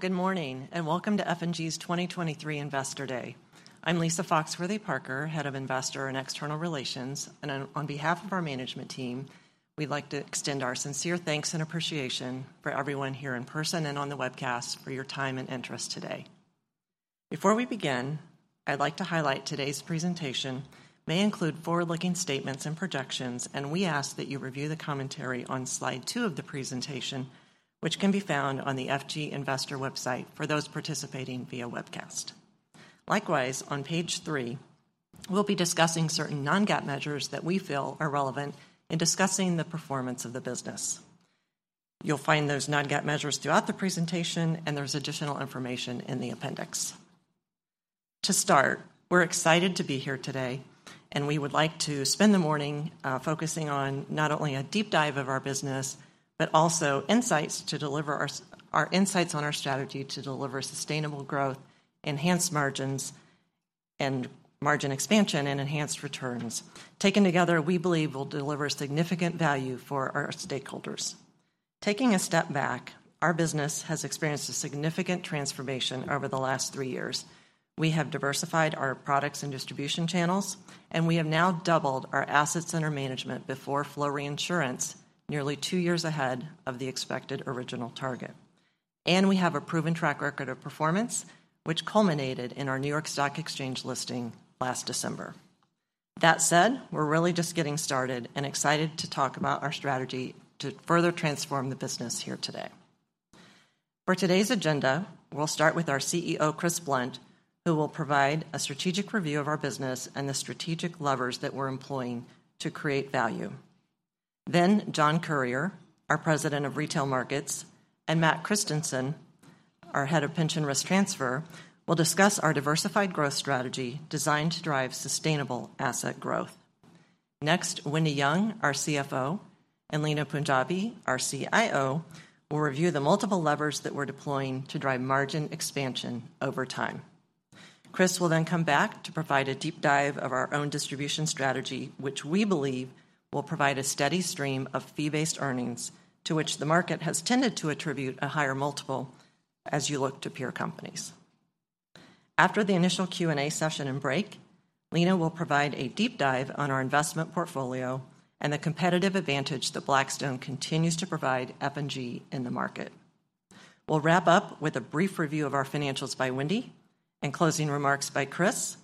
Well, good morning, and welcome to F&G's 2023 Investor Day. I'm Lisa Foxworthy-Parker, head of Investor and External Relations, and on behalf of our management team, we'd like to extend our sincere thanks and appreciation for everyone here in person and on the webcast for your time and interest today. Before we begin, I'd like to highlight today's presentation may include forward-looking statements and projections, and we ask that you review the commentary on slide two of the presentation, which can be found on the F&G Investor website for those participating via webcast. Likewise, on page three, we'll be discussing certain non-GAAP measures that we feel are relevant in discussing the performance of the business. You'll find those non-GAAP measures throughout the presentation, and there's additional information in the appendix. To start, we're excited to be here today, and we would like to spend the morning focusing on not only a deep dive of our business, but also insights to deliver our insights on our strategy to deliver sustainable growth, enhanced margins, and margin expansion and enhanced returns. Taken together, we believe we'll deliver significant value for our stakeholders. Taking a step back, our business has experienced a significant transformation over the last three years. We have diversified our products and distribution channels, and we have now doubled our assets under management before flow reinsurance, nearly two years ahead of the expected original target. And we have a proven track record of performance, which culminated in our New York Stock Exchange listing last December. That said, we're really just getting started and excited to talk about our strategy to further transform the business here today. For today's agenda, we'll start with our CEO, Chris Blunt, who will provide a strategic review of our business and the strategic levers that we're employing to create value. Then John Currier, our President of Retail Markets, and Matt Christensen, our Head of Pension Risk Transfer, will discuss our diversified growth strategy designed to drive sustainable asset growth. Next, Wendy Young, our CFO, and Leena Punjabi, our CIO, will review the multiple levers that we're deploying to drive margin expansion over time. Chris will then come back to provide a deep dive of our own distribution strategy, which we believe will provide a steady stream of fee-based earnings, to which the market has tended to attribute a higher multiple as you look to peer companies. After the initial Q&A session and break, Leena will provide a deep dive on our investment portfolio and the competitive advantage that Blackstone continues to provide F&G in the market. We'll wrap up with a brief review of our financials by Wendy and closing remarks by Chris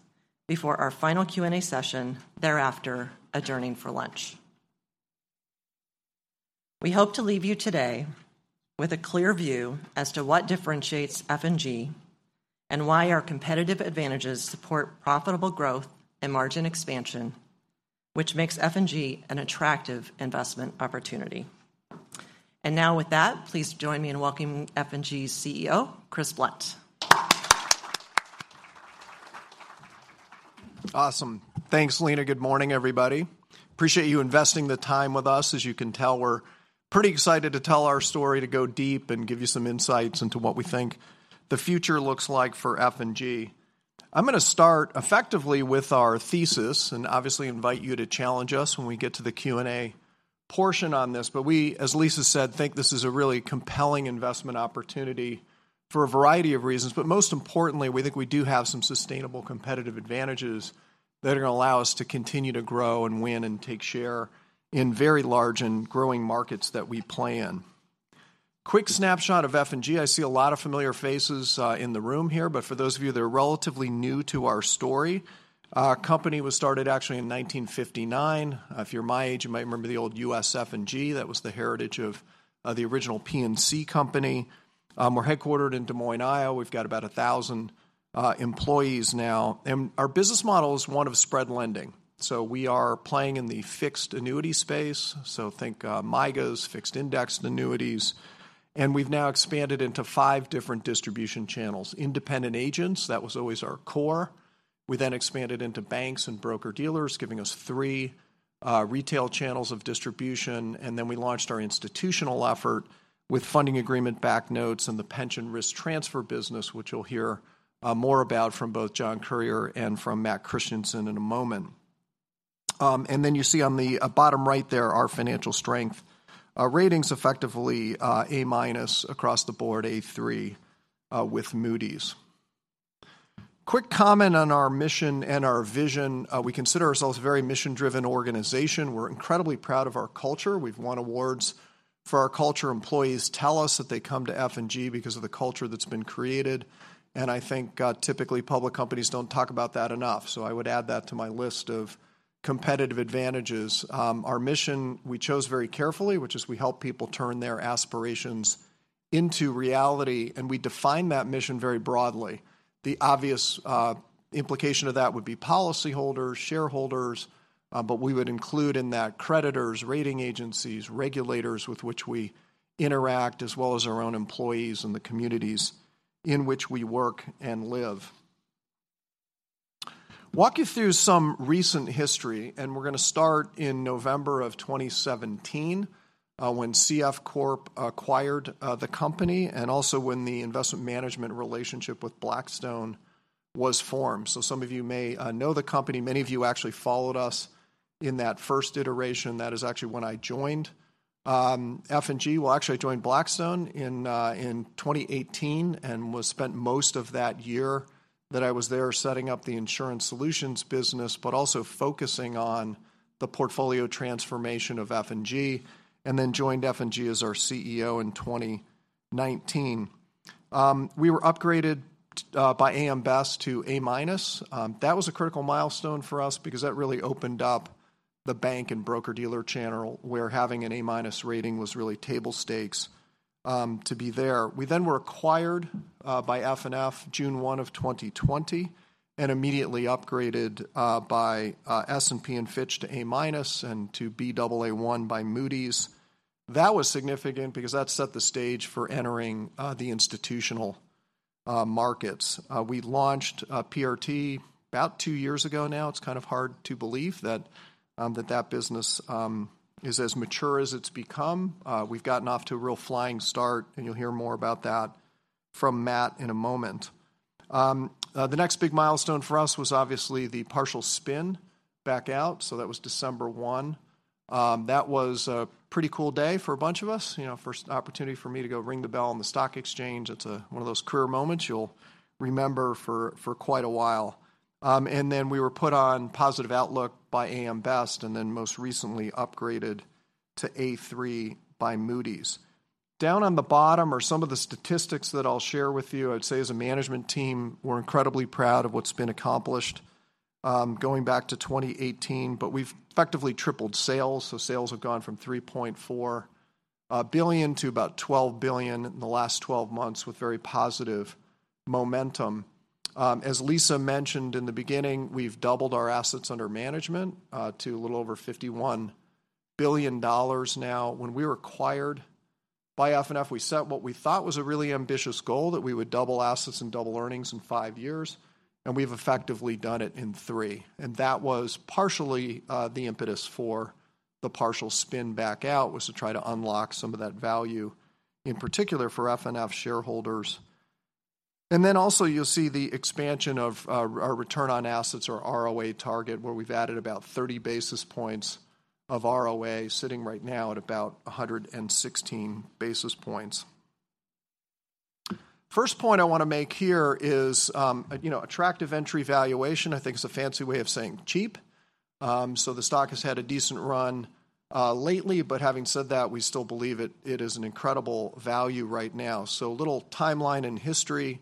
before our final Q&A session, thereafter, adjourning for lunch. We hope to leave you today with a clear view as to what differentiates F&G and why our competitive advantages support profitable growth and margin expansion, which makes F&G an attractive investment opportunity. And now with that, please join me in welcoming F&G's CEO, Chris Blunt. Awesome. Thanks, Lisa. Good morning, everybody. Appreciate you investing the time with us. As you can tell, we're pretty excited to tell our story, to go deep, and give you some insights into what we think the future looks like for F&G. I'm gonna start effectively with our thesis, and obviously invite you to challenge us when we get to the Q&A portion on this. But we, as Lisa said, think this is a really compelling investment opportunity for a variety of reasons. But most importantly, we think we do have some sustainable competitive advantages that are gonna allow us to continue to grow and win and take share in very large and growing markets that we play in. Quick snapshot of F&G. I see a lot of familiar faces in the room here, but for those of you that are relatively new to our story, our company was started actually in 1959. If you're my age, you might remember the old U.S. F&G. That was the heritage of the original P&C company. We're headquartered in Des Moines, Iowa. We've got about 1,000 employees now, and our business model is one of spread lending. We are playing in the fixed annuity space, so think MYGAs, Fixed Indexed Annuities, and we've now expanded into five different distribution channels. Independent agents, that was always our core. We then expanded into banks and broker-dealers, giving us three retail channels of distribution, and then we launched our institutional effort with funding agreement-backed notes and the pension risk transfer business, which you'll hear more about from both John Currier and from Matt Christensen in a moment. And then you see on the bottom right there, our financial strength. Our ratings, effectively, A- across the board, A3 with Moody's. Quick comment on our mission and our vision. We consider ourselves a very mission-driven organization. We're incredibly proud of our culture. We've won awards for our culture. Employees tell us that they come to F&G because of the culture that's been created, and I think typically public companies don't talk about that enough. So I would add that to my list of competitive advantages. Our mission, we chose very carefully, which is we help people turn their aspirations into reality, and we define that mission very broadly. The obvious implication of that would be policyholders, shareholders, but we would include in that creditors, rating agencies, regulators with which we interact, as well as our own employees and the communities in which we work and live. Walk you through some recent history, and we're gonna start in November of 2017, when CF Corp acquired the company and also when the investment management relationship with Blackstone was formed. So some of you may know the company. Many of you actually followed us in that first iteration. That is actually when I joined F&G. Well, actually, I joined Blackstone in 2018, and spent most of that year that I was there setting up the insurance solutions business, but also focusing on the portfolio transformation of F&G, and then joined F&G as our CEO in 2019. We were upgraded by AM Best to A-minus. That was a critical milestone for us because that really opened up the bank and broker-dealer channel, where having an A-minus rating was really table stakes to be there. We then were acquired by FNF June 1, 2020, and immediately upgraded by S&P and Fitch to A-minus, and to Baa1 by Moody's. That was significant because that set the stage for entering the institutional markets. We launched PRT about two years ago now. It's kind of hard to believe that, that that business is as mature as it's become. We've gotten off to a real flying start, and you'll hear more about that from Matt in a moment. The next big milestone for us was obviously the partial spin back out, so that was December 1. That was a pretty cool day for a bunch of us. You know, first opportunity for me to go ring the bell on the stock exchange. It's one of those career moments you'll remember for, for quite a while. And then we were put on positive outlook by AM Best, and then most recently upgraded to A3 by Moody's. Down on the bottom are some of the statistics that I'll share with you. I'd say, as a management team, we're incredibly proud of what's been accomplished, going back to 2018, but we've effectively tripled sales. So sales have gone from $3.4 billion to about $12 billion in the last 12 months, with very positive momentum. As Lisa mentioned in the beginning, we've doubled our assets under management to a little over $51 billion now. When we were acquired by FNF, we set what we thought was a really ambitious goal, that we would double assets and double earnings in five years, and we've effectively done it in three. And that was partially the impetus for the partial spin back out, was to try to unlock some of that value, in particular for FNF shareholders. And then also, you'll see the expansion of our Return on Assets, or ROA, target, where we've added about 30 basis points of ROA, sitting right now at about 116 basis points. First point I want to make here is, you know, attractive entry valuation, I think, is a fancy way of saying cheap. So the stock has had a decent run lately, but having said that, we still believe it, it is an incredible value right now. So a little timeline and history,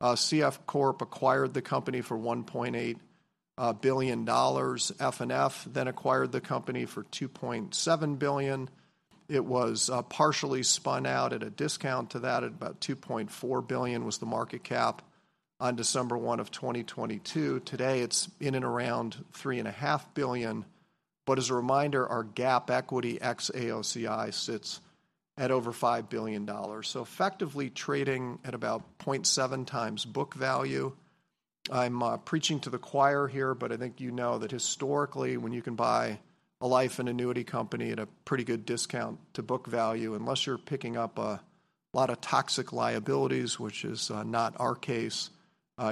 CF Corp acquired the company for $1.8 billion. FNF then acquired the company for $2.7 billion. It was partially spun out at a discount to that, at about $2.4 billion was the market cap on December 1, 2022. Today, it's in and around $3.5 billion, but as a reminder, our GAAP equity Ex-AOCI sits at over $5 billion, so effectively trading at about 0.7 times book value. I'm preaching to the choir here, but I think you know that historically, when you can buy a life and annuity company at a pretty good discount to book value, unless you're picking up a lot of toxic liabilities, which is not our case,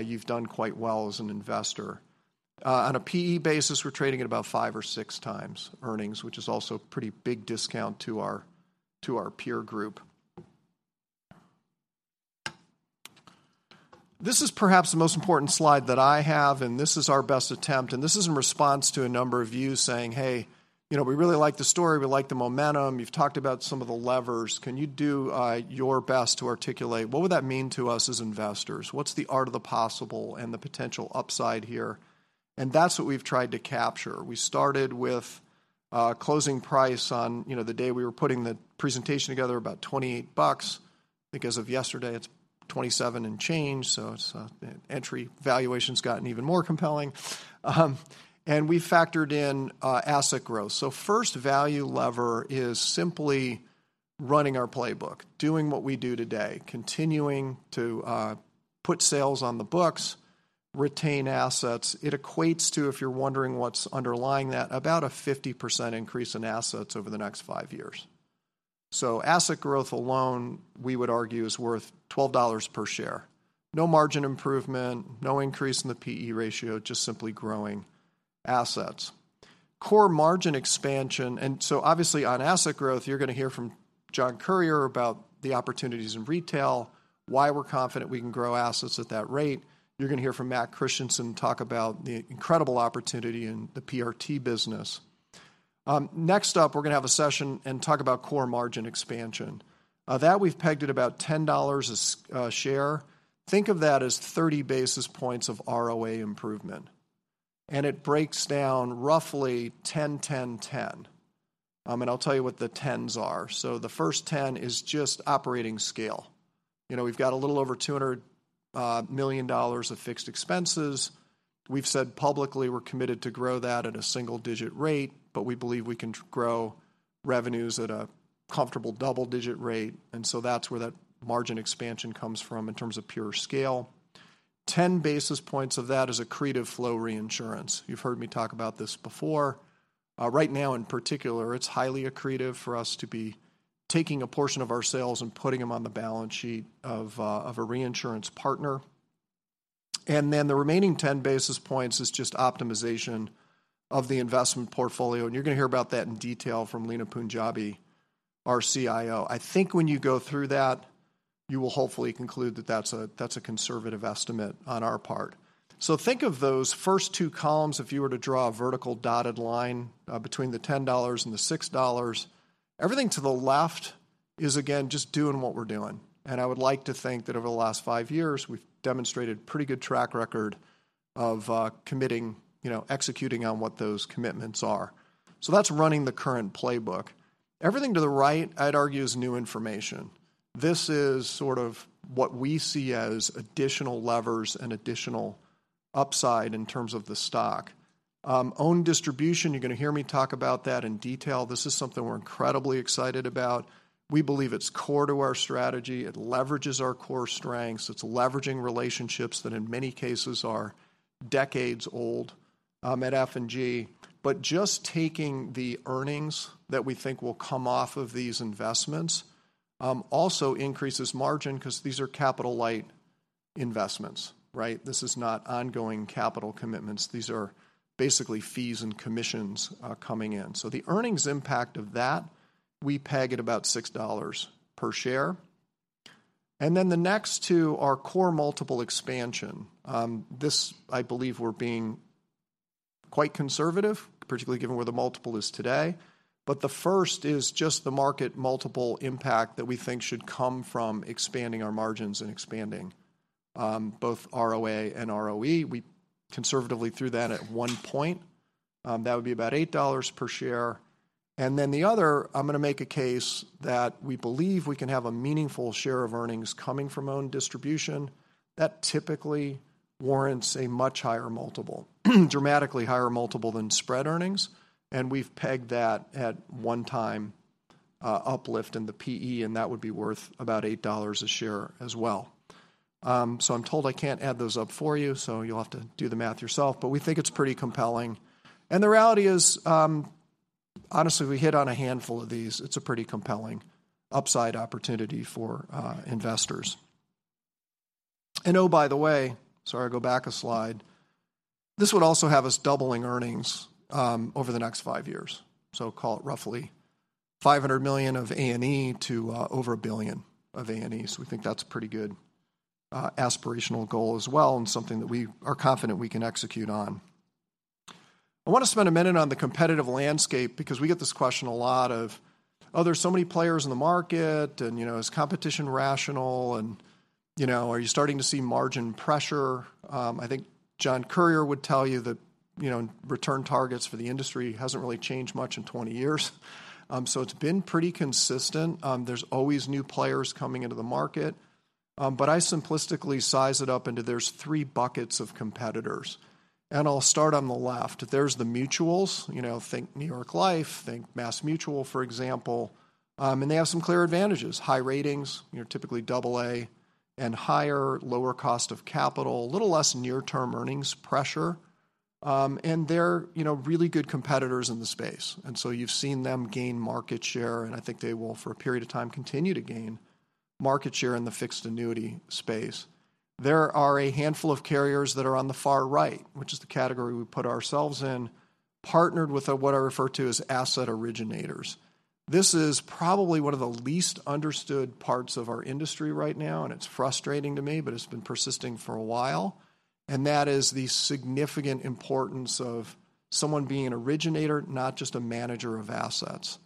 you've done quite well as an investor. On a P/E basis, we're trading at about five or six times earnings, which is also a pretty big discount to our peer group. This is perhaps the most important slide that I have, and this is our best attempt, and this is in response to a number of you saying: "Hey, you know, we really like the story. We like the momentum. You've talked about some of the levers. Can you do your best to articulate? What would that mean to us as investors? What's the art of the possible and the potential upside here?" That's what we've tried to capture. We started with a closing price on, you know, the day we were putting the presentation together, about $28. I think as of yesterday, it's $27 and change, so it's entry valuation's gotten even more compelling. And we factored in asset growth. So first value lever is simply running our playbook, doing what we do today, continuing to put sales on the books, retain assets. It equates to, if you're wondering what's underlying that, about a 50% increase in assets over the next five years. So asset growth alone, we would argue, is worth $12 per share. No margin improvement, no increase in the P/E ratio, just simply growing assets. Core margin expansion. So obviously, on asset growth, you're gonna hear from John Currier about the opportunities in retail, why we're confident we can grow assets at that rate. You're gonna hear from Matt Christensen talk about the incredible opportunity in the PRT business. Next up, we're gonna have a session and talk about core margin expansion. That, we've pegged at about $10 a share. Think of that as 30 basis points of ROA improvement, and it breaks down roughly 10, 10, 10. And I'll tell you what the tens are. So the first 10 is just operating scale. You know, we've got a little over $200 million of fixed expenses. We've said publicly we're committed to grow that at a single-digit rate, but we believe we can grow revenues at a comfortable double-digit rate, and so that's where that margin expansion comes from in terms of pure scale. 10 basis points of that is accretive flow reinsurance. You've heard me talk about this before. Right now, in particular, it's highly accretive for us to be taking a portion of our sales and putting them on the balance sheet of a reinsurance partner. And then the remaining 10 basis points is just optimization of the investment portfolio, and you're gonna hear about that in detail from Leena Punjabi, our CIO. I think when you go through that, you will hopefully conclude that that's a, that's a conservative estimate on our part. So think of those first two columns, if you were to draw a vertical dotted line between the $10 and the $6. Everything to the left is, again, just doing what we're doing, and I would like to think that over the last five years, we've demonstrated pretty good track record of committing, you know, executing on what those commitments are. So that's running the current playbook. Everything to the right, I'd argue, is new information. This is sort of what we see as additional levers and additional upside in terms of the stock. Own distribution, you're gonna hear me talk about that in detail. This is something we're incredibly excited about. We believe it's core to our strategy. It leverages our core strengths. It's leveraging relationships that, in many cases, are decades old at F&G. But just taking the earnings that we think will come off of these investments, also increases margin because these are capital-light investments, right? This is not ongoing capital commitments. These are basically fees and commissions, coming in. So the earnings impact of that, we peg at about $6 per share. And then the next two are core multiple expansion. This, I believe we're being quite conservative, particularly given where the multiple is today. But the first is just the market multiple impact that we think should come from expanding our margins and expanding both ROA and ROE. We conservatively threw that at 1x. That would be about $8 per share. And then the other, I'm gonna make a case that we believe we can have a meaningful share of earnings coming from own distribution. That typically warrants a much higher multiple, dramatically higher multiple than spread earnings, and we've pegged that at one-time uplift in the P/E, and that would be worth about $8 a share as well. So I'm told I can't add those up for you, so you'll have to do the math yourself, but we think it's pretty compelling. And the reality is, honestly, if we hit on a handful of these, it's a pretty compelling upside opportunity for investors. And oh, by the way - sorry, go back a slide, this would also have us doubling earnings over the next five years. So call it roughly $500 million of ANE to over $1 billion of ANE. So we think that's a pretty good aspirational goal as well, and something that we are confident we can execute on. I want to spend a minute on the competitive landscape because we get this question a lot of, "Oh, there's so many players in the market, and, you know, is competition rational? And, you know, are you starting to see margin pressure?" I think John Currier would tell you that, you know, return targets for the industry hasn't really changed much in 20 years. So it's been pretty consistent. There's always new players coming into the market, but I simplistically size it up into there's three buckets of competitors, and I'll start on the left. There's the mutuals, you know, think New York Life, think MassMutual, for example. And they have some clear advantages, high ratings, you know, typically double A, and higher-lower cost of capital, a little less near-term earnings pressure. And they're, you know, really good competitors in the space, and so you've seen them gain market share, and I think they will, for a period of time, continue to gain market share in the fixed annuity space. There are a handful of carriers that are on the far right, which is the category we put ourselves in, partnered with what I refer to as asset originators. This is probably one of the least understood parts of our industry right now, and it's frustrating to me, but it's been persisting for a while, and that is the significant importance of someone being an originator, not just a manager of assets.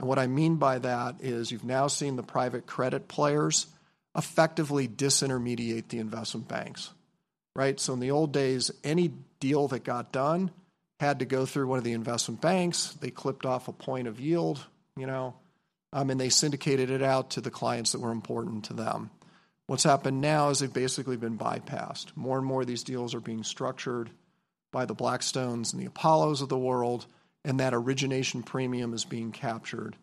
And what I mean by that is, you've now seen the private credit players effectively disintermediate the investment banks, right? So in the old days, any deal that got done had to go through one of the investment banks. They clipped off a point of yield, you know, and they syndicated it out to the clients that were important to them. What's happened now is they've basically been bypassed. More and more of these deals are being structured by the Blackstones and the Apollos of the world, and that origination premium is being captured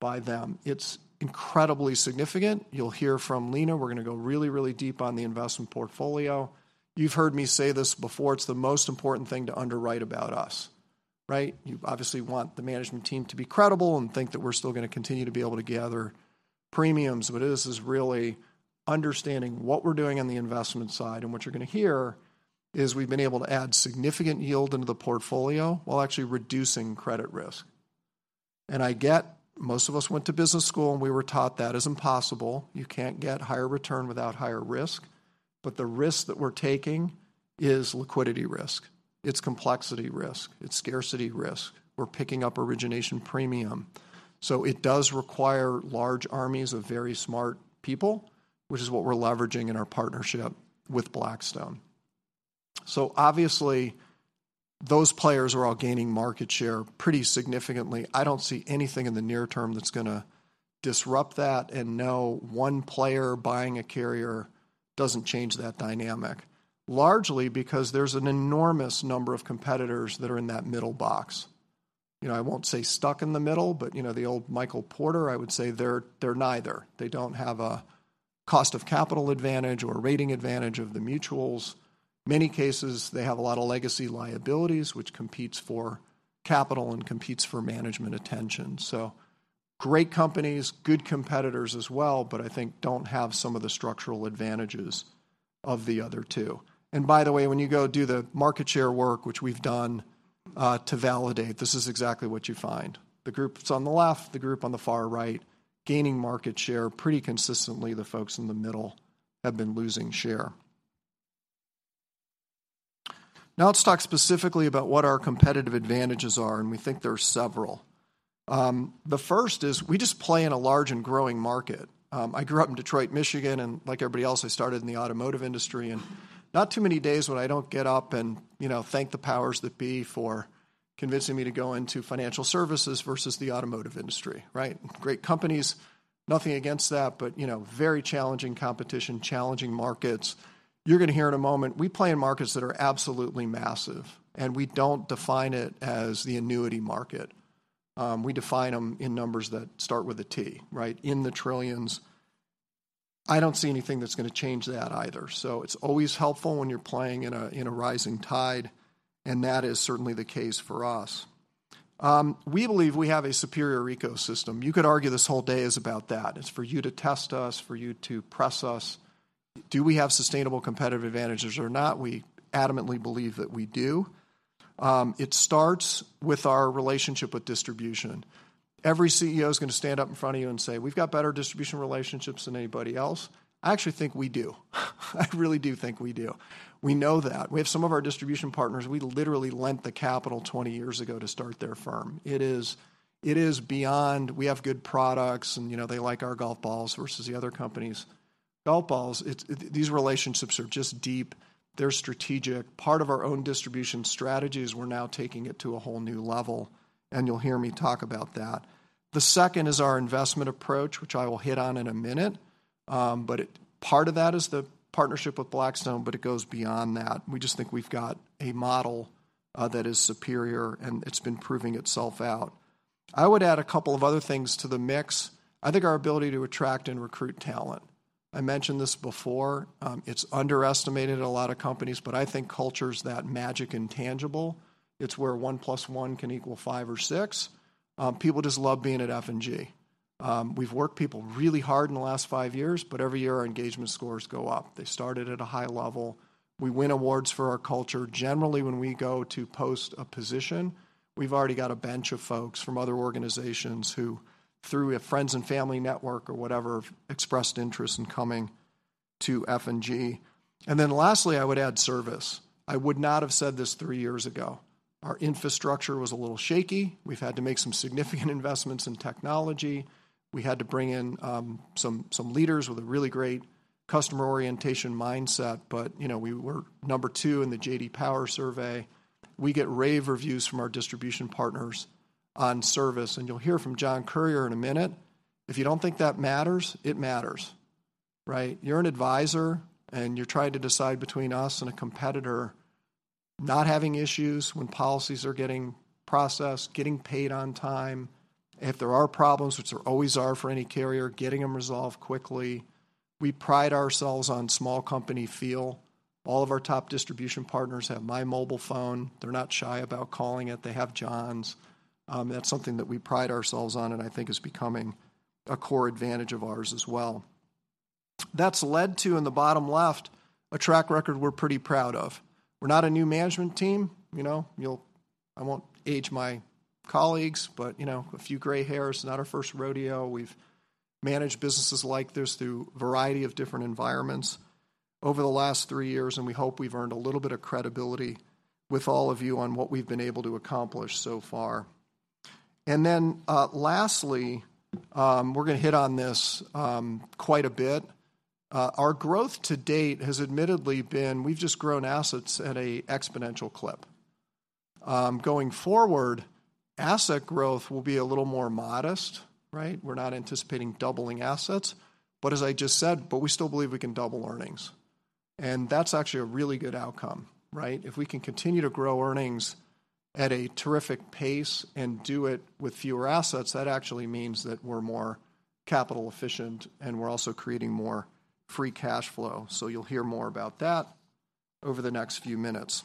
by them. It's incredibly significant. You'll hear from Leena. We're gonna go really, really deep on the investment portfolio. You've heard me say this before, it's the most important thing to underwrite about us, right? You obviously want the management team to be credible and think that we're still gonna continue to be able to gather premiums, but this is really understanding what we're doing on the investment side. What you're gonna hear is we've been able to add significant yield into the portfolio while actually reducing credit risk. I get most of us went to business school, and we were taught that is impossible. You can't get higher return without higher risk, but the risk that we're taking is liquidity risk. It's complexity risk. It's scarcity risk. We're picking up origination premium. So it does require large armies of very smart people, which is what we're leveraging in our partnership with Blackstone. So obviously, those players are all gaining market share pretty significantly. I don't see anything in the near term that's gonna disrupt that, and no one player buying a carrier doesn't change that dynamic, largely because there's an enormous number of competitors that are in that middle box. You know, I won't say stuck in the middle, but, you know, the old Michael Porter, I would say they're neither. They don't have a cost of capital advantage or rating advantage of the mutuals. Many cases, they have a lot of legacy liabilities, which competes for capital and competes for management attention. So great companies, good competitors as well, but I think don't have some of the structural advantages of the other two. And by the way, when you go do the market share work, which we've done, to validate, this is exactly what you find. The group that's on the left, the group on the far right, gaining market share pretty consistently, the folks in the middle have been losing share. Now, let's talk specifically about what our competitive advantages are, and we think there are several. The first is we just play in a large and growing market. I grew up in Detroit, Michigan, and like everybody else, I started in the automotive industry, and not too many days when I don't get up and, you know, thank the powers that be for convincing me to go into financial services versus the automotive industry, right? Great companies, nothing against that, but, you know, very challenging competition, challenging markets. You're gonna hear in a moment, we play in markets that are absolutely massive, and we don't define it as the annuity market. We define them in numbers that start with a T, right? In the trillions. I don't see anything that's gonna change that either. So it's always helpful when you're playing in a, in a rising tide, and that is certainly the case for us. We believe we have a superior ecosystem. You could argue this whole day is about that. It's for you to test us, for you to press us. Do we have sustainable competitive advantages or not? We adamantly believe that we do. It starts with our relationship with distribution. Every CEO is gonna stand up in front of you and say, "We've got better distribution relationships than anybody else." I actually think we do. I really do think we do. We know that. We have some of our distribution partners, we literally lent the capital 20 years ago to start their firm. It is beyond we have good products, and, you know, they like our golf balls versus the other company's golf balls. It's these relationships are just deep, they're strategic. Part of our own distribution strategy is we're now taking it to a whole new level, and you'll hear me talk about that. The second is our investment approach, which I will hit on in a minute, but it... Part of that is the partnership with Blackstone, but it goes beyond that. We just think we've got a model, that is superior, and it's been proving itself out. I would add a couple of other things to the mix. I think our ability to attract and recruit talent. I mentioned this before, it's underestimated at a lot of companies, but I think culture's that magic intangible. It's where one plus one can equal five or six. People just love being at F&G. We've worked people really hard in the last five years, but every year, our engagement scores go up. They started at a high level. We win awards for our culture. Generally, when we go to post a position, we've already got a bench of folks from other organizations who, through a friends and family network or whatever, expressed interest in coming to F&G. And then lastly, I would add service. I would not have said this three years ago. Our infrastructure was a little shaky. We've had to make some significant investments in technology. We had to bring in some leaders with a really great customer orientation mindset, but, you know, we were number two in the J.D. Power survey. We get rave reviews from our distribution partners on service, and you'll hear from John Currier in a minute. If you don't think that matters, it matters, right? You're an advisor, and you're trying to decide between us and a competitor. Not having issues when policies are getting processed, getting paid on time, if there are problems, which there always are for any carrier, getting them resolved quickly. We pride ourselves on small company feel. All of our top distribution partners have my mobile phone. They're not shy about calling it. They have John's. That's something that we pride ourselves on, and I think is becoming a core advantage of ours as well. That's led to, in the bottom left, a track record we're pretty proud of. We're not a new management team, you know, I won't age my colleagues, but, you know, a few gray hairs, not our first rodeo. We've managed businesses like this through a variety of different environments over the last three years, and we hope we've earned a little bit of credibility with all of you on what we've been able to accomplish so far. Then, lastly, we're gonna hit on this quite a bit. Our growth to date has admittedly been we've just grown assets at an exponential clip. Going forward, asset growth will be a little more modest, right? We're not anticipating doubling assets, but as I just said, but we still believe we can double earnings, and that's actually a really good outcome, right? If we can continue to grow earnings at a terrific pace and do it with fewer assets, that actually means that we're more capital efficient, and we're also creating more free cash flow. So you'll hear more about that over the next few minutes.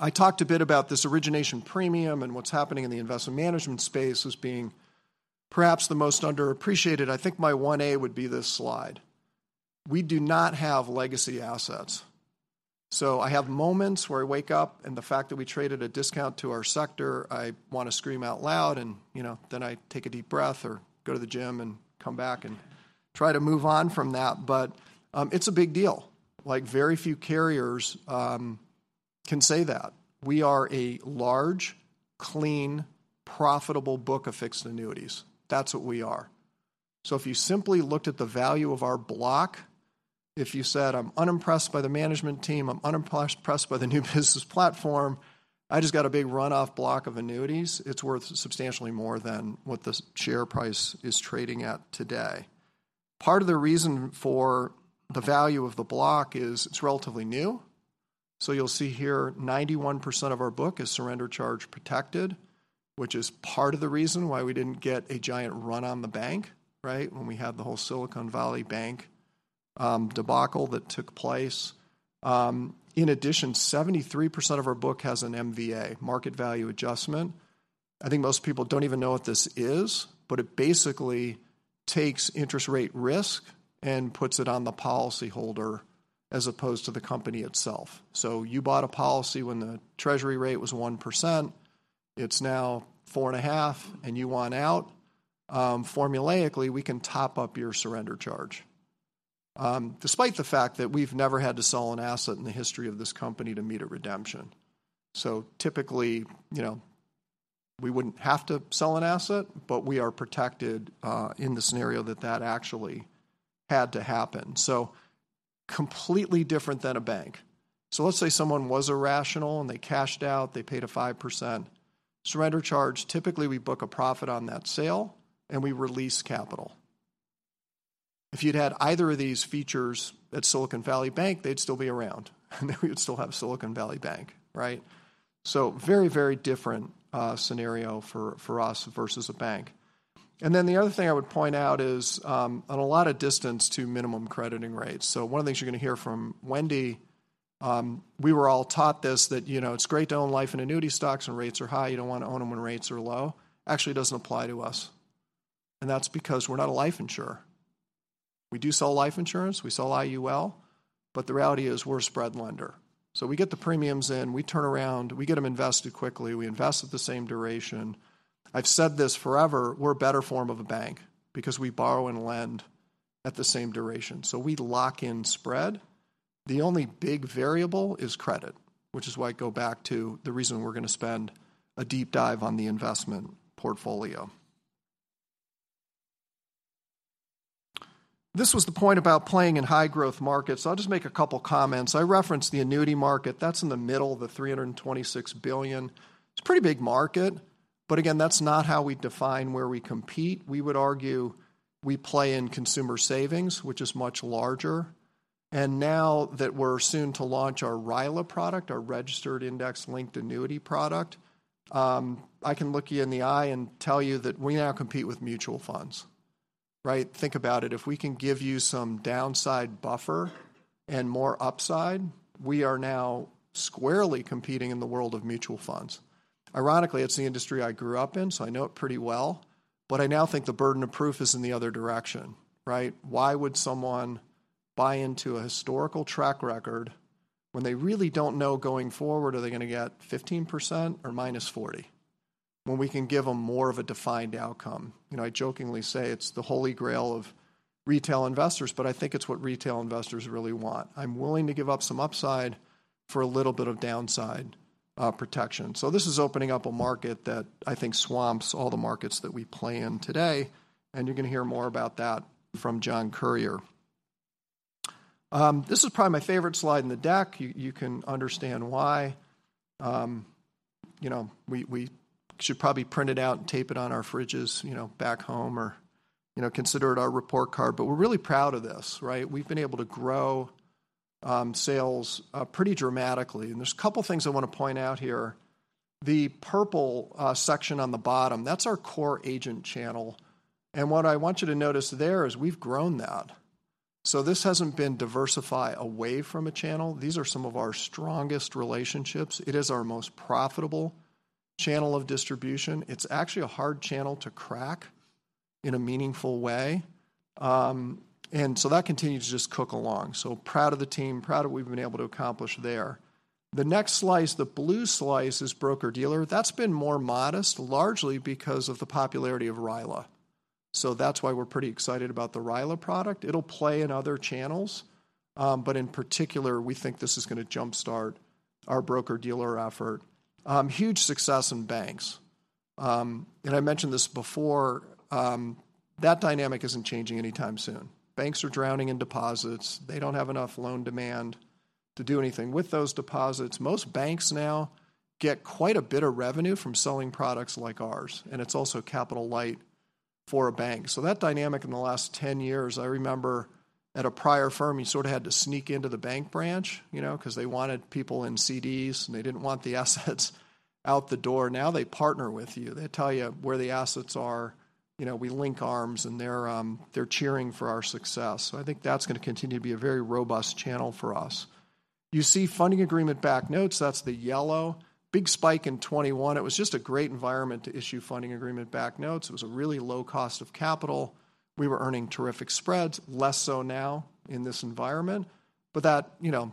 I talked a bit about this origination premium and what's happening in the investment management space as being perhaps the most underappreciated. I think my one A would be this slide. We do not have legacy assets. So I have moments where I wake up, and the fact that we traded a discount to our sector, I want to scream out loud, and, you know, then I take a deep breath or go to the gym and come back and try to move on from that. But, it's a big deal. Like, very few carriers can say that. We are a large, clean, profitable book of fixed annuities. That's what we are. So if you simply looked at the value of our block, if you said, "I'm unimpressed by the management team, I'm unimpressed, impressed by the new business platform, I just got a big run-off block of annuities," it's worth substantially more than what the share price is trading at today. Part of the reason for the value of the block is it's relatively new. So you'll see here, 91% of our book is surrender charge protected, which is part of the reason why we didn't get a giant run on the bank, right? When we had the whole Silicon Valley Bank debacle that took place. In addition, 73% of our book has an MVA, Market Value Adjustment. I think most people don't even know what this is, but it basically takes interest rate risk and puts it on the policy holder as opposed to the company itself. So you bought a policy when the treasury rate was 1%, it's now 4.5, and you want out, formulaically, we can top up your surrender charge. Despite the fact that we've never had to sell an asset in the history of this company to meet a redemption. So typically, you know, we wouldn't have to sell an asset, but we are protected in the scenario that that actually had to happen. So completely different than a bank. So let's say someone was irrational, and they cashed out, they paid a 5% surrender charge. Typically, we book a profit on that sale, and we release capital. If you'd had either of these features at Silicon Valley Bank, they'd still be around, and we would still have Silicon Valley Bank, right? So very, very different scenario for us versus a bank. And then the other thing I would point out is on a lot of distance to minimum crediting rates. So one of the things you're gonna hear from Wendy, we were all taught this, that, you know, it's great to own life and annuity stocks when rates are high. You don't wanna own them when rates are low. Actually, it doesn't apply to us, and that's because we're not a life insurer. We do sell life insurance, we sell IUL, but the reality is we're a spread lender. So we get the premiums in, we turn around, we get them invested quickly, we invest at the same duration. I've said this forever, we're a better form of a bank because we borrow and lend at the same duration, so we lock in spread. The only big variable is credit, which is why I go back to the reason we're gonna spend a deep dive on the investment portfolio. This was the point about playing in high growth markets. I'll just make a couple comments. I referenced the annuity market. That's in the middle of the $326 billion. It's a pretty big market, but again, that's not how we define where we compete. We would argue we play in consumer savings, which is much larger, and now that we're soon to launch our RILA product, our Registered Index-Linked Annuity product, I can look you in the eye and tell you that we now compete with mutual funds, right? Think about it. If we can give you some downside buffer and more upside, we are now squarely competing in the world of mutual funds. Ironically, it's the industry I grew up in, so I know it pretty well, but I now think the burden of proof is in the other direction, right? Why would someone buy into a historical track record when they really don't know, going forward, are they gonna get 15% or -40%? When we can give them more of a defined outcome. You know, I jokingly say it's the holy grail of retail investors, but I think it's what retail investors really want. I'm willing to give up some upside for a little bit of downside protection. So this is opening up a market that I think swamps all the markets that we play in today, and you're gonna hear more about that from John Currier. This is probably my favorite slide in the deck. You can understand why. You know, we should probably print it out and tape it on our fridges, you know, back home or, you know, consider it our report card. But we're really proud of this, right? We've been able to grow sales pretty dramatically, and there's a couple things I wanna point out here. The purple section on the bottom, that's our core agent channel, and what I want you to notice there is we've grown that. So this hasn't been diversify away from a channel. These are some of our strongest relationships. It is our most profitable channel of distribution. It's actually a hard channel to crack in a meaningful way. And so that continues to just cook along. So proud of the team, proud of what we've been able to accomplish there. The next slice, the blue slice, is broker-dealer. That's been more modest, largely because of the popularity of RILA. So that's why we're pretty excited about the RILA product. It'll play in other channels, but in particular, we think this is gonna jumpstart our broker-dealer effort. Huge success in banks. And I mentioned this before, that dynamic isn't changing anytime soon. Banks are drowning in deposits. They don't have enough loan demand to do anything with those deposits. Most banks now get quite a bit of revenue from selling products like ours, and it's also capital light for a bank. So that dynamic in the last 10 years, I remember at a prior firm, you sort of had to sneak into the bank branch, you know, because they wanted people in CDs, and they didn't want the assets out the door. Now they partner with you. They tell you where the assets are. You know, we link arms, and they're, they're cheering for our success. So I think that's gonna continue to be a very robust channel for us. You see Funding Agreement-Backed Notes, that's the yellow. Big spike in 2021. It was just a great environment to issue Funding Agreement-Backed Notes. It was a really low cost of capital. We were earning terrific spreads, less so now in this environment, but that, you know,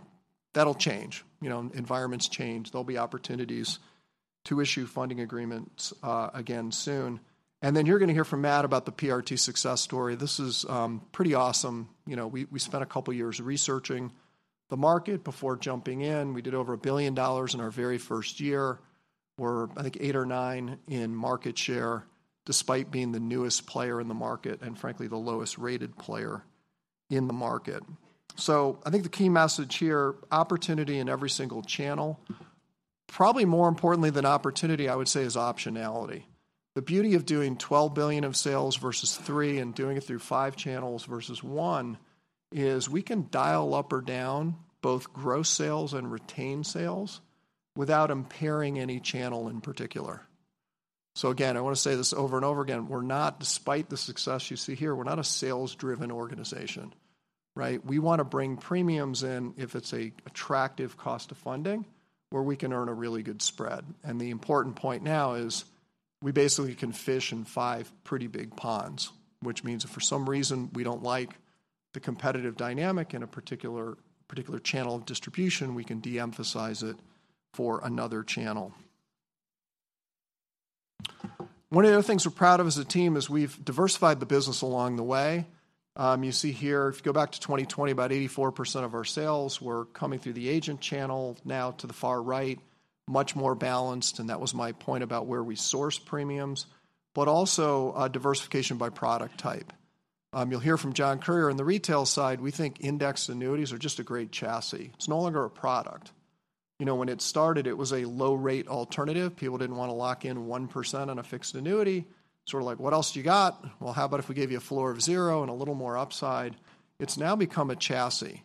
that'll change. You know, environments change. There'll be opportunities to issue funding agreements, again soon. Then you're gonna hear from Matt about the PRT success story. This is pretty awesome. You know, we spent a couple of years researching the market before jumping in. We did over $1 billion in our very first year. We're, I think, eight or nine in market share, despite being the newest player in the market, and frankly, the lowest-rated player in the market. So I think the key message here, opportunity in every single channel. Probably more importantly than opportunity, I would say, is optionality. The beauty of doing $12 billion of sales versus $3 billion, and doing it through five channels versus 1, is we can dial up or down both gross sales and retained sales without impairing any channel in particular. Again, I wanna say this over and over again: we're not, despite the success you see here, we're not a sales-driven organization, right? We wanna bring premiums in if it's a attractive cost of funding, where we can earn a really good spread. And the important point now is, we basically can fish in five pretty big ponds, which means if for some reason we don't like the competitive dynamic in a particular, particular channel of distribution, we can de-emphasize it for another channel. One of the other things we're proud of as a team is we've diversified the business along the way. You see here, if you go back to 2020, about 84% of our sales were coming through the agent channel. Now, to the far right, much more balanced, and that was my point about where we source premiums, but also, diversification by product type. You'll hear from John Currier, on the retail side, we think Indexed Annuities are just a great chassis. It's no longer a product. You know, when it started, it was a low-rate alternative. People didn't wanna lock in 1% on a fixed annuity, sorta like, "What else you got?" "Well, how about if we gave you a floor of zero and a little more upside?" It's now become a chassis,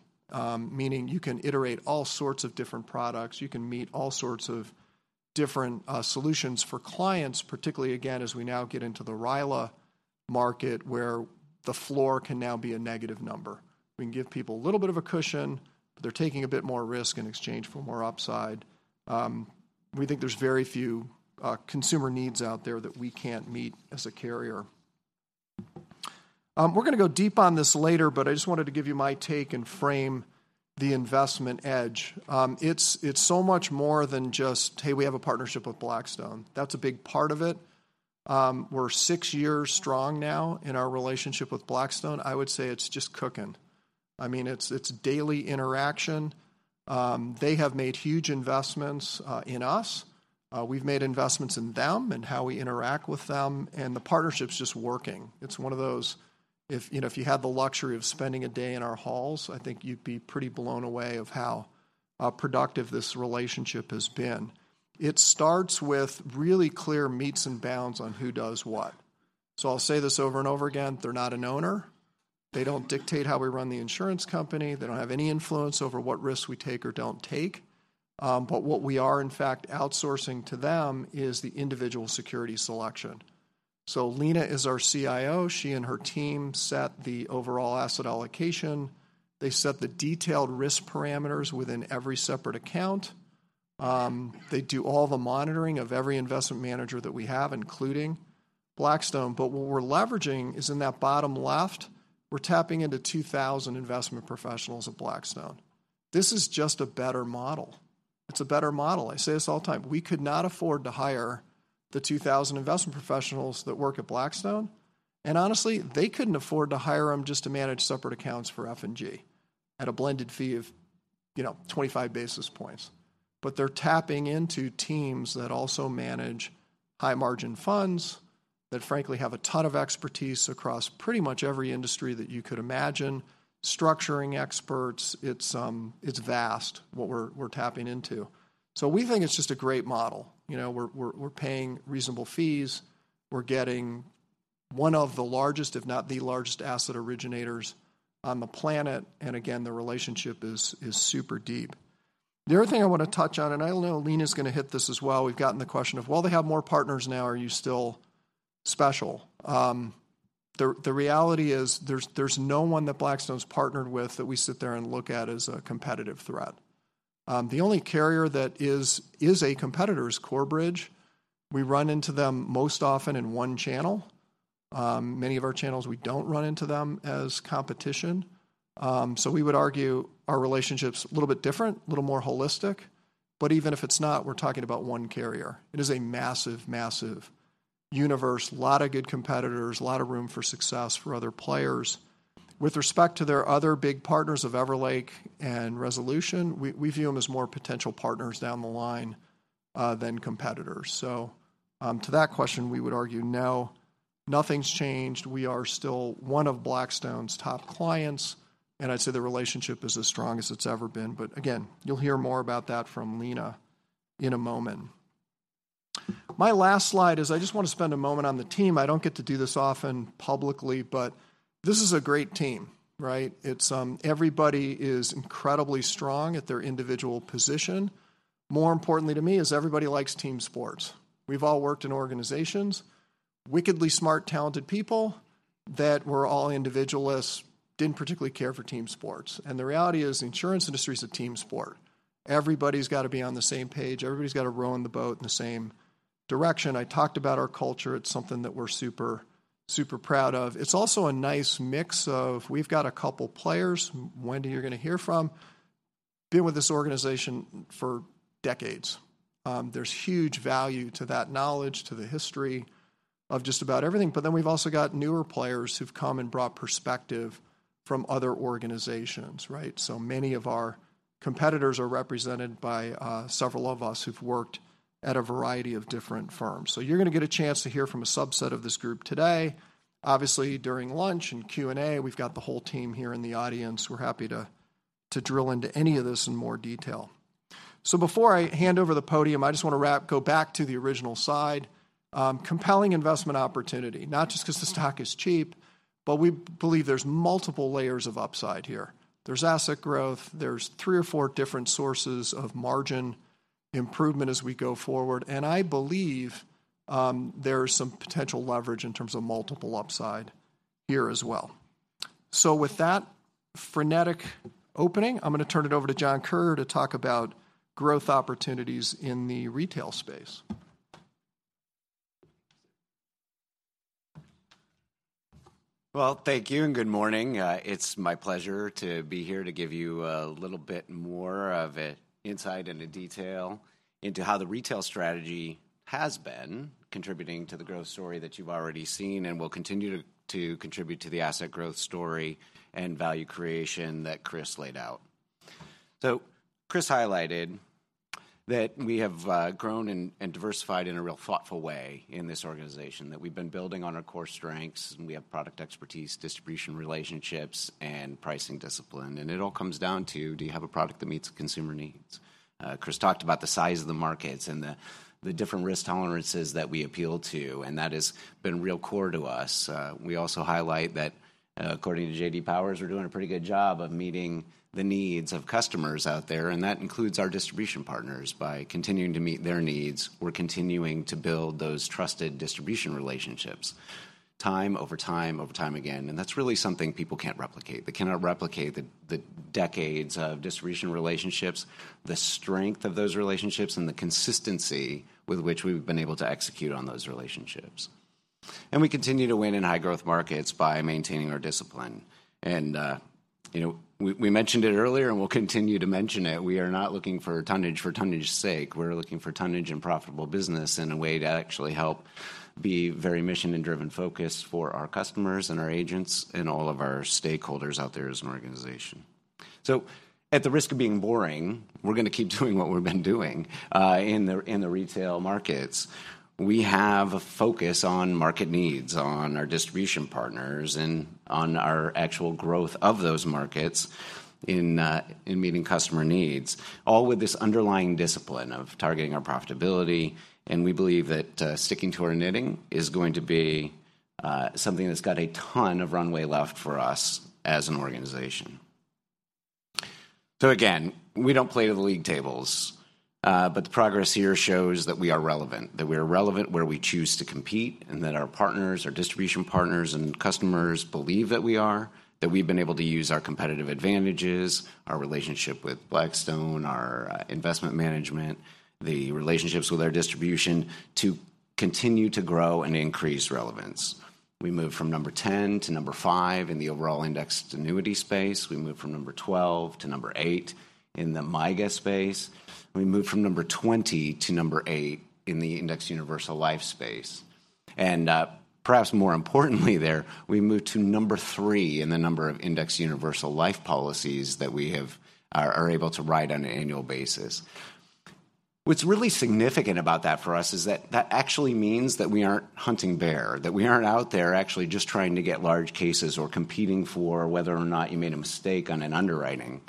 meaning you can iterate all sorts of different products. You can meet all sorts of different solutions for clients, particularly again, as we now get into the RILA market, where the floor can now be a negative number. We can give people a little bit of a cushion, but they're taking a bit more risk in exchange for more upside. We think there's very few consumer needs out there that we can't meet as a carrier. We're gonna go deep on this later, but I just wanted to give you my take and frame the investment edge. It's so much more than just, "Hey, we have a partnership with Blackstone." That's a big part of it. We're six years strong now in our relationship with Blackstone. I would say it's just cooking. I mean, it's daily interaction. They have made huge investments in us. We've made investments in them and how we interact with them, and the partnership's just working. It's one of those if, you know, if you had the luxury of spending a day in our halls, I think you'd be pretty blown away of how productive this relationship has been. It starts with really clear metes and bounds on who does what. So I'll say this over and over again: they're not an owner. They don't dictate how we run the insurance company. They don't have any influence over what risks we take or don't take. But what we are, in fact, outsourcing to them is the individual security selection. So Leena is our CIO. She and her team set the overall asset allocation. They set the detailed risk parameters within every separate account. They do all the monitoring of every investment manager that we have, including Blackstone. But what we're leveraging is in that bottom left, we're tapping into 2,000 investment professionals at Blackstone. This is just a better model. It's a better model. I say this all the time. We could not afford to hire the 2,000 investment professionals that work at Blackstone, and honestly, they couldn't afford to hire them just to manage separate accounts for F&G at a blended fee of, you know, 25 basis points. But they're tapping into teams that also manage high-margin funds that frankly have a ton of expertise across pretty much every industry that you could imagine, structuring experts. It's, it's vast, what we're, we're tapping into. So we think it's just a great model. You know, we're, we're, we're paying reasonable fees. We're getting one of the largest, if not the largest, asset originators on the planet, and again, the relationship is, is super deep. The other thing I wanna touch on, and I know Leena's gonna hit this as well, we've gotten the question of: "Well, they have more partners now. Are you still special?" The reality is, there's no one that Blackstone's partnered with that we sit there and look at as a competitive threat. The only carrier that is, is a competitor is Corebridge. We run into them most often in one channel. Many of our channels, we don't run into them as competition. So we would argue our relationship's a little bit different, a little more holistic, but even if it's not, we're talking about one carrier. It is a massive, massive universe, lot of good competitors, a lot of room for success for other players. With respect to their other big partners of Everlake and Resolution, we view them as more potential partners down the line than competitors. So, to that question, we would argue, "No, nothing's changed." We are still one of Blackstone's top clients, and I'd say the relationship is as strong as it's ever been. But again, you'll hear more about that from Leena in a moment. My last slide is I just wanna spend a moment on the team. I don't get to do this often publicly, but this is a great team, right? It's everybody is incredibly strong at their individual position. More importantly to me is everybody likes team sports. We've all worked in organizations, wickedly smart, talented people that were all individualists, didn't particularly care for team sports, and the reality is, insurance industry is a team sport. Everybody's gotta be on the same page. Everybody's gotta row in the boat in the same direction. I talked about our culture. It's something that we're super, super proud of. It's also a nice mix of we've got a couple players, Wendy, you're gonna hear from, been with this organization for decades. There's huge value to that knowledge, to the history of just about everything. But then we've also got newer players who've come and brought perspective from other organizations, right? So many of our competitors are represented by several of us who've worked at a variety of different firms. So you're gonna get a chance to hear from a subset of this group today. Obviously, during lunch and Q&A, we've got the whole team here in the audience. We're happy to drill into any of this in more detail. So before I hand over the podium, I just wanna wrap, go back to the original side. Compelling investment opportunity, not just 'cause the stock is cheap, but we believe there's multiple layers of upside here. There's asset growth, there's three or four different sources of margin improvement as we go forward, and I believe there is some potential leverage in terms of multiple upside here as well. So with that frenetic opening, I'm gonna turn it over to John Currier to talk about growth opportunities in the retail space. Well, thank you, and good morning. It's my pleasure to be here to give you a little bit more of an insight and a detail into how the retail strategy has been contributing to the growth story that you've already seen and will continue to contribute to the asset growth story and value creation that Chris laid out. So Chris highlighted that we have grown and diversified in a real thoughtful way in this organization, that we've been building on our core strengths, and we have product expertise, distribution, relationships, and pricing discipline. And it all comes down to, do you have a product that meets consumer needs? Chris talked about the size of the markets and the different risk tolerances that we appeal to, and that has been real core to us. We also highlight that, according to J.D. Power, we're doing a pretty good job of meeting the needs of customers out there, and that includes our distribution partners. By continuing to meet their needs, we're continuing to build those trusted distribution relationships time, over time, over time again, and that's really something people can't replicate. They cannot replicate the decades of distribution relationships, the strength of those relationships, and the consistency with which we've been able to execute on those relationships. We continue to win in high growth markets by maintaining our discipline. You know, we mentioned it earlier, and we'll continue to mention it: we are not looking for tonnage for tonnage sake. We're looking for tonnage and profitable business in a way to actually help be very mission and driven focused for our customers and our agents and all of our stakeholders out there as an organization. So at the risk of being boring, we're gonna keep doing what we've been doing in the retail markets. We have a focus on market needs, on our distribution partners, and on our actual growth of those markets in meeting customer needs, all with this underlying discipline of targeting our profitability, and we believe that sticking to our knitting is going to be something that's got a ton of runway left for us as an organization. So again, we don't play to the league tables, but the progress here shows that we are relevant, that we are relevant where we choose to compete, and that our partners, our distribution partners and customers believe that we are, that we've been able to use our competitive advantages, our relationship with Blackstone, our investment management, the relationships with our distribution, to continue to grow and increase relevance. We moved from number 10 to number 5 in the overall Indexed Annuity space. We moved from number 12 to number 8 in the MYGA space. We moved from number 20 to number 8 in the Indexed Universal Life space. And, perhaps more importantly there, we moved to number three in the number of Indexed Universal Life policies that we are able to write on an annual basis. What's really significant about that for us is that that actually means that we aren't hunting bear, that we aren't out there actually just trying to get large cases or competing for whether or not you made a mistake on an underwriting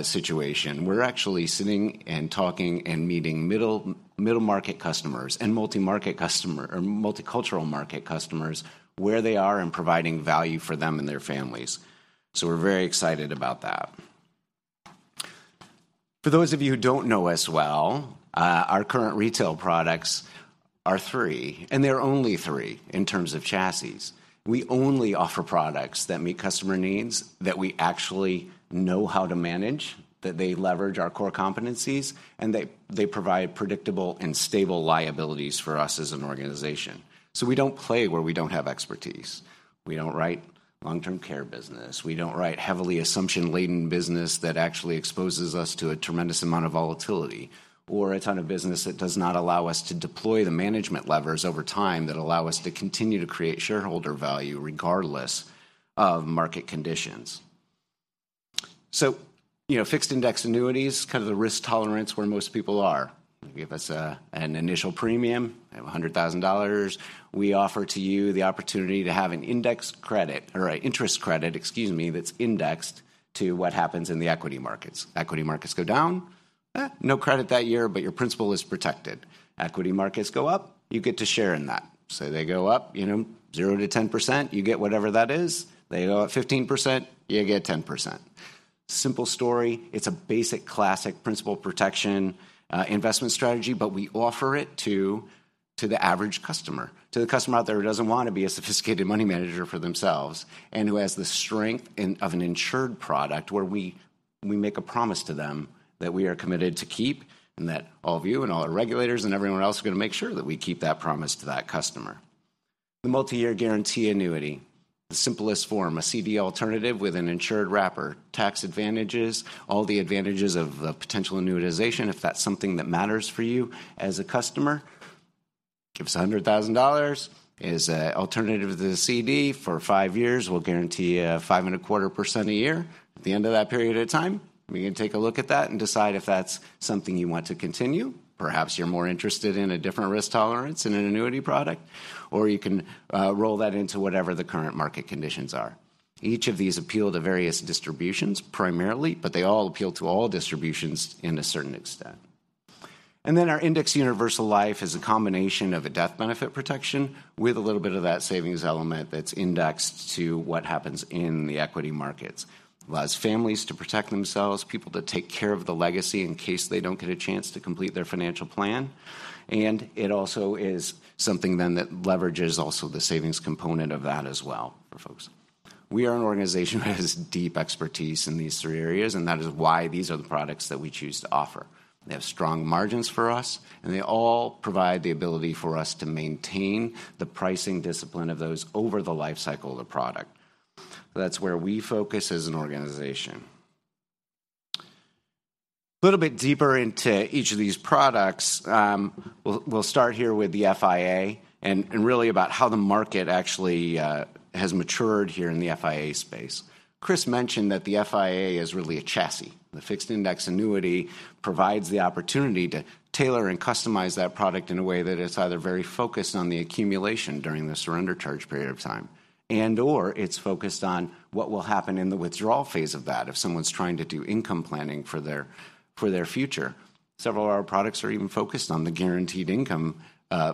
situation. We're actually sitting and talking and meeting middle, middle-market customers and multi-market customer or multicultural market customers where they are and providing value for them and their families. So we're very excited about that. For those of you who don't know us well, our current retail products are three, and there are only three in terms of chassis. We only offer products that meet customer needs, that we actually know how to manage, that they leverage our core competencies, and they provide predictable and stable liabilities for us as an organization. So we don't play where we don't have expertise. We don't write long-term care business. We don't write heavily assumption-laden business that actually exposes us to a tremendous amount of volatility, or a ton of business that does not allow us to deploy the management levers over time that allow us to continue to create shareholder value regardless of market conditions. So, you know, fixed index annuities, kind of the risk tolerance where most people are. You give us an initial premium of $100,000, we offer to you the opportunity to have an indexed credit or an interest credit, excuse me, that's indexed to what happens in the equity markets. Equity markets go down, no credit that year, but your principal is protected. Equity markets go up, you get to share in that. So they go up, you know, 0%-10%, you get whatever that is. They go up 15%, you get 10%. Simple story. It's a basic classic principal protection investment strategy, but we offer it to, to the average customer, to the customer out there who doesn't want to be a sophisticated money manager for themselves and who has the strength of an insured product, where we, we make a promise to them that we are committed to keep, and that all of you and all our regulators and everyone else are gonna make sure that we keep that promise to that customer. The multi-year guarantee annuity, the simplest form, a CD alternative with an insured wrapper, tax advantages, all the advantages of the potential annuitization, if that's something that matters for you as a customer. Give us $100,000 is alternative to the CD for five years. We'll guarantee you 5.25% a year. At the end of that period of time, we can take a look at that and decide if that's something you want to continue. Perhaps you're more interested in a different risk tolerance in an annuity product, or you can, roll that into whatever the current market conditions are. Each of these appeal to various distributions primarily, but they all appeal to all distributions in a certain extent. And then our Indexed Universal Life is a combination of a death benefit protection with a little bit of that savings element that's indexed to what happens in the equity markets. Allows families to protect themselves, people to take care of the legacy in case they don't get a chance to complete their financial plan, and it also is something then that leverages also the savings component of that as well for folks. We are an organization that has deep expertise in these three areas, and that is why these are the products that we choose to offer. They have strong margins for us, and they all provide the ability for us to maintain the pricing discipline of those over the life cycle of the product. That's where we focus as an organization. A little bit deeper into each of these products, we'll start here with the FIA and really about how the market actually has matured here in the FIA space. Chris mentioned that the FIA is really a chassis. The Fixed Indexed Annuity provides the opportunity to tailor and customize that product in a way that is either very focused on the accumulation during the surrender charge period of time, and/or it's focused on what will happen in the withdrawal phase of that if someone's trying to do income planning for their, for their future. Several of our products are even focused on the guaranteed income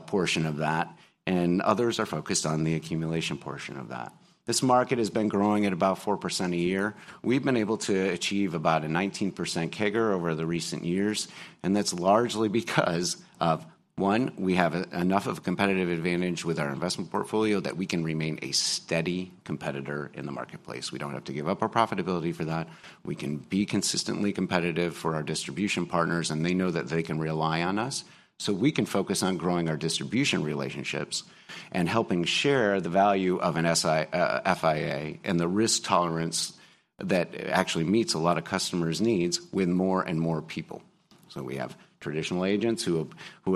portion of that, and others are focused on the accumulation portion of that. This market has been growing at about 4% a year. We've been able to achieve about a 19% CAGR over the recent years, and that's largely because of, one, we have enough of a competitive advantage with our investment portfolio that we can remain a steady competitor in the marketplace. We don't have to give up our profitability for that. We can be consistently competitive for our distribution partners, and they know that they can rely on us, so we can focus on growing our distribution relationships and helping share the value of an uncertain and the risk tolerance that actually meets a lot of customers' needs with more and more people. So we have traditional agents who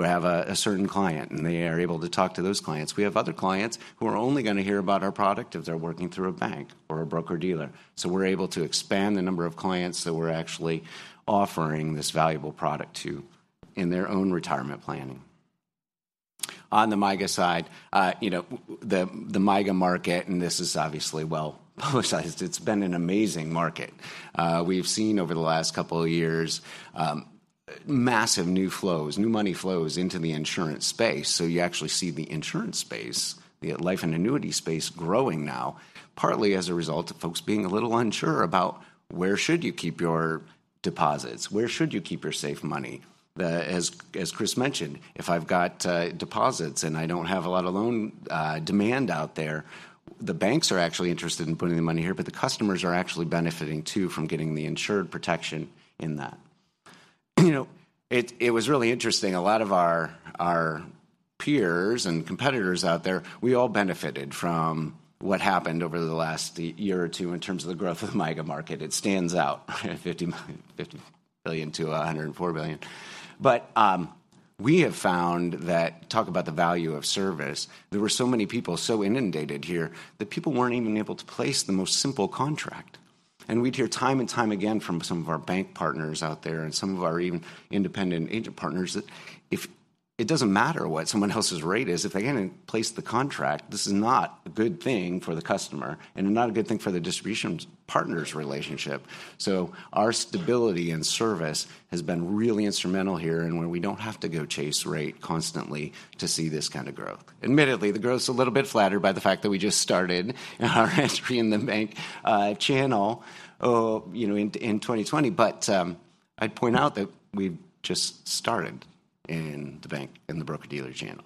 have a certain client, and they are able to talk to those clients. We have other clients who are only gonna hear about our product if they're working through a bank or a broker-dealer. So we're able to expand the number of clients that we're actually offering this valuable product to in their own retirement planning. On the MYGA side, you know, the MYGA market, and this is obviously well publicized, it's been an amazing market. We've seen over the last couple of years, massive new flows, new money flows into the insurance space, so you actually see the insurance space, the life and annuity space growing now, partly as a result of folks being a little unsure about where should you keep your deposits? Where should you keep your safe money? As Chris mentioned, if I've got deposits and I don't have a lot of loan demand out there, the banks are actually interested in putting the money here, but the customers are actually benefiting, too, from getting the insured protection in that. You know, it was really interesting. A lot of our peers and competitors out there, we all benefited from what happened over the last year or two in terms of the growth of the MYGA market. It stands out, $50 billion-$104 billion. But we have found that talk about the value of service, there were so many people so inundated here that people weren't even able to place the most simple contract. And we'd hear time and time again from some of our bank partners out there and some of our even independent agent partners, that it doesn't matter what someone else's rate is, if they can't place the contract, this is not a good thing for the customer and not a good thing for the distribution partner's relationship. So our stability and service has been really instrumental here, and where we don't have to go chase rate constantly to see this kind of growth. Admittedly, the growth's a little bit flattered by the fact that we just started our entry in the bank channel, you know, in 2020. But, I'd point out that we've just started in the bank, in the broker-dealer channel.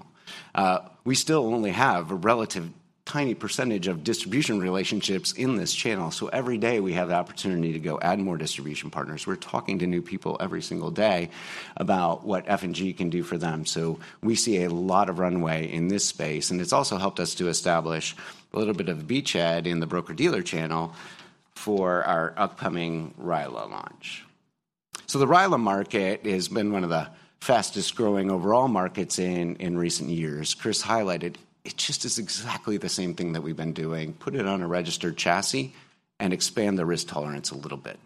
We still only have a relative tiny percentage of distribution relationships in this channel, so every day we have the opportunity to go add more distribution partners. We're talking to new people every single day about what F&G can do for them. So we see a lot of runway in this space, and it's also helped us to establish a little bit of a beachhead in the broker-dealer channel for our upcoming RILA launch. So the RILA market has been one of the fastest-growing overall markets in recent years. Chris highlighted, it just is exactly the same thing that we've been doing, put it on a registered chassis and expand the risk tolerance a little bit.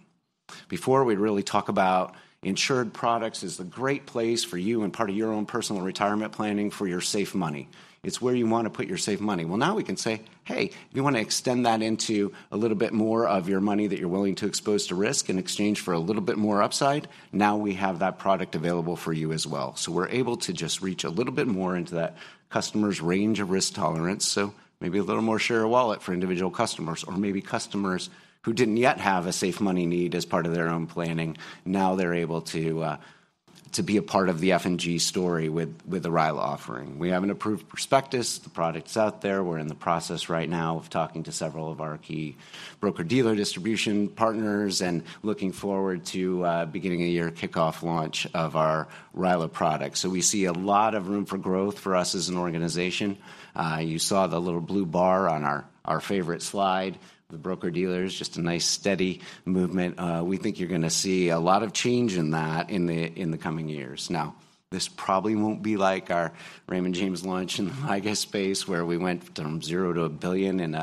Before, we'd really talk about insured products is a great place for you and part of your own personal retirement planning for your safe money. It's where you want to put your safe money. Well, now we can say: "Hey, you want to extend that into a little bit more of your money that you're willing to expose to risk in exchange for a little bit more upside? Now we have that product available for you as well." So we're able to just reach a little bit more into that customer's range of risk tolerance, so maybe a little more share of wallet for individual customers, or maybe customers who didn't yet have a safe money need as part of their own planning, now they're able to be a part of the F&G story with, with the RILA offering. We have an approved prospectus. The product's out there. We're in the process right now of talking to several of our key broker-dealer distribution partners and looking forward to beginning-of-the-year kickoff launch of our RILA product. So we see a lot of room for growth for us as an organization. You saw the little blue bar on our, our favorite slide, the broker-dealers, just a nice, steady movement. We think you're gonna see a lot of change in that in the coming years. Now, this probably won't be like our Raymond James launch in the MYGA space, where we went from zero to $1 billion in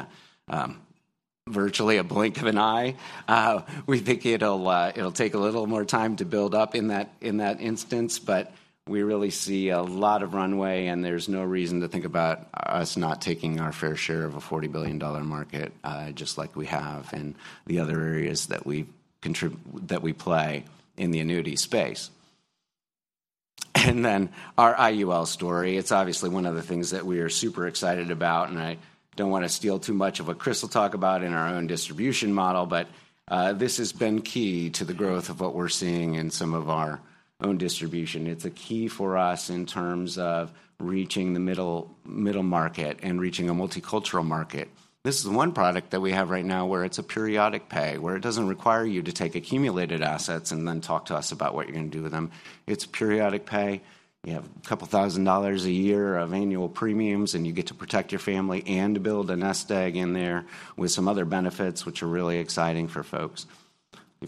virtually a blink of an eye. We think it'll take a little more time to build up in that instance, but we really see a lot of runway, and there's no reason to think about us not taking our fair share of a $40 billion market, just like we have in the other areas that we play in the annuity space. And then our IUL story, it's obviously one of the things that we are super excited about, and I don't want to steal too much of what Chris will talk about in our own distribution model, but, this has been key to the growth of what we're seeing in some of our own distribution. It's a key for us in terms of reaching the middle, middle market and reaching a multicultural market. This is one product that we have right now where it's a periodic pay, where it doesn't require you to take accumulated assets and then talk to us about what you're going to do with them. It's periodic pay. You have a couple thousand dollars a year of annual premiums, and you get to protect your family and build a nest egg in there with some other benefits, which are really exciting for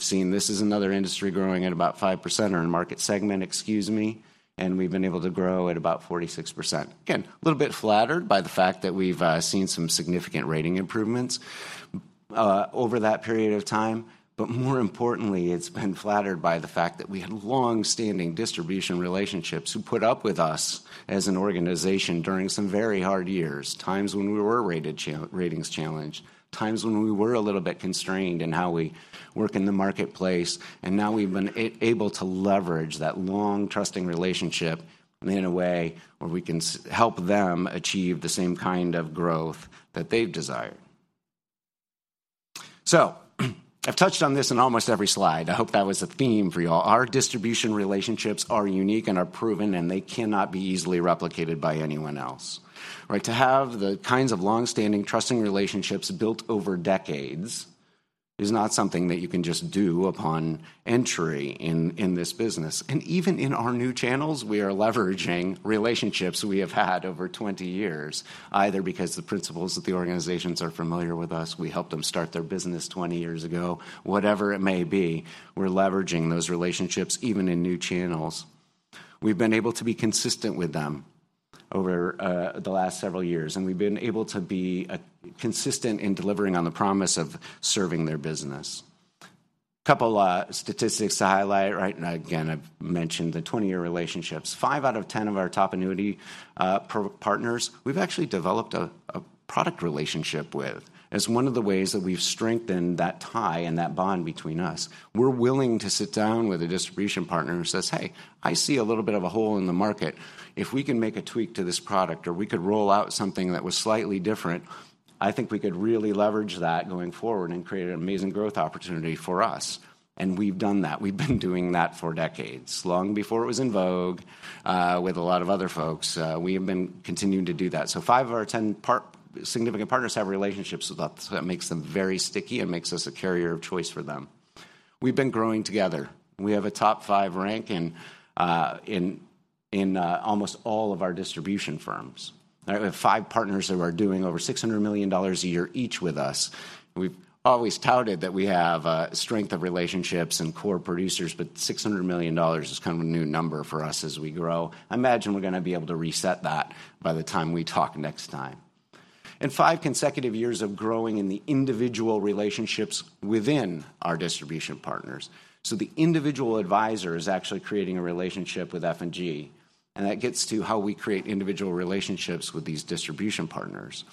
folks. We've seen this is another industry growing at about 5% or in market segment, excuse me, and we've been able to grow at about 46%. Again, a little bit flattered by the fact that we've seen some significant rating improvements over that period of time. But more importantly, it's been flattered by the fact that we had long-standing distribution relationships who put up with us as an organization during some very hard years, times when we were ratings challenged, times when we were able to leverage that long, trusting relationship in a way where we can help them achieve the same kind of growth that they've desired. So I've touched on this in almost every slide. I hope that was a theme for you all. Our distribution relationships are unique and are proven, and they cannot be easily replicated by anyone else, right? To have the kinds of long-standing, trusting relationships built over decades is not something that you can just do upon entry in this business. And even in our new channels, we are leveraging relationships we have had over 20 years, either because the principals of the organizations are familiar with us, we helped them start their business 20 years ago, whatever it may be, we're leveraging those relationships, even in new channels. We've been able to be consistent with them over the last several years, and we've been able to be consistent in delivering on the promise of serving their business. A couple statistics to highlight, right? And again, I've mentioned the 20-year relationships. Five out of ten of our top annuity partners, we've actually developed a product relationship with, as one of the ways that we've strengthened that tie and that bond between us. We're willing to sit down with a distribution partner who says, "Hey, I see a little bit of a hole in the market. If we can make a tweak to this product, or we could roll out something that was slightly different, I think we could really leverage that going forward and create an amazing growth opportunity for us." We've done that. We've been doing that for decades, long before it was in vogue, with a lot of other folks. We have been continuing to do that. So 5 of our 10 significant partners have relationships with us, so that makes them very sticky and makes us a carrier of choice for them. We've been growing together, and we have a top 5 rank in almost all of our distribution firms. We have five partners that are doing over $600 million a year each with us. We've always touted that we have strength of relationships and core producers, but $600 million is kind of a new number for us as we grow. I imagine we're gonna be able to reset that by the time we talk next time. Five consecutive years of growing in the individual relationships within our distribution partners. So the individual advisor is actually creating a relationship with F&G, and that gets to how we create individual relationships with these distribution partners.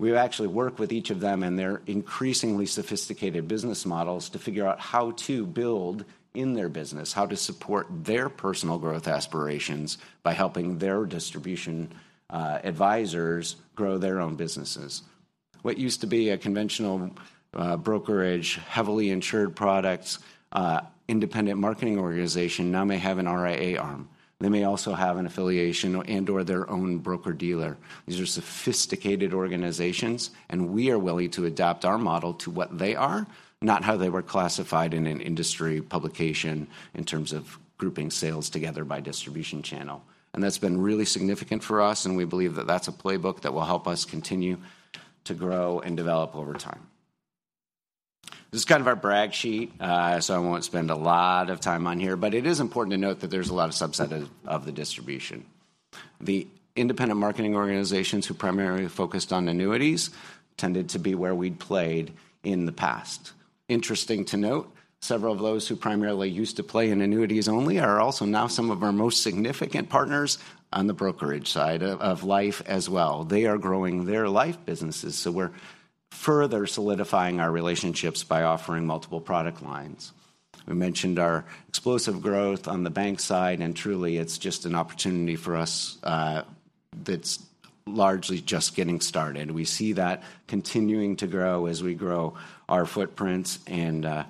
We actually work with each of them and their increasingly sophisticated business models to figure out how to build in their business, how to support their personal growth aspirations by helping their distribution, advisors grow their own businesses. What used to be a conventional, brokerage, heavily insured products, independent marketing organization now may have an RIA arm. They may also have an affiliation or, and/or their own broker-dealer. These are sophisticated organizations, and we are willing to adapt our model to what they are, not how they were classified in an industry publication in terms of grouping sales together by distribution channel. And that's been really significant for us, and we believe that that's a playbook that will help us continue to grow and develop over time. This is kind of our brag sheet, so I won't spend a lot of time on here, but it is important to note that there's a lot of subset of the distribution. The independent marketing organizations who primarily focused on annuities tended to be where we'd played in the past. Interesting to note, several of those who primarily used to play in annuities only are also now some of our most significant partners on the brokerage side of life as well. They are growing their life businesses, so we're further solidifying our relationships by offering multiple product lines. We mentioned our explosive growth on the bank side, and truly, it's just an opportunity for us that's largely just getting started. We see that continuing to grow as we grow our footprints, and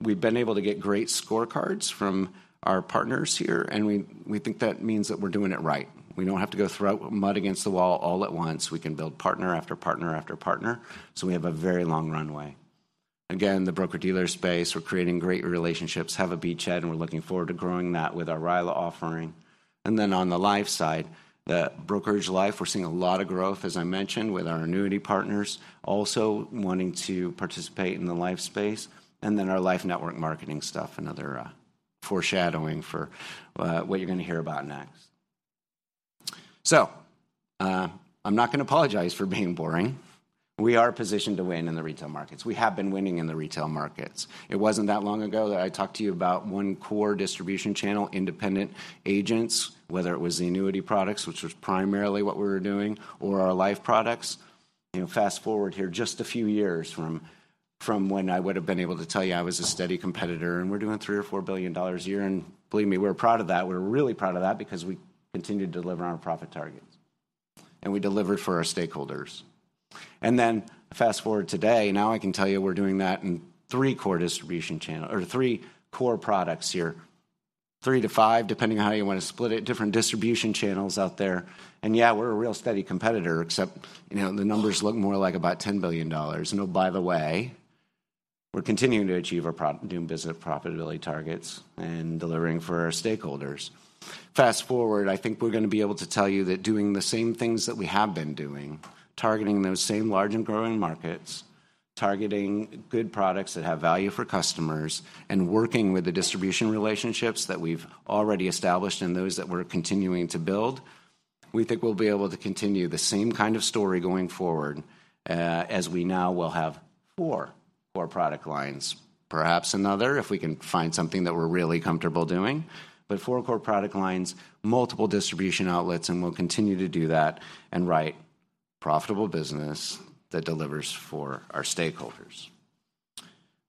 we've been able to get great scorecards from our partners here, and we think that means that we're doing it right. We don't have to go throw mud against the wall all at once. We can build partner after partner after partner, so we have a very long runway. Again, the broker-dealer space, we're creating great relationships, have a beachhead, and we're looking forward to growing that with our RILA offering. And then on the life side, the brokerage life, we're seeing a lot of growth, as I mentioned, with our annuity partners also wanting to participate in the life space, and then our life network marketing stuff, another foreshadowing for what you're going to hear about next.... So, I'm not gonna apologize for being boring. We are positioned to win in the retail markets. We have been winning in the retail markets. It wasn't that long ago that I talked to you about one core distribution channel, independent agents, whether it was the annuity products, which was primarily what we were doing, or our life products. You know, fast-forward here just a few years from when I would've been able to tell you I was a steady competitor, and we're doing $3 billion-$4 billion a year, and believe me, we're proud of that. We're really proud of that because we continue to deliver on our profit targets, and we deliver for our stakeholders. And then fast-forward today, now I can tell you we're doing that in three core distribution channel or three core products here. 3-5, depending on how you wanna split it, different distribution channels out there, and yeah, we're a real steady competitor, except, you know, the numbers look more like about $10 billion. Oh, by the way, we're continuing to achieve our new business profitability targets and delivering for our stakeholders. Fast-forward, I think we're gonna be able to tell you that doing the same things that we have been doing, targeting those same large and growing markets, targeting good products that have value for customers, and working with the distribution relationships that we've already established and those that we're continuing to build, we think we'll be able to continue the same kind of story going forward, as we now will have four core product lines. Perhaps another, if we can find something that we're really comfortable doing. But four core product lines, multiple distribution outlets, and we'll continue to do that and write profitable business that delivers for our stakeholders.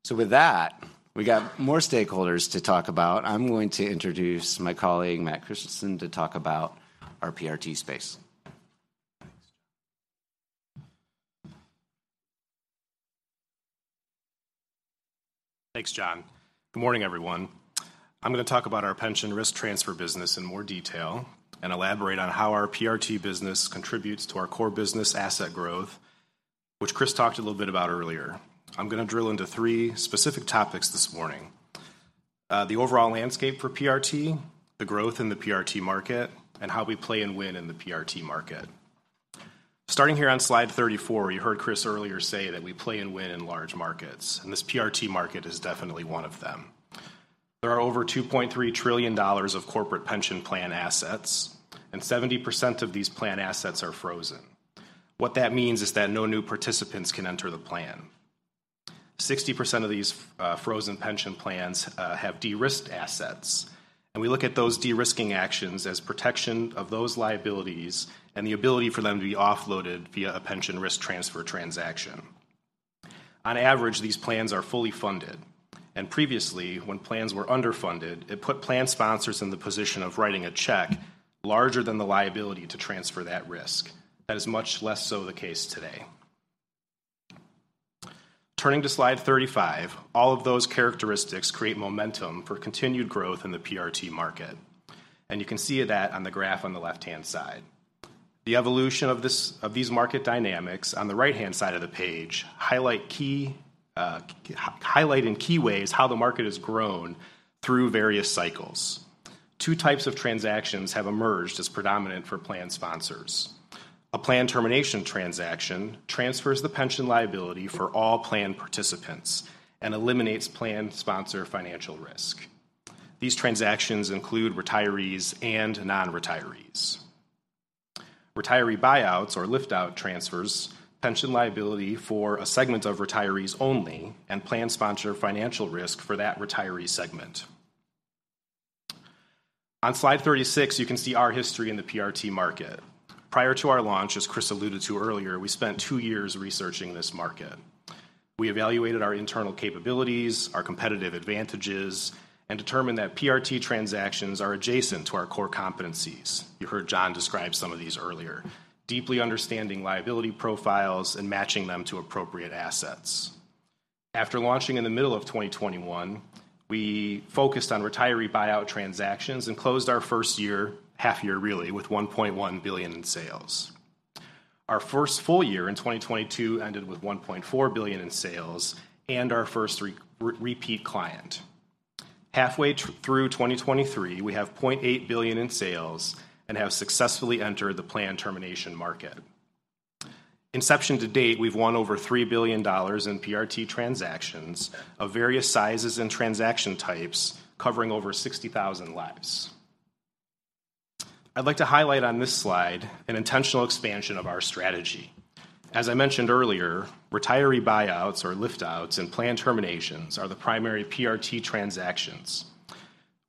So with that, we got more stakeholders to talk about. I'm going to introduce my colleague, Matt Christensen, to talk about our PRT space. Thanks, John. Good morning, everyone. I'm gonna talk about our pension risk transfer business in more detail and elaborate on how our PRT business contributes to our core business asset growth, which Chris talked a little bit about earlier. I'm gonna drill into three specific topics this morning. The overall landscape for PRT, the growth in the PRT market, and how we play and win in the PRT market. Starting here on slide 34, you heard Chris earlier say that we play and win in large markets, and this PRT market is definitely one of them. There are over $2.3 trillion of corporate pension plan assets, and 70% of these plan assets are frozen. What that means is that no new participants can enter the plan. 60% of these, frozen pension plans, have de-risked assets, and we look at those de-risking actions as protection of those liabilities and the ability for them to be offloaded via a pension risk transfer transaction. On average, these plans are fully funded, and previously, when plans were underfunded, it put plan sponsors in the position of writing a check larger than the liability to transfer that risk. That is much less so the case today. Turning to slide 35, all of those characteristics create momentum for continued growth in the PRT market, and you can see that on the graph on the left-hand side. The evolution of these market dynamics on the right-hand side of the page highlight in key ways how the market has grown through various cycles. Two types of transactions have emerged as predominant for plan sponsors. A plan termination transaction transfers the pension liability for all plan participants and eliminates plan sponsor financial risk. These transactions include retirees and non-retirees. Retiree buyouts or lift-out transfers pension liability for a segment of retirees only and plan sponsor financial risk for that retiree segment. On slide 36, you can see our history in the PRT market. Prior to our launch, as Chris alluded to earlier, we spent two years researching this market. We evaluated our internal capabilities, our competitive advantages, and determined that PRT transactions are adjacent to our core competencies. You heard John describe some of these earlier, deeply understanding liability profiles and matching them to appropriate assets. After launching in the middle of 2021, we focused on retiree buyout transactions and closed our first year, half year, really, with $1.1 billion in sales. Our first full year in 2022 ended with $1.4 billion in sales and our first repeat client. Halfway through 2023, we have $0.8 billion in sales and have successfully entered the plan termination market. Inception to date, we've won over $3 billion in PRT transactions of various sizes and transaction types, covering over 60,000 lives. I'd like to highlight on this slide an intentional expansion of our strategy. As I mentioned earlier, retiree buyouts or lift-outs and plan terminations are the primary PRT transactions.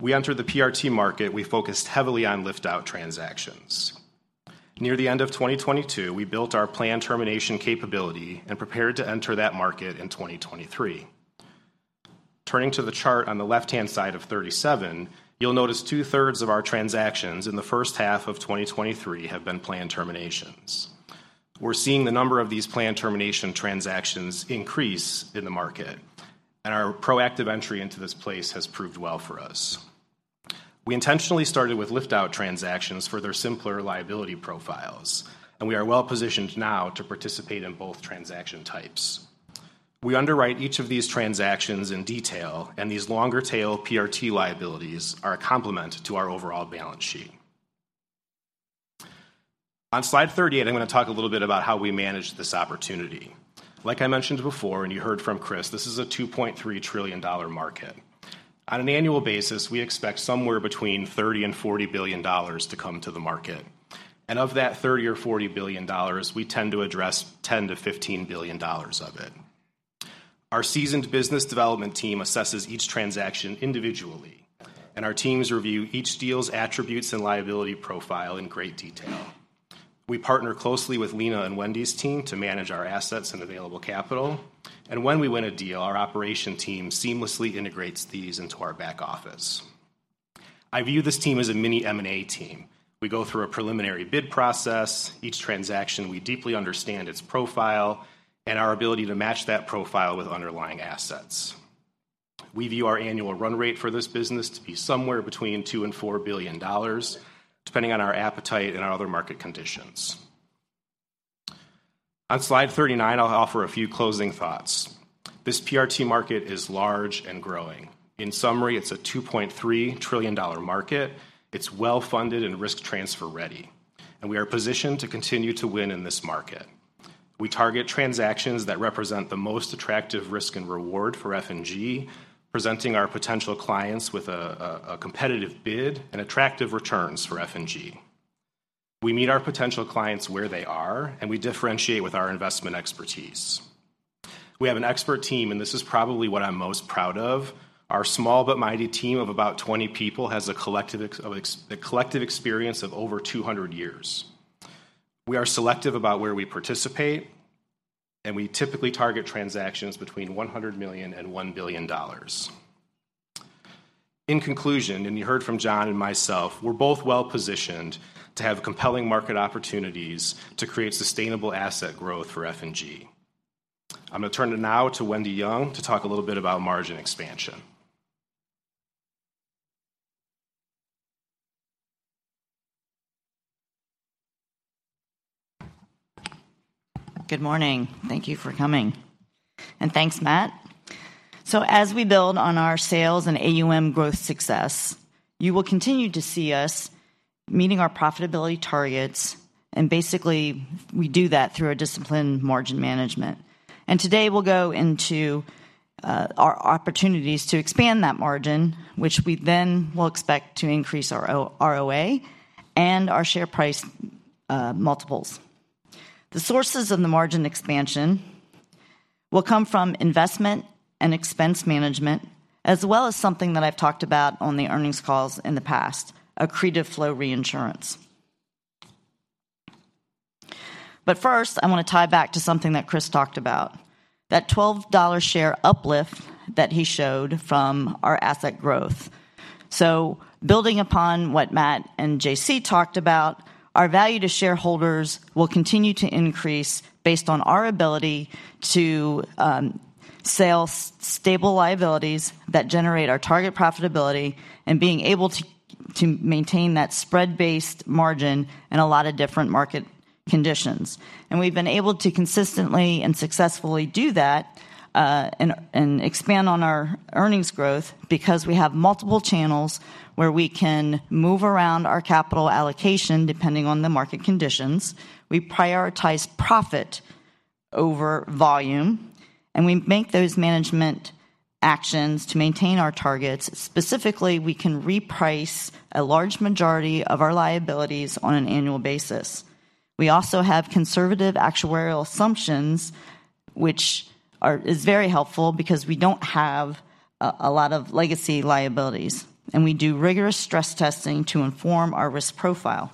We entered the PRT market, we focused heavily on lift-out transactions. Near the end of 2022, we built our plan termination capability and prepared to enter that market in 2023. Turning to the chart on the left-hand side of 37, you'll notice 2/3 of our transactions in the first half of 2023 have been plan terminations. We're seeing the number of these plan termination transactions increase in the market, and our proactive entry into this space has proved well for us. We intentionally started with lift-out transactions for their simpler liability profiles, and we are well-positioned now to participate in both transaction types. We underwrite each of these transactions in detail, and these longer-tail PRT liabilities are a complement to our overall balance sheet. On slide 38, I'm gonna talk a little bit about how we manage this opportunity. Like I mentioned before, and you heard from Chris, this is a $2.3 trillion market. On an annual basis, we expect somewhere between $30 billion and $40 billion to come to the market. And of that $30 billion or $40 billion, we tend to address $10 billion-$15 billion of it. Our seasoned business development team assesses each transaction individually, and our teams review each deal's attributes and liability profile in great detail. We partner closely with Leena and Wendy's team to manage our assets and available capital, and when we win a deal, our operation team seamlessly integrates these into our back office. I view this team as a mini M&A team. We go through a preliminary bid process, each transaction we deeply understand its profile and our ability to match that profile with underlying assets. We view our annual run rate for this business to be somewhere between $2 billion-$4 billion, depending on our appetite and our other market conditions. On slide 39, I'll offer a few closing thoughts. This PRT market is large and growing. In summary, it's a $2.3 trillion market. It's well-funded and risk transfer ready, and we are positioned to continue to win in this market. We target transactions that represent the most attractive risk and reward for F&G, presenting our potential clients with a competitive bid and attractive returns for F&G. We meet our potential clients where they are, and we differentiate with our investment expertise. We have an expert team, and this is probably what I'm most proud of. Our small but mighty team of about 20 people has a collective experience of over 200 years. We are selective about where we participate, and we typically target transactions between $100 million and $1 billion. In conclusion, and you heard from John and myself, we're both well-positioned to have compelling market opportunities to create sustainable asset growth for F&G. I'm gonna turn it now to Wendy Young to talk a little bit about margin expansion. Good morning. Thank you for coming, and thanks, Matt. So as we build on our sales and AUM growth success, you will continue to see us meeting our profitability targets, and basically, we do that through a disciplined margin management. And today, we'll go into our opportunities to expand that margin, which we then will expect to increase our ROA and our share price multiples. The sources of the margin expansion will come from investment and expense management, as well as something that I've talked about on the earnings calls in the past: accretive flow reinsurance. But first, I want to tie back to something that Chris talked about, that $12 share uplift that he showed from our asset growth. So building upon what Matt and JC talked about, our value to shareholders will continue to increase based on our ability to sell stable liabilities that generate our target profitability and being able to maintain that spread-based margin in a lot of different market conditions. And we've been able to consistently and successfully do that and expand on our earnings growth because we have multiple channels where we can move around our capital allocation, depending on the market conditions. We prioritize profit over volume, and we make those management actions to maintain our targets. Specifically, we can reprice a large majority of our liabilities on an annual basis. We also have conservative actuarial assumptions, which is very helpful because we don't have a lot of legacy liabilities. And we do rigorous stress testing to inform our risk profile.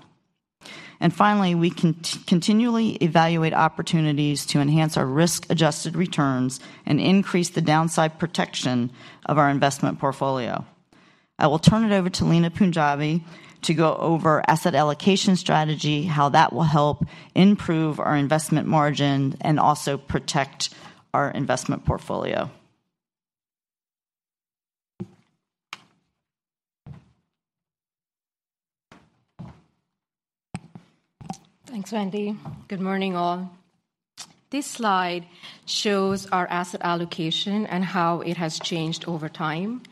And finally, we continually evaluate opportunities to enhance our risk-adjusted returns and increase the downside protection of our investment portfolio. I will turn it over to Leena Punjabi to go over Asset Allocation strategy, how that will help improve our investment margin, and also protect our investment portfolio. Thanks, Wendy. Good morning, all. This slide shows our asset allocation and how it has changed over time.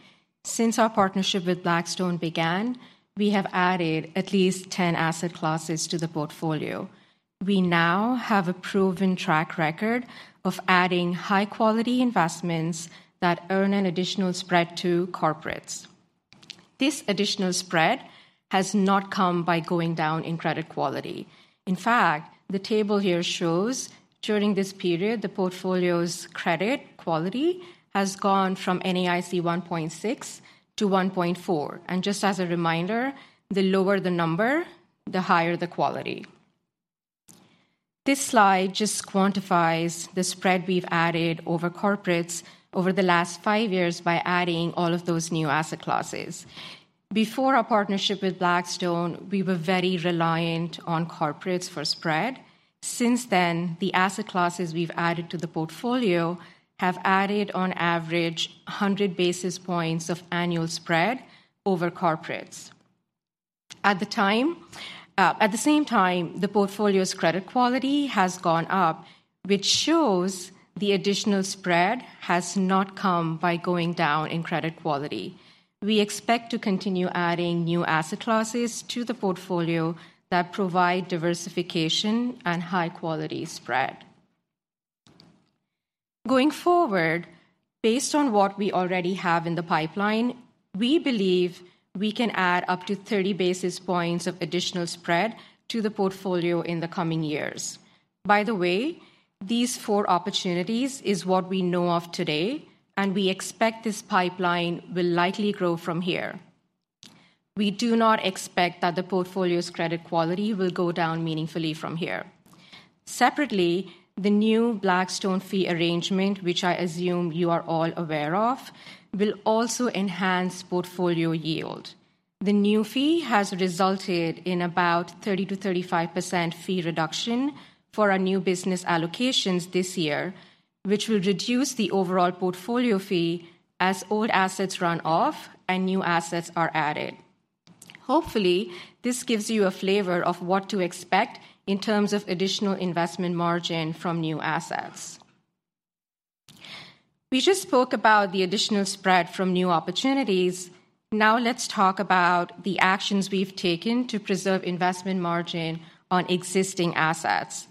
Since our partnership with Blackstone began, we have added ateast 10 asset classes to the portfolio. We now have a proven track record of adding high-quality investments that earn an additional spread to corporates. This additional spread has not come by going down in credit quality. In fact, the table here shows during this period, the portfolio's credit quality has gone from NAIC 1.6 to 1.4. And just as a reminder, the lower the number, the higher the quality. This slide just quantifies the spread we've added over corporates over the last five years by adding all of those new asset classes. Before our partnership with Blackstone, we were very reliant on corporates for spread. Since then, the asset classes we've added to the portfolio have added, on average, 100 basis points of annual spread over corporates. At the time, at the same time, the portfolio's credit quality has gone up, which shows the additional spread has not come by going down in credit quality. We expect to continue adding new asset classes to the portfolio that provide diversification and high-quality spread.... Going forward, based on what we already have in the pipeline, we believe we can add up to 30 basis points of additional spread to the portfolio in the coming years. By the way, these four opportunities is what we know of today, and we expect this pipeline will likely grow from here. We do not expect that the portfolio's credit quality will go down meaningfully from here. Separately, the new Blackstone fee arrangement, which I assume you are all aware of, will also enhance portfolio yield. The new fee has resulted in about 30%-35% fee reduction for our new business allocations this year, which will reduce the overall portfolio fee as old assets run off and new assets are added. Hopefully, this gives you a flavor of what to expect in terms of additional investment margin from new assets. We just spoke about the additional spread from new opportunities. Now let's talk about the actions we've taken to preserve investment margin on existing assets.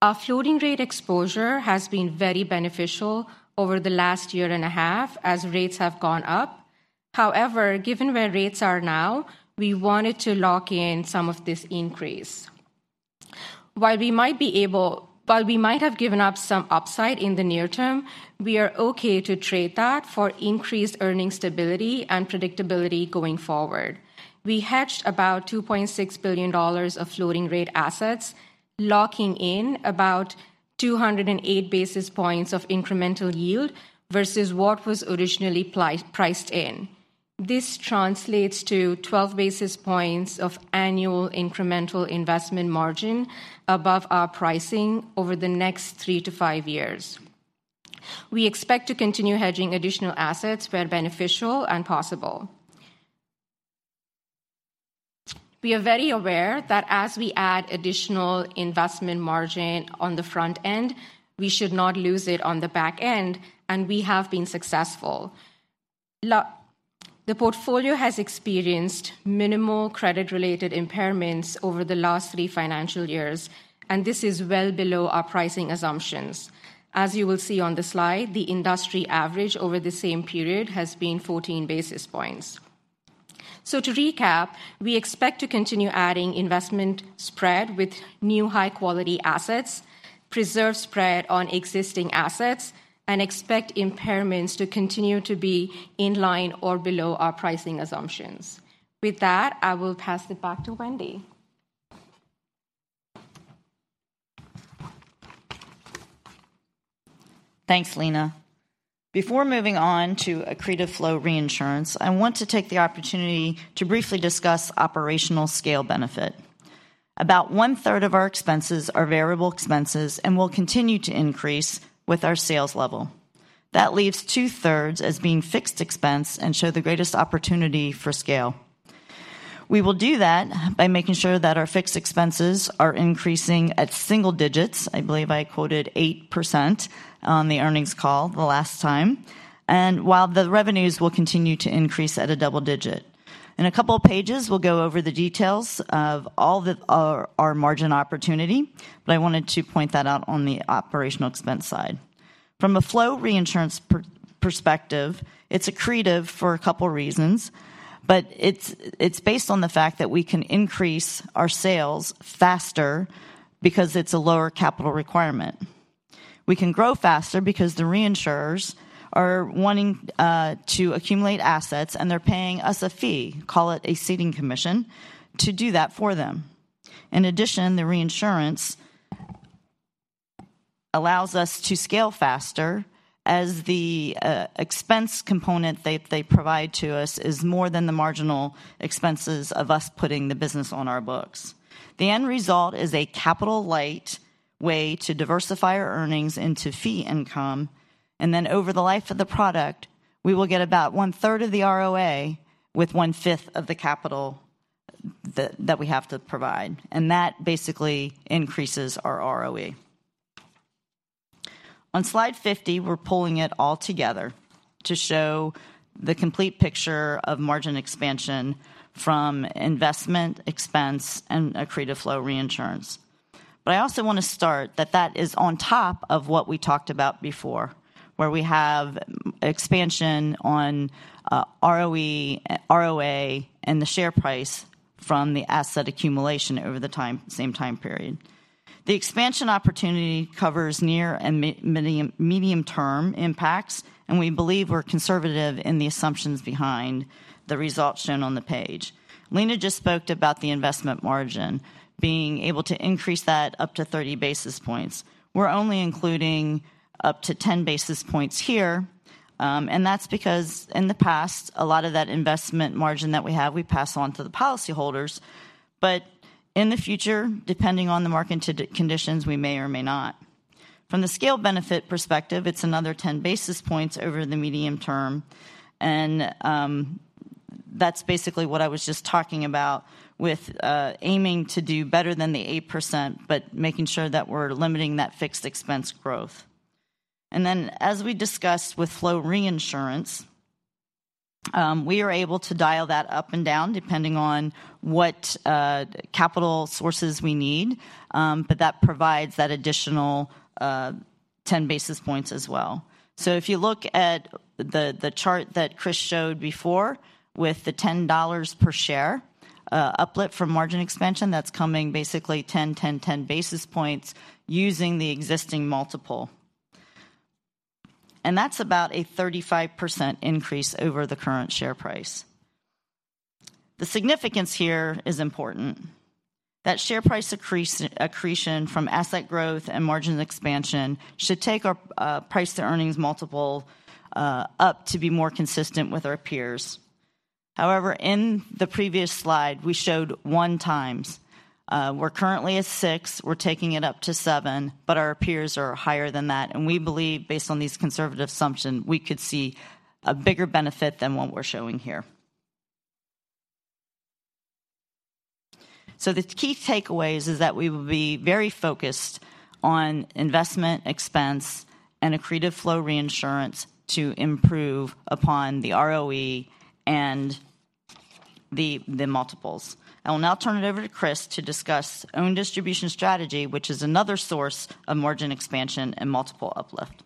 Our floating rate exposure has been very beneficial over the last year and a half as rates have gone up. However, given where rates are now, we wanted to lock in some of this increase. While we might have given up some upside in the near term, we are okay to trade that for increased earnings stability and predictability going forward. We hedged about $2.6 billion of floating rate assets, locking in about 208 basis points of incremental yield versus what was originally priced in. This translates to 12 basis points of annual incremental investment margin above our pricing over the next three to five years. We expect to continue hedging additional assets where beneficial and possible. We are very aware that as we add additional investment margin on the front end, we should not lose it on the back end, and we have been successful. The portfolio has experienced minimal credit-related impairments over the last three financial years, and this is well below our pricing assumptions. As you will see on the slide, the industry average over the same period has been 14 basis points. So to recap, we expect to continue adding investment spread with new high-quality assets, preserve spread on existing assets, and expect impairments to continue to be in line or below our pricing assumptions. With that, I will pass it back to Wendy. Thanks, Leena. Before moving on to accretive flow reinsurance, I want to take the opportunity to briefly discuss operational scale benefit. About 1/3 of our expenses are variable expenses and will continue to increase with our sales level. That leaves 2/3 as being fixed expense and show the greatest opportunity for scale. We will do that by making sure that our fixed expenses are increasing at single digits. I believe I quoted 8% on the earnings call the last time, and while the revenues will continue to increase at a double digit. In a couple of pages, we'll go over the details of all of our margin opportunity, but I wanted to point that out on the operational expense side. From a flow reinsurance perspective, it's accretive for a couple reasons, but it's based on the fact that we can increase our sales faster because it's a lower capital requirement. We can grow faster because the reinsurers are wanting to accumulate assets, and they're paying us a fee, call it a ceding commission, to do that for them. In addition, the reinsurance allows us to scale faster as the expense component they provide to us is more than the marginal expenses of us putting the business on our books. The end result is a capital-light way to diversify our earnings into fee income, and then over the life of the product, we will get about 1/3 of the ROA with 1/5 of the capital that we have to provide, and that basically increases our ROE. On slide 50, we're pulling it all together to show the complete picture of margin expansion from investment, expense, and accretive flow reinsurance. But I also want to start that that is on top of what we talked about before, where we have expansion on, ROE, ROA, and the share price from the asset accumulation over the time, same time period. The expansion opportunity covers near and medium-term impacts, and we believe we're conservative in the assumptions behind the results shown on the page. Leena just spoke about the investment margin, being able to increase that up to 30 basis points. We're only including up to 10 basis points here, and that's because in the past, a lot of that investment margin that we have, we pass on to the policyholders. But in the future, depending on the market conditions, we may or may not. From the scale benefit perspective, it's another ten basis points over the medium term, and that's basically what I was just talking about with aiming to do better than the 8%, but making sure that we're limiting that fixed expense growth. And then, as we discussed with flow reinsurance. We are able to dial that up and down depending on what capital sources we need, but that provides that additional ten basis points as well. So if you look at the chart that Chris showed before with the $10 per share uplift from margin expansion, that's coming basically ten, ten, ten basis points using the existing multiple. And that's about a 35% increase over the current share price. The significance here is important. That share price accretion from asset growth and margin expansion should take our price-to-earnings multiple up to be more consistent with our peers. However, in the previous slide, we showed 1x. We're currently at 6x, we're taking it up to 7x, but our peers are higher than that, and we believe, based on these conservative assumptions, we could see a bigger benefit than what we're showing here. So the key takeaways is that we will be very focused on investment, expense, and accretive flow reinsurance to improve upon the ROE and the multiples. I will now turn it over to Chris to discuss own distribution strategy, which is another source of margin expansion and multiple uplift.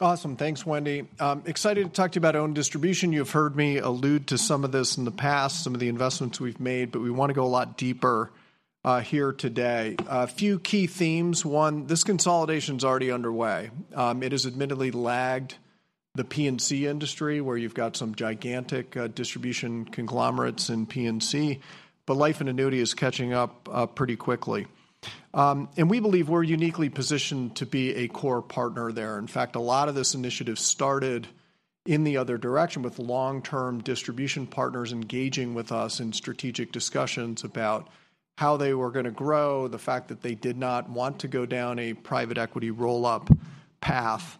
Awesome. Thanks, Wendy. Excited to talk to you about own distribution. You've heard me allude to some of this in the past, some of the investments we've made, but we want to go a lot deeper here today. A few key themes: one, this consolidation's already underway. It has admittedly lagged the P&C industry, where you've got some gigantic distribution conglomerates in P&C, but life and annuity is catching up pretty quickly. We believe we're uniquely positioned to be a core partner there. In fact, a lot of this initiative started in the other direction, with long-term distribution partners engaging with us in strategic discussions about how they were gonna grow, the fact that they did not want to go down a private equity roll-up path.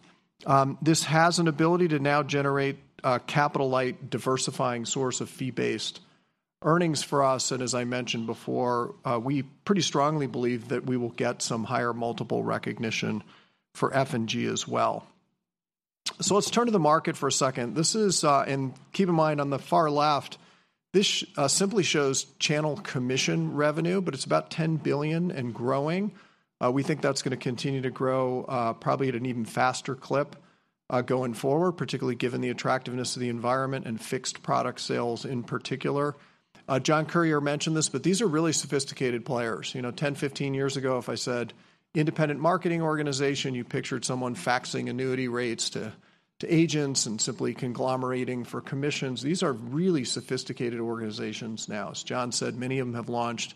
This has an ability to now generate a capital-light, diversifying source of fee-based earnings for us, and as I mentioned before, we pretty strongly believe that we will get some higher multiple recognition for F&G as well. So let's turn to the market for a second. This is. And keep in mind, on the far left, this simply shows channel commission revenue, but it's about $10 billion and growing. We think that's gonna continue to grow, probably at an even faster clip, going forward, particularly given the attractiveness of the environment and fixed product sales in particular. John Currier mentioned this, but these are really sophisticated players. You know, 10, 15 years ago, if I said, "Independent marketing organization," you pictured someone faxing annuity rates to, to agents and simply conglomerating for commissions. These are really sophisticated organizations now. As John said, many of them have launched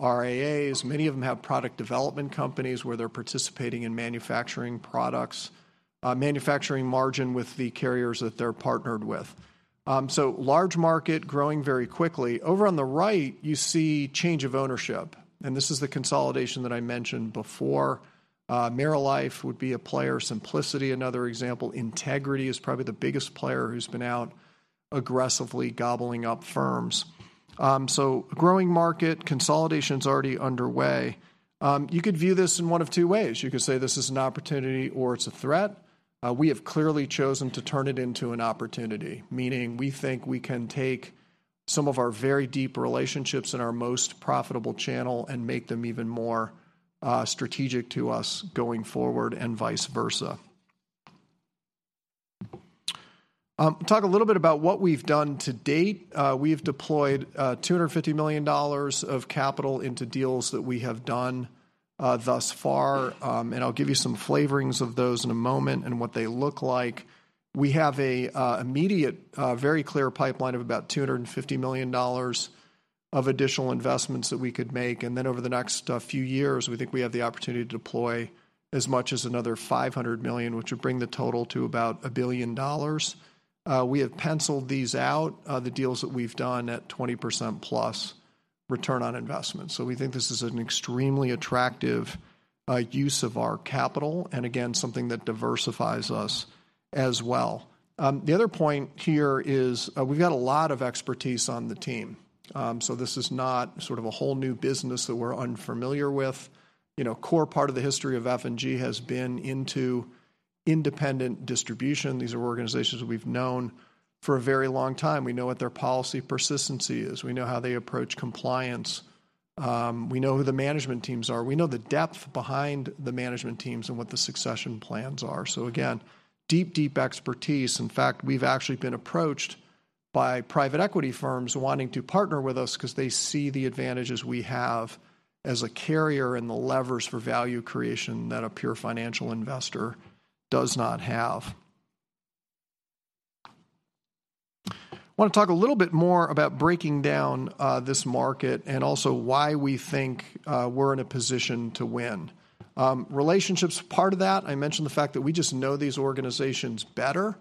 RIAs, many of them have product development companies where they're participating in manufacturing products, manufacturing margin with the carriers that they're partnered with. So large market, growing very quickly. Over on the right, you see change of ownership, and this is the consolidation that I mentioned before. AmeriLife would be a player, Simplicity, another example. Integrity is probably the biggest player who's been out aggressively gobbling up firms. So growing market, consolidation's already underway. You could view this in one of two ways. You could say this is an opportunity or it's a threat. We have clearly chosen to turn it into an opportunity, meaning we think we can take some of our very deep relationships in our most profitable channel and make them even more strategic to us going forward, and vice versa. Talk a little bit about what we've done to date. We've deployed $250 million of capital into deals that we have done thus far. I'll give you some flavorings of those in a moment and what they look like. We have an immediate very clear pipeline of about $250 million of additional investments that we could make, and then over the next few years, we think we have the opportunity to deploy as much as another $500 million, which would bring the total to about $1 billion. We have penciled these out, the deals that we've done, at 20%+ Return on Investment. So we think this is an extremely attractive use of our capital, and again, something that diversifies us as well. The other point here is, we've got a lot of expertise on the team. So this is not sort of a whole new business that we're unfamiliar with. You know, core part of the history of F&G has been into independent distribution. These are organizations we've known for a very long time. We know what their policy persistency is. We know how they approach compliance. We know who the management teams are. We know the depth behind the management teams and what the succession plans are. So again, deep, deep expertise. In fact, we've actually been approached by private equity firms wanting to partner with us because they see the advantages we have as a carrier and the levers for value creation that a pure financial investor does not have. I want to talk a little bit more about breaking down this market and also why we think we're in a position to win. Relationships are part of that. I mentioned the fact that we just know these organizations better,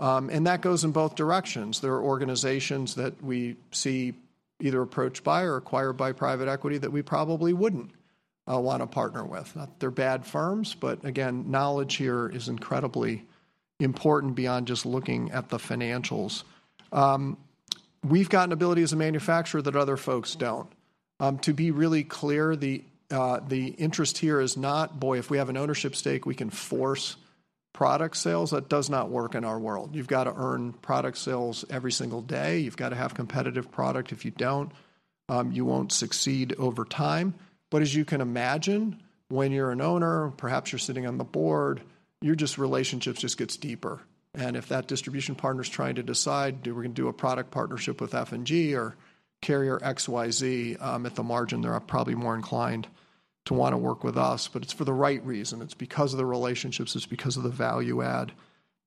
and that goes in both directions. There are organizations that we see either approached by or acquired by private equity that we probably wouldn't want to partner with. Not they're bad firms, but again, knowledge here is incredibly important beyond just looking at the financials. We've got an ability as a manufacturer that other folks don't. To be really clear, the interest here is not, "Boy, if we have an ownership stake, we can force product sales." That does not work in our world. You've got to earn product sales every single day. You've got to have competitive product. If you don't, you won't succeed over time. But as you can imagine, when you're an owner, perhaps you're sitting on the board, your relationships just get deeper. And if that distribution partner's trying to decide, "Do we gonna do a product partnership with F&G or carrier XYZ?" At the margin, they are probably more inclined to want to work with us, but it's for the right reason. It's because of the relationships, it's because of the value add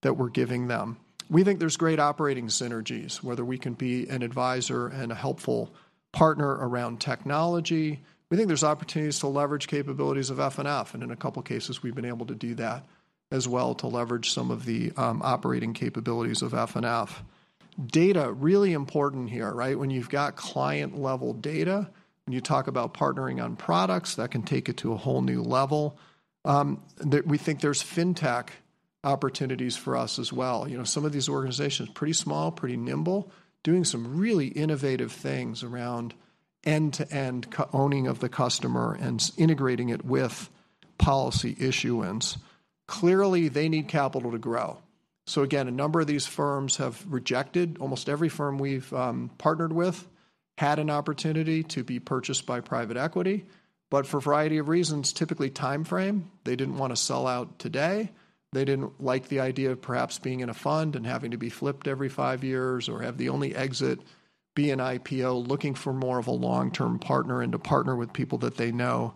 that we're giving them. We think there's great operating synergies, whether we can be an advisor and a helpful partner around technology. We think there's opportunities to leverage capabilities of FNF, and in a couple of cases, we've been able to do that as well to leverage some of the operating capabilities of FNF. Data, really important here, right? When you've got client-level data, when you talk about partnering on products, that can take it to a whole new level. We think there's fintech opportunities for us as well. You know, some of these organizations, pretty small, pretty nimble, doing some really innovative things around end-to-end owning of the customer and integrating it with policy issuance. Clearly, they need capital to grow. So again, a number of these firms have rejected... Almost every firm we've partnered with had an opportunity to be purchased by private equity, but for a variety of reasons, typically timeframe, they didn't want to sell out today. They didn't like the idea of perhaps being in a fund and having to be flipped every five years or have the only exit be an IPO, looking for more of a long-term partner and to partner with people that they know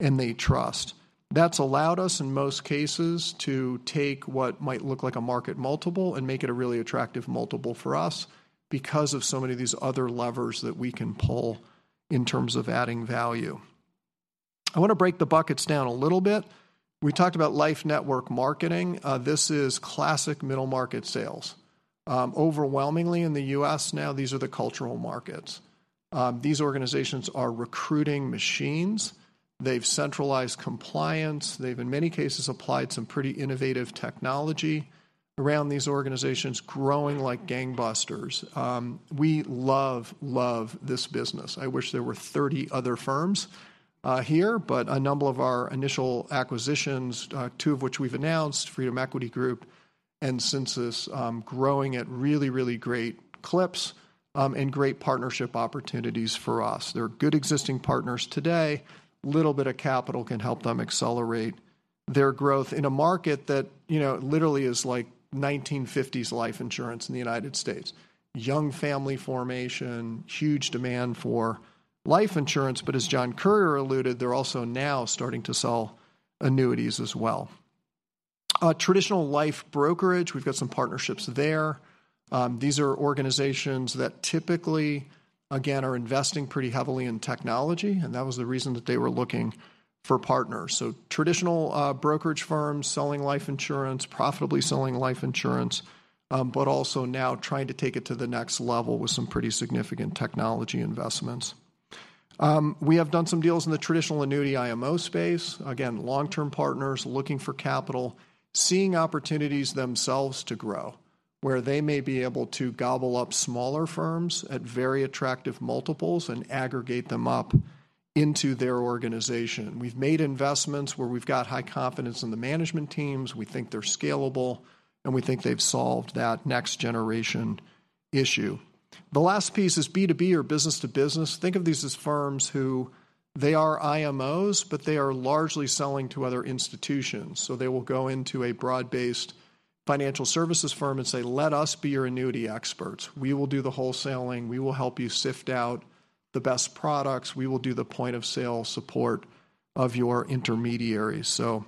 and they trust. That's allowed us, in most cases, to take what might look like a market multiple and make it a really attractive multiple for us because of so many of these other levers that we can pull in terms of adding value. I want to break the buckets down a little bit. We talked about life network marketing. This is classic middle-market sales. Overwhelmingly in the U.S. now, these are the cultural markets. These organizations are recruiting machines. They've centralized compliance. They've, in many cases, applied some pretty innovative technology around these organizations, growing like gangbusters. We love, love this business. I wish there were 30 other firms here, but a number of our initial acquisitions, two of which we've announced, Freedom Equity Group and Syncis growing at really, really great clips, and great partnership opportunities for us. They're good existing partners today. Little bit of capital can help them accelerate their growth in a market that, you know, literally is like 1950s life insurance in the United States. Young family formation, huge demand for life insurance, but as John Currier alluded, they're also now starting to sell annuities as well. Traditional life brokerage, we've got some partnerships there. These are organizations that typically, again, are investing pretty heavily in technology, and that was the reason that they were looking for partners. So traditional brokerage firms selling life insurance, profitably selling life insurance, but also now trying to take it to the next level with some pretty significant technology investments. We have done some deals in the traditional annuity IMO space. Again, long-term partners looking for capital, seeing opportunities themselves to grow, where they may be able to gobble up smaller firms at very attractive multiples and aggregate them up into their organization. We've made investments where we've got high confidence in the management teams, we think they're scalable, and we think they've solved that next generation issue. The last piece is B2B or business to business. Think of these as firms who they are IMOs, but they are largely selling to other institutions. So they will go into a broad-based financial services firm and say, "Let us be your annuity experts. We will do the wholesaling. We will help you sift out the best products. We will do the point-of-sale support of your intermediaries." So,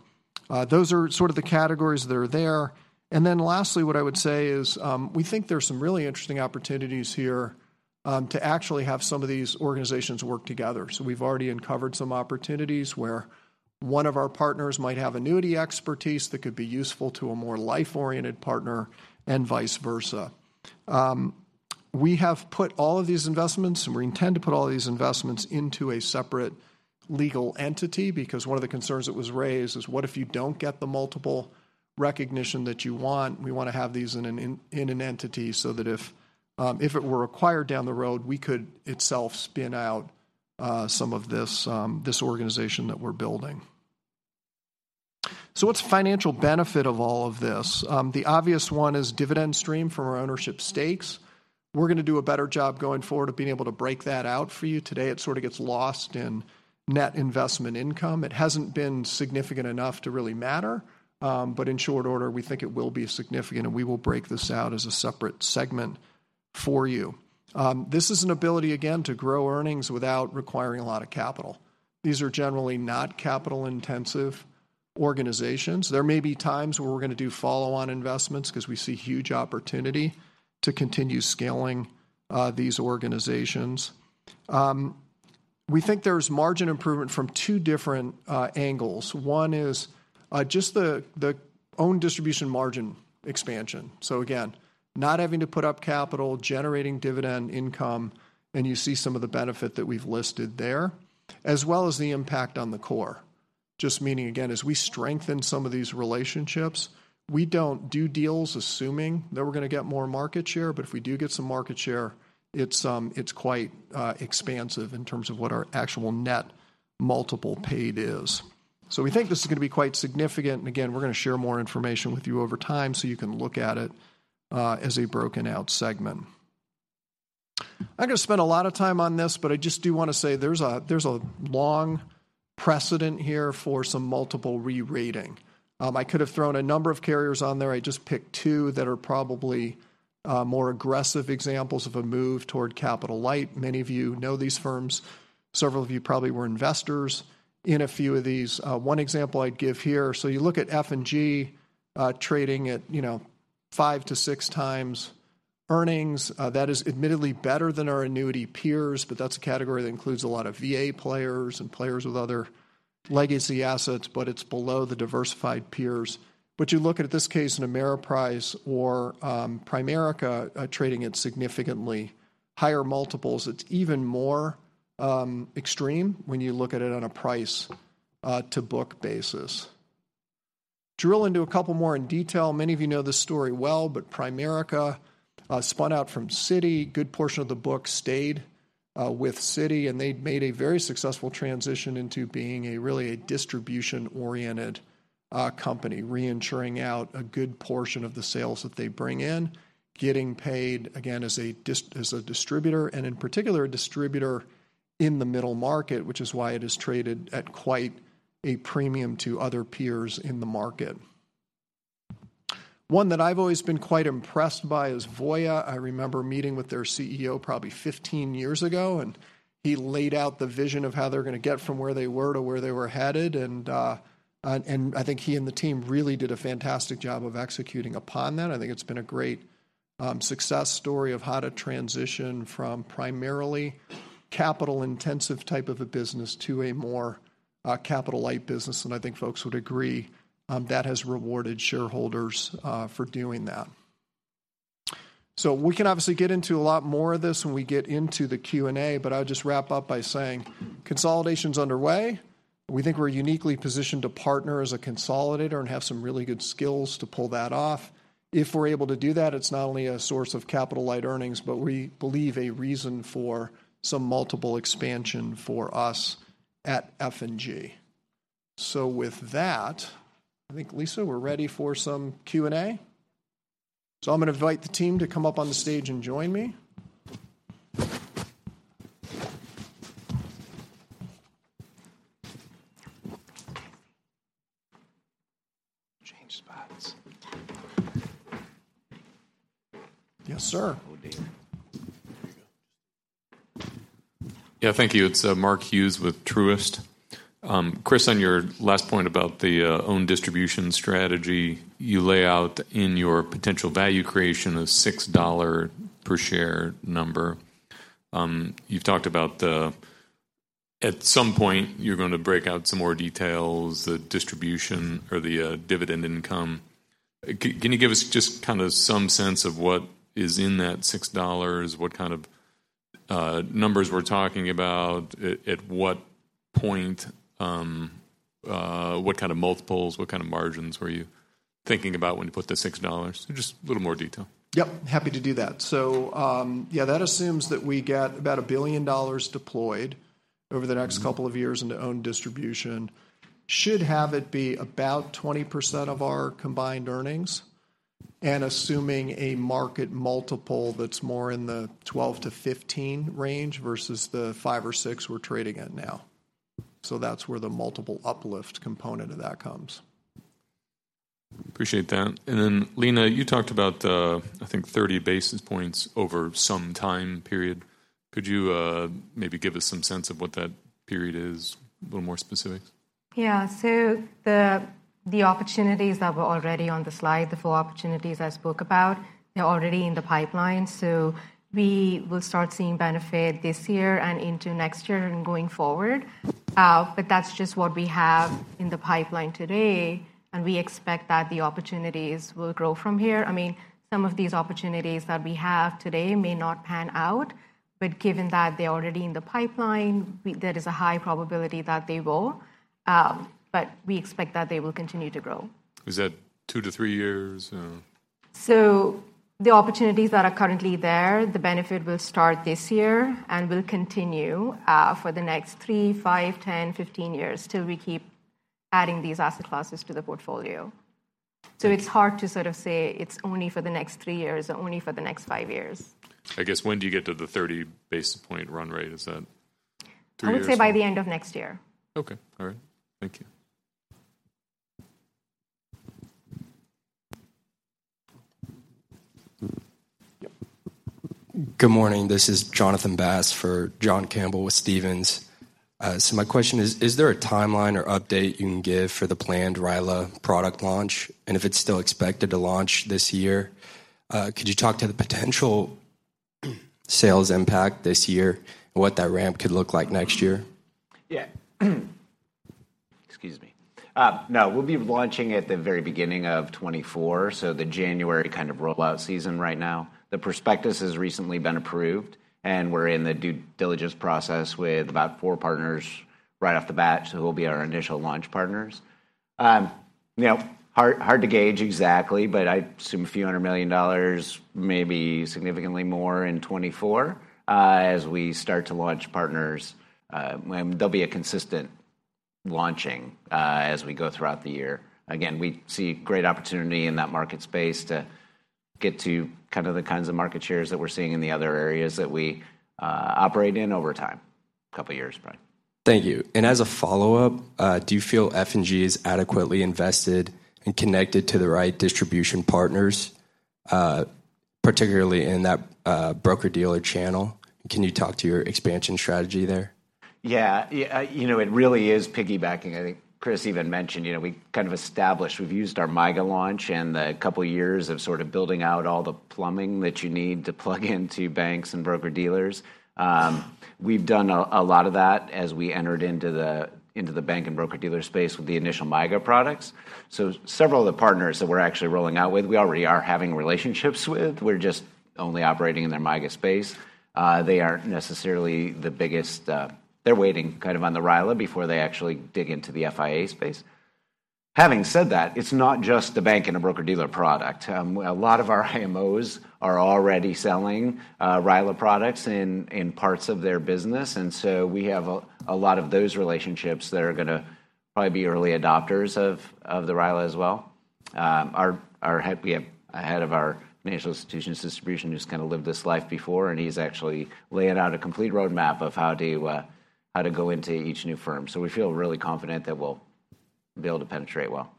those are sort of the categories that are there. And then lastly, what I would say is, we think there's some really interesting opportunities here, to actually have some of these organizations work together. So we've already uncovered some opportunities where one of our partners might have annuity expertise that could be useful to a more life-oriented partner and vice versa. We have put all of these investments, and we intend to put all these investments into a separate legal entity because one of the concerns that was raised is, what if you don't get the multiple recognition that you want? We want to have these in an entity so that if it were acquired down the road, we could itself spin out some of this organization that we're building. So what's the financial benefit of all of this? The obvious one is dividend stream from our ownership stakes. We're gonna do a better job going forward of being able to break that out for you. Today, it sort of gets lost in net investment income. It hasn't been significant enough to really matter, but in short order, we think it will be significant, and we will break this out as a separate segment for you. This is an ability, again, to grow earnings without requiring a lot of capital. These are generally not capital-intensive organizations. There may be times where we're gonna do follow-on investments 'cause we see huge opportunity to continue scaling these organizations. We think there's margin improvement from two different angles. One is just the own distribution margin expansion. So again, not having to put up capital, generating dividend income, and you see some of the benefit that we've listed there, as well as the impact on the core. Just meaning, again, as we strengthen some of these relationships, we don't do deals assuming that we're gonna get more market share, but if we do get some market share, it's quite expansive in terms of what our actual net multiple paid is. So we think this is gonna be quite significant, and again, we're gonna share more information with you over time so you can look at it as a broken-out segment. I'm not gonna spend a lot of time on this, but I just do wanna say there's a long precedent here for some multiple re-rating. I could have thrown a number of carriers on there. I just picked two that are probably more aggressive examples of a move toward capital-light. Many of you know these firms. Several of you probably were investors in a few of these. One example I'd give here: so you look at F&G, trading at, you know, five to six times earnings. That is admittedly better than our annuity peers, but that's a category that includes a lot of VA players and players with other legacy assets, but it's below the diversified peers. But you look at, this case, in Ameriprise or, Primerica, trading at significantly higher multiples, it's even more, extreme when you look at it on a price, to book basis. Drill into a couple more in detail. Many of you know this story well, but Primerica, spun out from Citi, good portion of the book stayed, with Citi, and they'd made a very successful transition into being a really a distribution-oriented, company, re-insuring out a good portion of the sales that they bring in, getting paid, again, as a distributor, and in particular, a distributor in the middle market, which is why it is traded at quite a premium to other peers in the market. One that I've always been quite impressed by is Voya. I remember meeting with their CEO probably 15 years ago, and he laid out the vision of how they're gonna get from where they were to where they were headed, and and I think he and the team really did a fantastic job of executing upon that. I think it's been a great success story of how to transition from primarily capital-intensive type of a business to a more capital-light business, and I think folks would agree that has rewarded shareholders for doing that. So we can obviously get into a lot more of this when we get into the Q&A, but I would just wrap up by saying consolidation's underway. We think we're uniquely positioned to partner as a consolidator and have some really good skills to pull that off. If we're able to do that, it's not only a source of capital-light earnings, but we believe a reason for some multiple expansion for us at F&G. So with that, I think, Lisa, we're ready for some Q&A? So I'm gonna invite the team to come up on the stage and join me. Change spots. Yes, sir. Oh, dear. There you go. Yeah, thank you. It's Mark Hughes with Truist. Chris, on your last point about the own distribution strategy, you lay out in your potential value creation a $6 per share number. You've talked about the... at some point, you're gonna break out some more details, the distribution or the dividend income. Can you give us just kind of some sense of what is in that $6, what kind of numbers we're talking about, at what point, what kind of multiples, what kind of margins were you thinking about when you put the $6? Just a little more detail. Yep, happy to do that. So, yeah, that assumes that we get about $1 billion deployed over the next couple of years into own distribution. Should have it be about 20% of our combined earnings, and assuming a market multiple that's more in the 12-15 range versus the five or six we're trading at now. So that's where the multiple uplift component of that comes. Appreciate that. And then, Leena, you talked about, I think 30 basis points over some time period. Could you, maybe give us some sense of what that period is, a little more specifics? Yeah. So the opportunities that were already on the slide, the four opportunities I spoke about, they're already in the pipeline, so we will start seeing benefit this year and into next year and going forward. But that's just what we have in the pipeline today, and we expect that the opportunities will grow from here. I mean, some of these opportunities that we have today may not pan out, but given that they're already in the pipeline, there is a high probability that they will. But we expect that they will continue to grow. Is that two to three years? The opportunities that are currently there, the benefit will start this year and will continue for the next three, five, 10, 15 years till we keep adding these asset classes to the portfolio. Okay. It's hard to sort of say it's only for the next three years or only for the next five years. I guess, when do you get to the 30 basis point run rate? Is that two years? I would say by the end of next year. Okay. All right. Thank you. Yep. Good morning. This is Jonathan Bass for John Campbell with Stephens. So my question is, is there a timeline or update you can give for the planned RILA product launch, and if it's still expected to launch this year? Could you talk to the potential sales impact this year, and what that ramp could look like next year? Yeah. Excuse me. No, we'll be launching at the very beginning of 2024, so the January kind of rollout season right now. The prospectus has recently been approved, and we're in the due diligence process with about four partners right off the bat, so they'll be our initial launch partners. You know, hard, hard to gauge exactly, but I assume a few hundred million dollars, maybe significantly more in 2024, as we start to launch partners. And there'll be a consistent launching, as we go throughout the year. Again, we see great opportunity in that market space to get to kind of the kinds of market shares that we're seeing in the other areas that we operate in over time. A couple of years, probably. Thank you. As a follow-up, do you feel F&G is adequately invested and connected to the right distribution partners, particularly in that broker-dealer channel? Can you talk to your expansion strategy there? Yeah. Yeah, you know, it really is piggybacking. I think Chris even mentioned, you know, we kind of established we've used our MYGA launch and the couple of years of sort of building out all the plumbing that you need to plug into banks and broker-dealers. We've done a lot of that as we entered into the bank and broker-dealer space with the initial MYGA products. So several of the partners that we're actually rolling out with, we already are having relationships with. We're just only operating in their MYGA space. They aren't necessarily the biggest... They're waiting kind of on the RILA before they actually dig into the FIA space. Having said that, it's not just the bank and a broker-dealer product. A lot of our IMOs are already selling RILA products in parts of their business, and so we have a lot of those relationships that are gonna probably be early adopters of the RILA as well. We have a head of our financial institutions distribution who's kind of lived this life before, and he's actually laying out a complete roadmap of how to go into each new firm. So we feel really confident that we'll be able to penetrate well.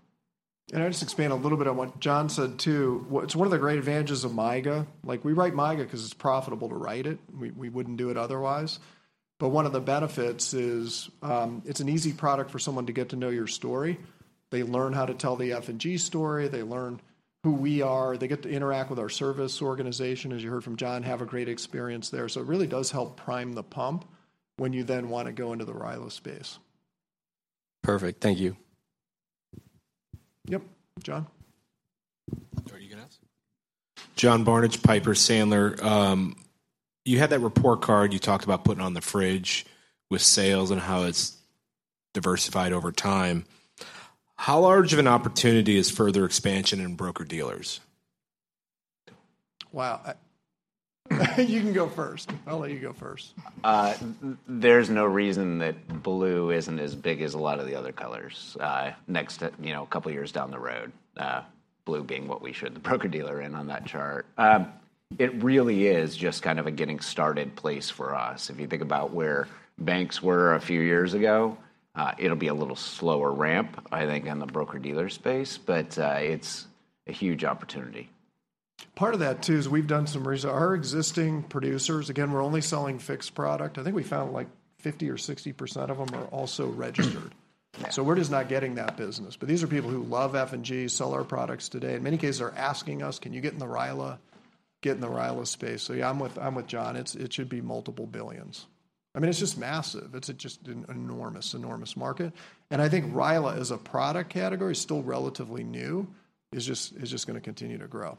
I'll just expand a little bit on what John said, too. Well, it's one of the great advantages of MYGA. Like, we write MYGA 'cause it's profitable to write it. We, we wouldn't do it otherwise. But one of the benefits is, it's an easy product for someone to get to know your story. They learn how to tell the F&G story, they learn who we are, they get to interact with our service organization, as you heard from John, have a great experience there. So it really does help prime the pump when you then want to go into the RILA space. Perfect. Thank you. Yep. John? Are you gonna ask? John Barnidge, Piper Sandler. You had that report card you talked about putting on the fridge with sales and how it's diversified over time. How large of an opportunity is further expansion in broker-dealers? Wow! You can go first. I'll let you go first. There's no reason that blue isn't as big as a lot of the other colors, next to, you know, a couple of years down the road. Blue being what we should- the broker-dealer in on that chart. It really is just kind of a getting started place for us. If you think about where banks were a few years ago, it'll be a little slower ramp, I think, in the broker-dealer space, but it's a huge opportunity. Part of that, too, is we've done some research. Our existing producers, again, we're only selling fixed product. I think we found, like, 50% or 60% of them are also registered. Yeah. So we're just not getting that business. But these are people who love F&G, sell our products today. In many cases, they're asking us: "Can you get in the RILA, get in the RILA space?" So yeah, I'm with, I'm with John. It should be multiple billions. I mean, it's just massive. It's just an enormous, enormous market. And I think RILA, as a product category, is still relatively new, is just, is just gonna continue to grow.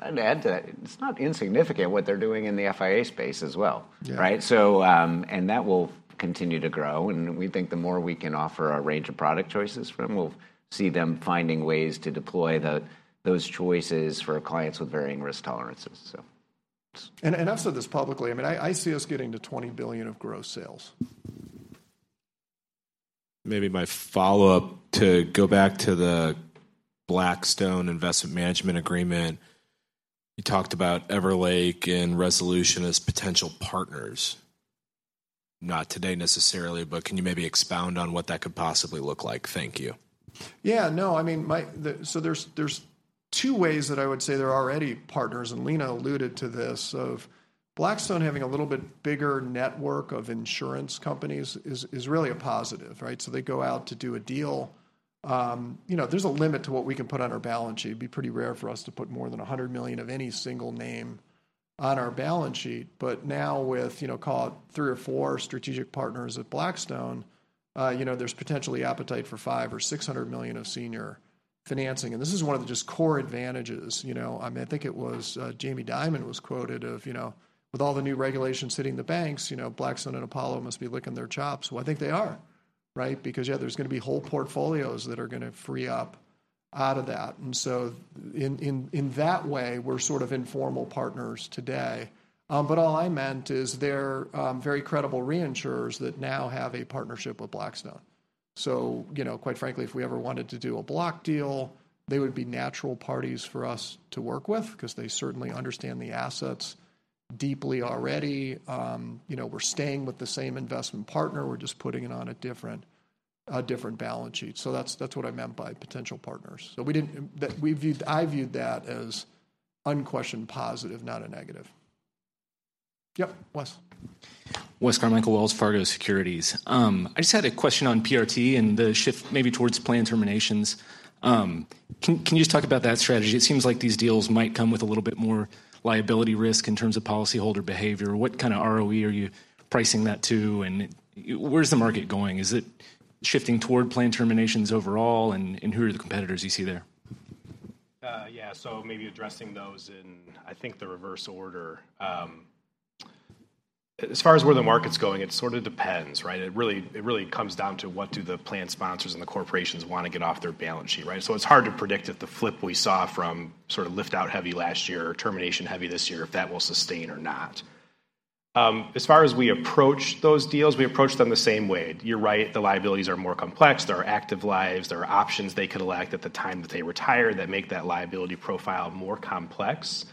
I'd add to that. It's not insignificant what they're doing in the FIA space as well. Yeah. Right? So, and that will continue to grow, and we think the more we can offer a range of product choices from, we'll see them finding ways to deploy the, those choices for clients with varying risk tolerances, so. I've said this publicly, I mean, I see us getting to $20 billion of gross sales. Maybe my follow-up, to go back to the Blackstone Investment Management Agreement, you talked about Everlake and Resolution as potential partners. Not today necessarily, but can you maybe expound on what that could possibly look like? Thank you. Yeah, no, I mean, so there's two ways that I would say they're already partners, and Leena alluded to this, of Blackstone having a little bit bigger network of insurance companies is really a positive, right? So they go out to do a deal. You know, there's a limit to what we can put on our balance sheet. It'd be pretty rare for us to put more than $100 million of any single name on our balance sheet. But now with, you know, call it three or four strategic partners at Blackstone, you know, there's potentially appetite for $500 million-$600 million of senior financing. And this is one of the just core advantages, you know. I mean, I think it was, Jamie Dimon was quoted of, you know, "With all the new regulations hitting the banks, you know, Blackstone and Apollo must be licking their chops." Well, I think they are, right? Because, yeah, there's gonna be whole portfolios that are gonna free up out of that. And so in that way, we're sort of informal partners today. But all I meant is they're very credible reinsurers that now have a partnership with Blackstone. So, you know, quite frankly, if we ever wanted to do a block deal, they would be natural parties for us to work with because they certainly understand the assets deeply already. You know, we're staying with the same investment partner, we're just putting it on a different balance sheet. So that's what I meant by potential partners. So, I viewed that as unquestioned positive, not a negative.... Yep, Wes. Wes Carmichael, Wells Fargo Securities. I just had a question on PRT and the shift maybe towards plan terminations. Can you just talk about that strategy? It seems like these deals might come with a little bit more liability risk in terms of policyholder behavior. What kind of ROE are you pricing that to, and where's the market going? Is it shifting toward plan terminations overall, and who are the competitors you see there? Yeah, so maybe addressing those in, I think, the reverse order. As far as where the market's going, it sort of depends, right? It really, it really comes down to what do the plan sponsors and the corporations want to get off their balance sheet, right? So it's hard to predict if the flip we saw from sort of lift-out heavy last year or termination heavy this year, if that will sustain or not. As far as we approach those deals, we approach them the same way. You're right, the liabilities are more complex. There are active lives. There are options they could elect at the time that they retire that make that liability profile more complex.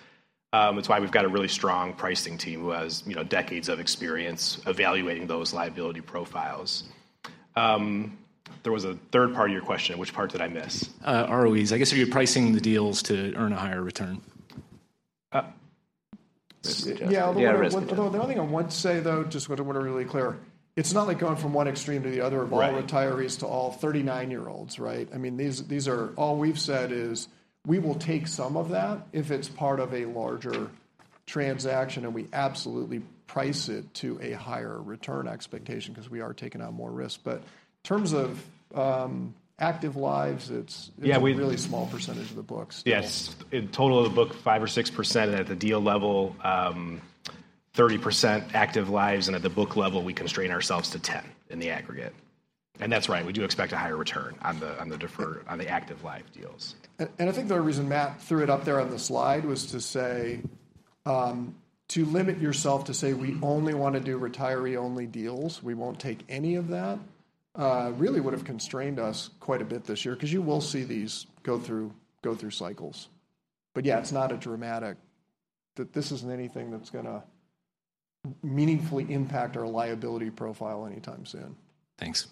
It's why we've got a really strong pricing team who has, you know, decades of experience evaluating those liability profiles. There was a third part of your question. Which part did I miss? ROEs. I guess, are you pricing the deals to earn a higher return? Yeah, the one- Yeah, the risk- The one thing I would say, though, just want to be really clear, it's not like going from one extreme to the other- Right Of all retirees to all 39-year-olds, right? I mean, these, these are... All we've said is, we will take some of that if it's part of a larger transaction, and we absolutely price it to a higher return expectation because we are taking on more risk. But in terms of, active lives, it's. Yeah, we. It's a really small percentage of the books. Yes. In total of the book, 5 or 6%, and at the deal level, 30% active lives, and at the book level, we constrain ourselves to 10 in the aggregate. And that's right, we do expect a higher return on the, on the deferred on the active life deals. And I think the reason Matt threw it up there on the slide was to say, to limit yourself to say we only want to do retiree-only deals. We won't take any of that. Really, that would've constrained us quite a bit this year, 'cause you will see these go through cycles. But yeah, it's not a dramatic... That this isn't anything that's gonna meaningfully impact our liability profile anytime soon. Thanks.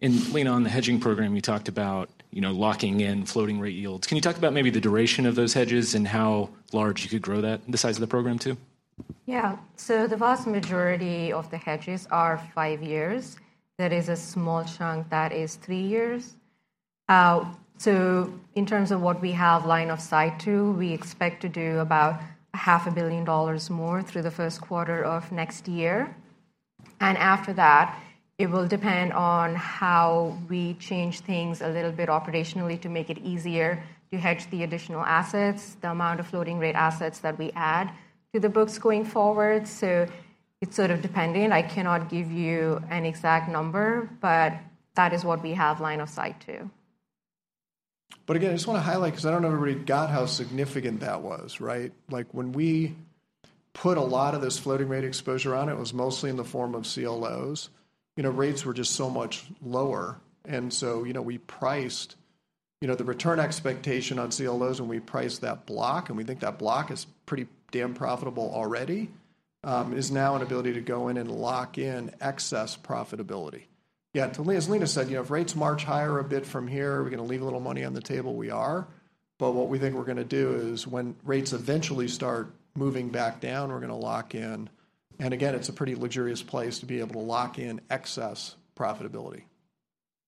Leena, on the hedging program, you talked about, you know, locking in floating rate yields. Can you talk about maybe the duration of those hedges and how large you could grow that, the size of the program, too? Yeah. So the vast majority of the hedges are five years. There is a small chunk that is three years. So in terms of what we have line of sight to, we expect to do about $500 million more through the first quarter of next year, and after that, it will depend on how we change things a little bit operationally to make it easier to hedge the additional assets, the amount of floating rate assets that we add to the books going forward. So it's sort of depending. I cannot give you an exact number, but that is what we have line of sight to. But again, I just want to highlight, 'cause I don't know everybody got how significant that was, right? Like, when we put a lot of this floating rate exposure on, it was mostly in the form of CLOs. You know, rates were just so much lower, and so, you know, we priced... You know, the return expectation on CLOs when we priced that block, and we think that block is pretty damn profitable already, is now an ability to go in and lock in excess profitability. Yeah, so as Leena said, you know, if rates march higher a bit from here, are we gonna leave a little money on the table? We are. But what we think we're gonna do is, when rates eventually start moving back down, we're gonna lock in. And again, it's a pretty luxurious place to be able to lock in excess profitability.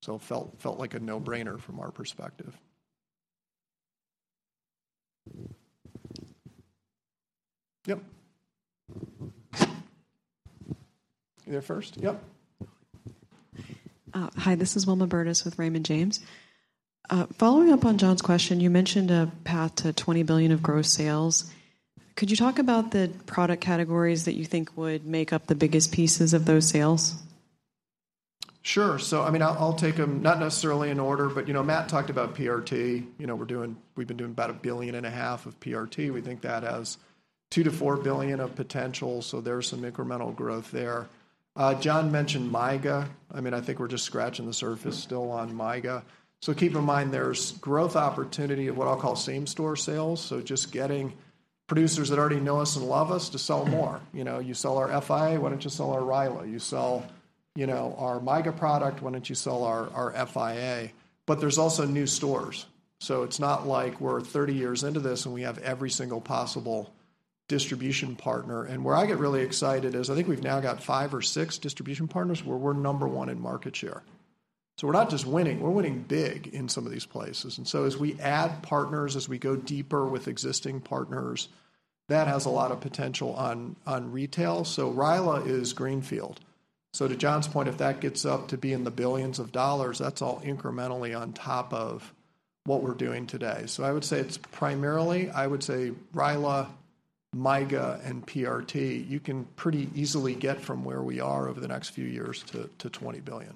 So it felt like a no-brainer from our perspective. Yep. You there first? Yep. Hi, this is Wilma Burdis with Raymond James. Following up on John's question, you mentioned a path to $20 billion of gross sales. Could you talk about the product categories that you think would make up the biggest pieces of those sales? Sure. So I mean, I'll, I'll take them, not necessarily in order, but, you know, Matt talked about PRT. You know, we're doing- we've been doing about $1.5 billion of PRT. We think that has $2 billion-$4 billion of potential, so there's some incremental growth there. John mentioned MYGA. I mean, I think we're just scratching the surface still on MYGA. So keep in mind, there's growth opportunity of what I'll call same-store sales, so just getting producers that already know us and love us to sell more. You know, you sell our FIA, why don't you sell our RILA? You sell, you know, our MYGA product, why don't you sell our, our FIA? But there's also new stores, so it's not like we're 30 years into this, and we have every single possible distribution partner. And where I get really excited is, I think we've now got five or six distribution partners where we're number one in market share. So we're not just winning, we're winning big in some of these places, and so as we add partners, as we go deeper with existing partners, that has a lot of potential on, on retail. So RILA is greenfield. So to John's point, if that gets up to be in the billions of dollars, that's all incrementally on top of what we're doing today. So I would say it's primarily, I would say, RILA, MYGA, and PRT. You can pretty easily get from where we are over the next few years to $20 billion.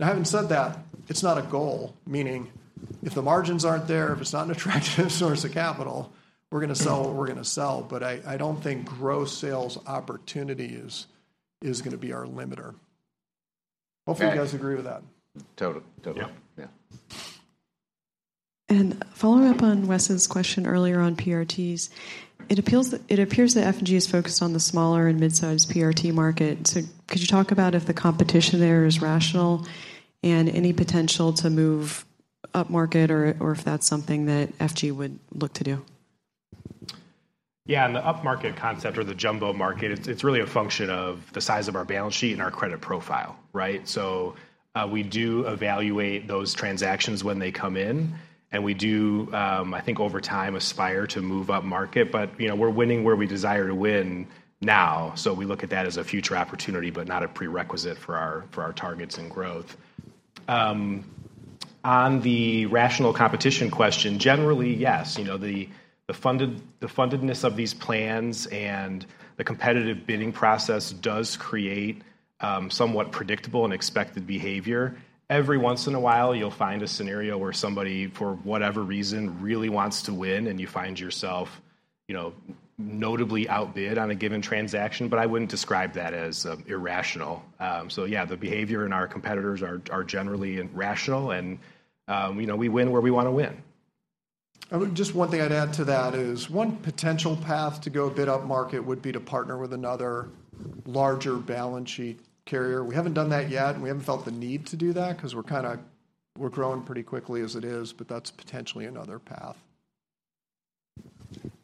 Now, having said that, it's not a goal, meaning if the margins aren't there, if it's not an attractive source of capital, we're gonna sell what we're gonna sell. But I don't think growth sales opportunity is gonna be our limiter. Hopefully, you guys agree with that. Total- totally. Yeah. Yeah. Following up on Wes's question earlier on PRTs, it appears that F&G is focused on the smaller and mid-sized PRT market. So could you talk about if the competition there is rational and any potential to move upmarket or, or if that's something that F&G would look to do? Yeah, in the upmarket concept or the jumbo market, it's really a function of the size of our balance sheet and our credit profile, right? So, we do evaluate those transactions when they come in, and we do, I think over time, aspire to move upmarket. But, you know, we're winning where we desire to win now. So we look at that as a future opportunity, but not a prerequisite for our targets and growth. On the rational competition question, generally, yes, you know, the fundedness of these plans and the competitive bidding process does create somewhat predictable and expected behavior. Every once in a while, you'll find a scenario where somebody, for whatever reason, really wants to win, and you find yourself, you know, notably outbid on a given transaction, but I wouldn't describe that as irrational. So yeah, the behavior in our competitors are generally rational, and you know, we win where we wanna win. I would just one thing I'd add to that is, one potential path to go a bit upmarket would be to partner with another larger balance sheet carrier. We haven't done that yet, and we haven't felt the need to do that because we're kinda we're growing pretty quickly as it is, but that's potentially another path.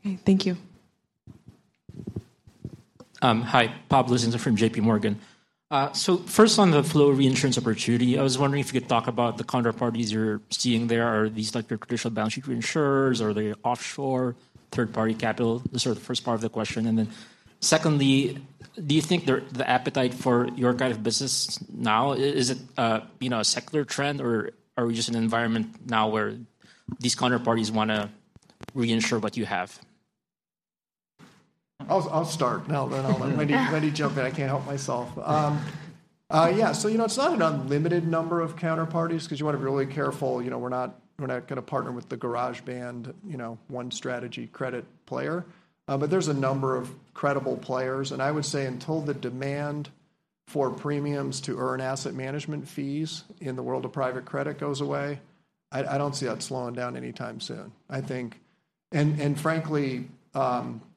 Okay. Thank you. Hi, Pablo Singzon from JP Morgan. So first on the flow reinsurance opportunity, I was wondering if you could talk about the counterparties you're seeing there. Are these, like, your traditional balance sheet reinsurers? Are they offshore third-party capital? This is sort of the first part of the question. And then secondly, do you think the appetite for your kind of business now, is it, you know, a secular trend, or are we just in an environment now where these counterparties wanna reinsure what you have? I'll start, and then I'll let Wendy jump in. I can't help myself. Yeah, so, you know, it's not an unlimited number of counterparties 'cause you wanna be really careful. You know, we're not gonna partner with the garage band, you know, one strategy credit player. But there's a number of credible players, and I would say until the demand for premiums to earn asset management fees in the world of private credit goes away, I don't see that slowing down anytime soon. I think... And frankly,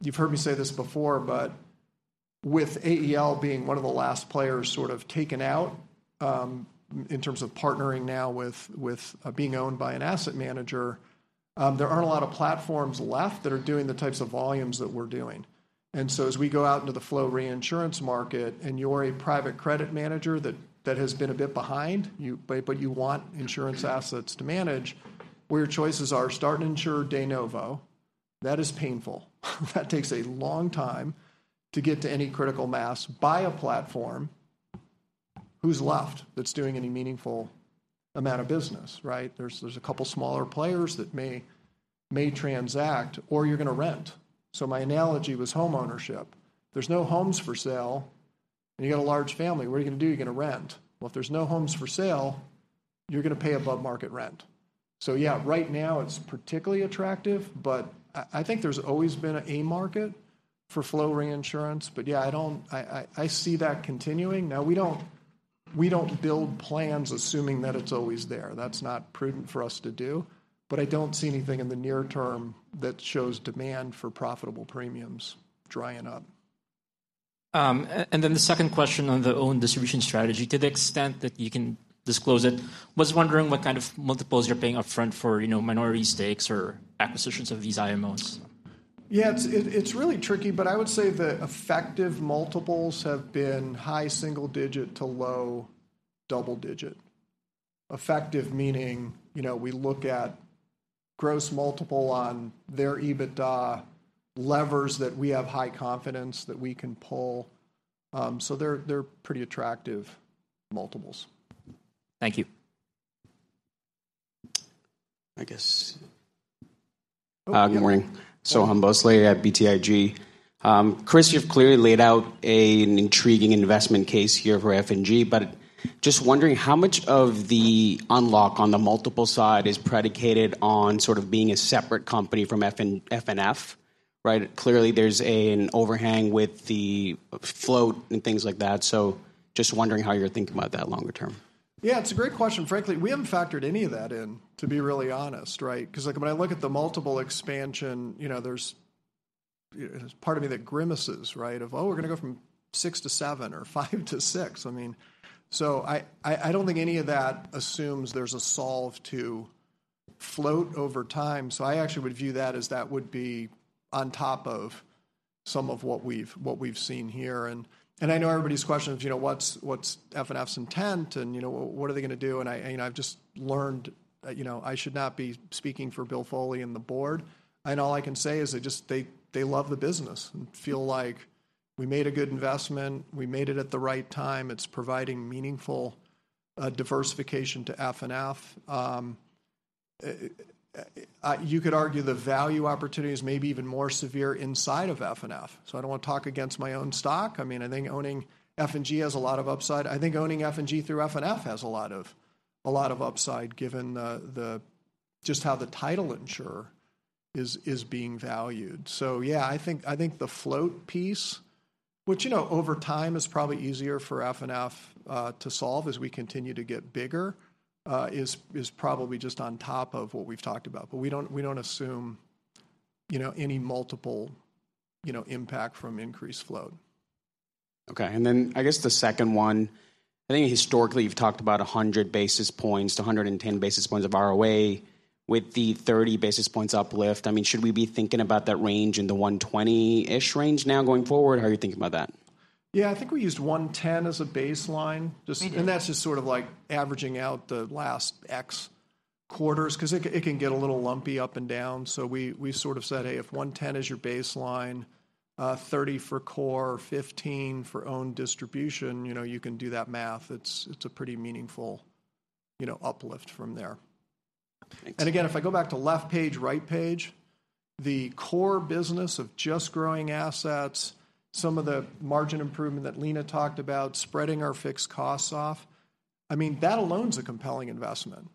you've heard me say this before, but with AEL being one of the last players sort of taken out, in terms of partnering now with being owned by an asset manager, there aren't a lot of platforms left that are doing the types of volumes that we're doing. And so as we go out into the Flow Reinsurance market, and you're a private credit manager that has been a bit behind, but you want insurance assets to manage, well, your choices are start an insurer de novo. That is painful. That takes a long time to get to any critical mass. Buy a platform, who's left that's doing any meaningful amount of business, right? There's a couple smaller players that may transact, or you're gonna rent. So my analogy was homeownership. There's no homes for sale, and you got a large family. What are you gonna do? You're gonna rent. Well, if there's no homes for sale, you're gonna pay above-market rent. So yeah, right now, it's particularly attractive, but I think there's always been a market for flow reinsurance. But yeah, I don't... I see that continuing. Now, we don't build plans assuming that it's always there. That's not prudent for us to do, but I don't see anything in the near term that shows demand for profitable premiums drying up. And then the second question on the own distribution strategy, to the extent that you can disclose it, was wondering what kind of multiples you're paying up front for, you know, minority stakes or acquisitions of these IMOs? Yeah, it's really tricky, but I would say the effective multiples have been high single-digit to low double-digit. Effective, meaning, you know, we look at gross multiple on their EBITDA levers that we have high confidence that we can pull, so they're pretty attractive multiples. Thank you. I guess. Good morning. Yeah. Soham Bhonsle at BTIG. Chris, you've clearly laid out a, an intriguing investment case here for F&G, but just wondering: How much of the unlock on the multiple side is predicated on sort of being a separate company from F&G and FNF, right? Clearly, there's an overhang with the float and things like that, so just wondering how you're thinking about that longer term. Yeah, it's a great question. Frankly, we haven't factored any of that in, to be really honest, right? 'Cause, like, when I look at the multiple expansion, you know, there's part of me that grimaces, right? Of, "Oh, we're gonna go from six to seven or five to six." I mean... So I don't think any of that assumes there's a solve to float over time, so I actually would view that as that would be on top of some of what we've seen here. And I know everybody's question is, you know, "What's FNF's intent, and, you know, what are they gonna do?" And I, you know, I've just learned that, you know, I should not be speaking for Bill Foley and the board. All I can say is they just love the business and feel like we made a good investment, we made it at the right time. It's providing meaningful diversification to FNF. You could argue the value opportunity is maybe even more severe inside of FNF, so I don't wanna talk against my own stock. I mean, I think owning F&G has a lot of upside. I think owning F&G through FNF has a lot of upside, given the just how the title insurer is being valued. So yeah, I think the float piece, which, you know, over time, is probably easier for FNF to solve as we continue to get bigger, is probably just on top of what we've talked about. But we don't, we don't assume, you know, any multiple, you know, impact from increased float. Okay, and then I guess the second one, I think historically you've talked about 100 basis points-110 basis points of ROA, with the 30 basis points uplift. I mean, should we be thinking about that range in the 120-ish range now going forward? How are you thinking about that? Yeah, I think we used 110 as a baseline. We did. Just, and that's just sort of like averaging out the last X quarters, 'cause it can get a little lumpy up and down. So we, we sort of said, "Hey, if 110 is your baseline, 30 for core, 15 for own distribution," you know, you can do that math. It's, it's a pretty meaningful, you know, uplift from there. Thanks. And again, if I go back to left page, right page, the core business of just growing assets, some of the margin improvement that Leena talked about, spreading our fixed costs off, I mean, that alone's a compelling investment,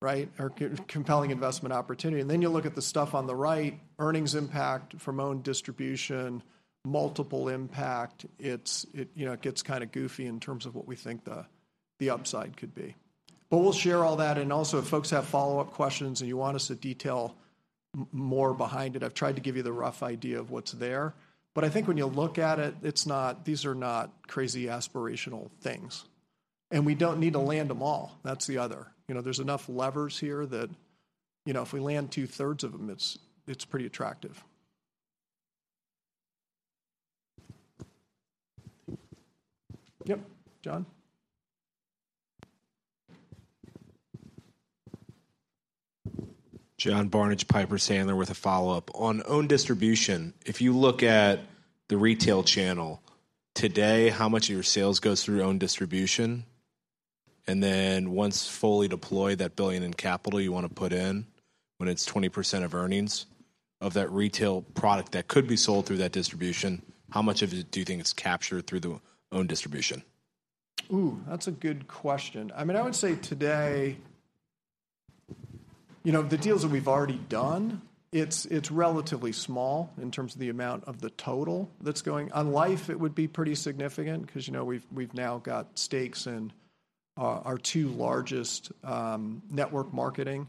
right? Or compelling investment opportunity. Then you look at the stuff on the right, earnings impact from own distribution, multiple impact, it's... It, you know, it gets kind of goofy in terms of what we think the, the upside could be. But we'll share all that, and also if folks have follow-up questions and you want us to detail more behind it, I've tried to give you the rough idea of what's there. But I think when you look at it, it's not, these are not crazy aspirational things. We don't need to land them all, that's the other. You know, there's enough levers here that, you know, if we land two-thirds of them, it's pretty attractive. Yep, John? John Barnidge, Piper Sandler, with a follow-up. On own distribution, if you look at the retail channel, today, how much of your sales goes through own distribution? And then once fully deployed, that $1 billion in capital you want to put in, when it's 20% of earnings, of that retail product that could be sold through that distribution, how much of it do you think is captured through the own distribution? Ooh, that's a good question. I mean, I would say today, you know, the deals that we've already done, it's relatively small in terms of the amount of the total that's going. On life, it would be pretty significant, 'cause, you know, we've now got stakes in our two largest network marketing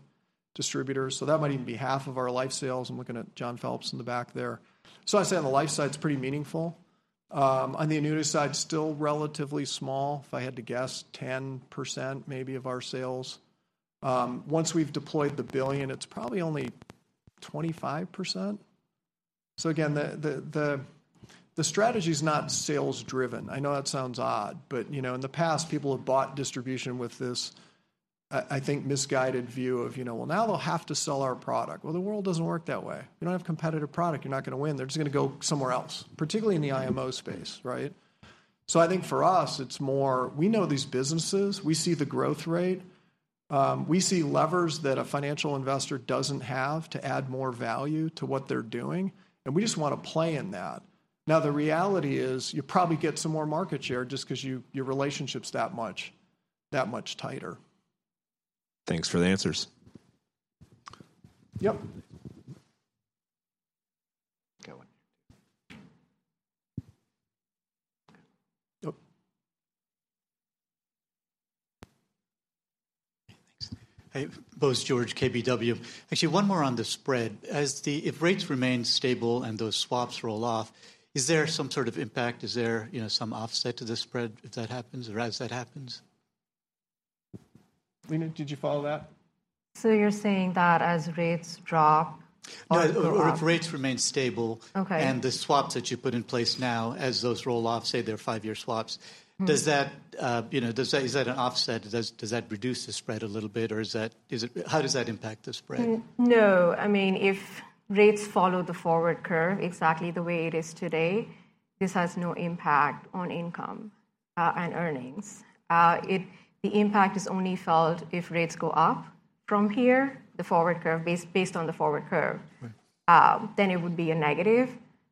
distributors. So that might even be half of our life sales. I'm looking at John Phelps in the back there. So I'd say on the life side, it's pretty meaningful. On the annuity side, still relatively small. If I had to guess, 10% maybe of our sales. Once we've deployed the $1 billion, it's probably only 25%. So again, the strategy's not sales driven. I know that sounds odd, but, you know, in the past, people have bought distribution with this, I think, misguided view of, you know, "Well, now they'll have to sell our product." Well, the world doesn't work that way. You don't have competitive product, you're not gonna win. They're just gonna go somewhere else, particularly in the IMO space, right? So I think for us, it's more, we know these businesses, we see the growth rate, we see levers that a financial investor doesn't have to add more value to what they're doing, and we just want to play in that. Now, the reality is, you'll probably get some more market share just because your relationship's that much, that much tighter. Thanks for the answers. Yep. Got one. Oh. Thanks. Hey, Bose George, KBW. Actually, one more on the spread. If rates remain stable and those swaps roll off, is there some sort of impact? Is there, you know, some offset to the spread if that happens or as that happens? Leena, did you follow that? So you're saying that as rates drop or go up. No, or if rates remain stable. Okay And the swaps that you put in place now, as those roll off, say, they're five-year swaps. Does that, you know, is that an offset? Does that reduce the spread a little bit, or is that, is it... How does that impact the spread? No. I mean, if rates follow the forward curve exactly the way it is today, this has no impact on income and earnings. The impact is only felt if rates go up from here, the forward curve, based on the forward curve. Right. It would be a negative.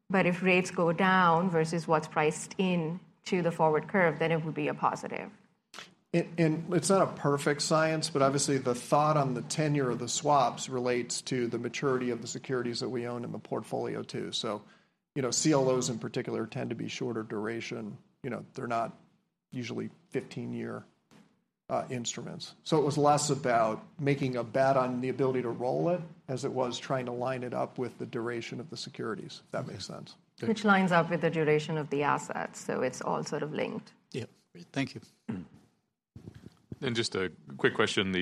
But if rates go down versus what's priced in to the forward curve, then it would be a positive. It, and it's not a perfect science, but obviously the thought on the tenure of the swaps relates to the maturity of the securities that we own in the portfolio, too. So, you know, CLOs in particular tend to be shorter duration. You know, they're not usually 15-year instruments. So it was less about making a bet on the ability to roll it, as it was trying to line it up with the duration of the securities, if that makes sense. Okay. Which lines up with the duration of the assets, so it's all sort of linked. Yeah. Great, thank you. Just a quick question.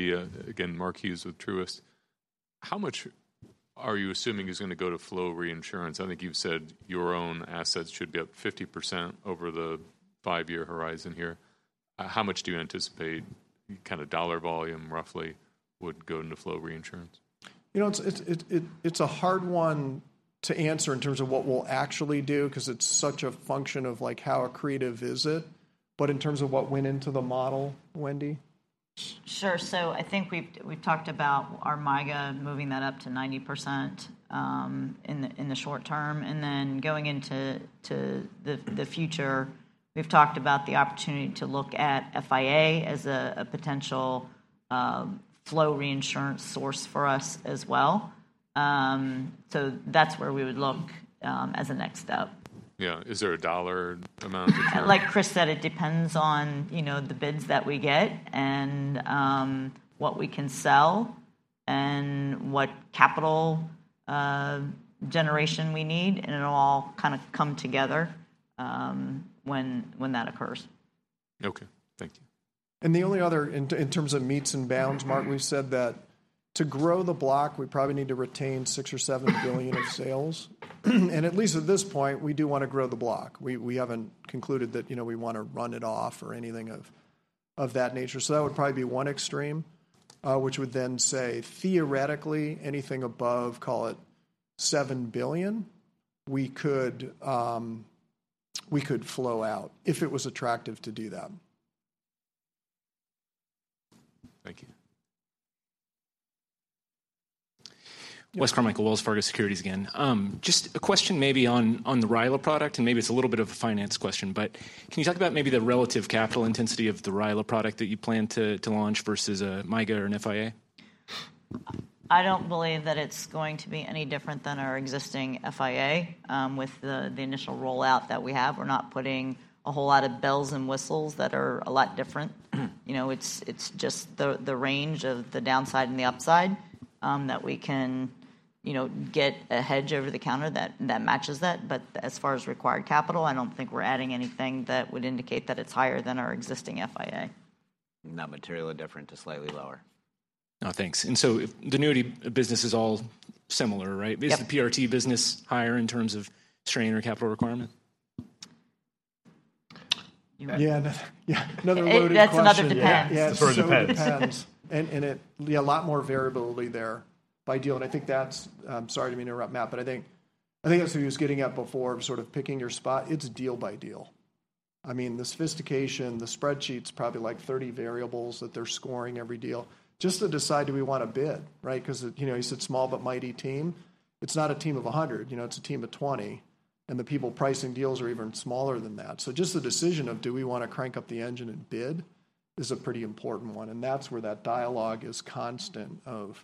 Again, Mark Hughes with Truist. How much are you assuming is gonna go to Flow Reinsurance? I think you've said your own assets should be up 50% over the five-year horizon here. How much do you anticipate, kind of dollar volume roughly, would go into Flow Reinsurance? You know, it's a hard one to answer in terms of what we'll actually do, 'cause it's such a function of, like, how accretive is it? But in terms of what went into the model, Wendy? Sure. So I think we've talked about our MYGA, moving that up to 90%, in the short term. And then going into the future, we've talked about the opportunity to look at FIA as a potential Flow Reinsurance source for us as well. So that's where we would look as a next step. Yeah. Is there a dollar amount that you. Like Chris said, it depends on, you know, the bids that we get and what we can sell and what capital generation we need, and it'll all kind of come together when, when that occurs. Okay, thank you. The only other in terms of metes and bounds, Mark, we've said that to grow the block, we probably need to retain $6 billion-$7 billion in sales. At least at this point, we do want to grow the block. We haven't concluded that, you know, we want to run it off or anything of that nature. That would probably be one extreme, which would then say, theoretically, anything above, call it $7 billion, we could flow out if it was attractive to do that. Thank you. Wes Carmichael, Wells Fargo Securities again. Just a question maybe on the RILA product, and maybe it's a little bit of a finance question, but can you talk about maybe the relative capital intensity of the RILA product that you plan to launch versus a MYGA or an FIA? I don't believe that it's going to be any different than our existing FIA, with the initial rollout that we have. We're not putting a whole lot of bells and whistles that are a lot different. You know, it's just the range of the downside and the upside that we can, you know, get a hedge over the counter that matches that. But as far as required capital, I don't think we're adding anything that would indicate that it's higher than our existing FIA. Not materially different to slightly lower. Oh, thanks. And so if the annuity business is all similar, right? Yep. Is the PRT business higher in terms of strain or capital requirement? You know. Yeah, yeah, another loaded question. That's another depends. Sort of depends. It depends. Yeah, a lot more variability there by deal, and I think that's... Sorry to interrupt, Matt, but I think, I think as he was getting at before, sort of picking your spot, it's deal by deal. I mean, the sophistication, the spreadsheets, probably like 30 variables that they're scoring every deal just to decide: Do we want to bid, right? 'Cause, you know, you said small but mighty team. It's not a team of 100, you know, it's a team of 20, and the people pricing deals are even smaller than that. So just the decision of, do we want to crank up the engine and bid, is a pretty important one, and that's where that dialogue is constant of,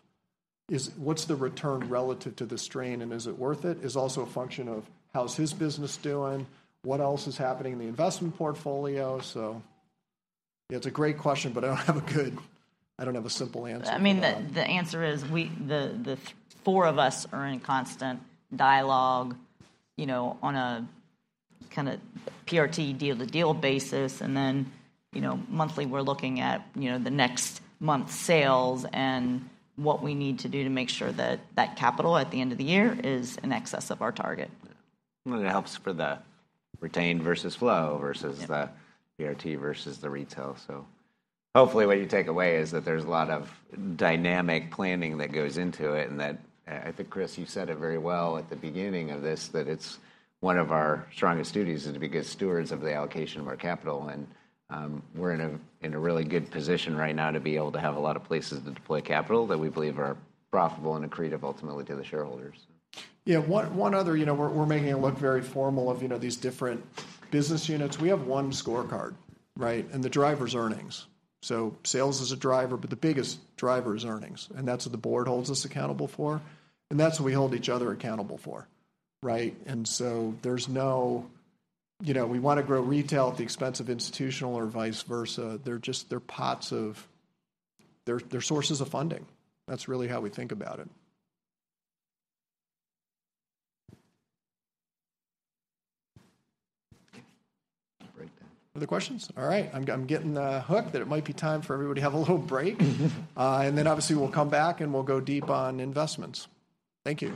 is, what's the return relative to the strain, and is it worth it? Is also a function of, how's his business doing? What else is happening in the investment portfolio? So yeah, it's a great question, but I don't have a simple answer. I mean, the answer is, we, the four of us are in constant dialogue, you know, on a kind of PRT deal-to-deal basis. And then, you know, monthly, we're looking at, you know, the next month's sales and what we need to do to make sure that that capital at the end of the year is in excess of our target. It helps for the retained versus flow versus the PRT versus the retail. So hopefully, what you take away is that there's a lot of dynamic planning that goes into it, and that, I think, Chris, you said it very well at the beginning of this, that it's one of our strongest duties, is to be good stewards of the allocation of our capital. And, we're in a really good position right now to be able to have a lot of places to deploy capital that we believe are profitable and accretive ultimately to the shareholders. Yeah, one other, you know, we're making it look very formal of, you know, these different business units. We have one scorecard, right? And the driver's earnings. So sales is a driver, but the biggest driver is earnings, and that's what the board holds us accountable for, and that's what we hold each other accountable for, right? And so there's no... You know, we want to grow retail at the expense of institutional or vice versa. They're just, they're pots of... They're, they're sources of funding. That's really how we think about it. Other questions? All right, I'm getting the hook that it might be time for everybody to have a little break. And then obviously, we'll come back, and we'll go deep on investments. Thank you.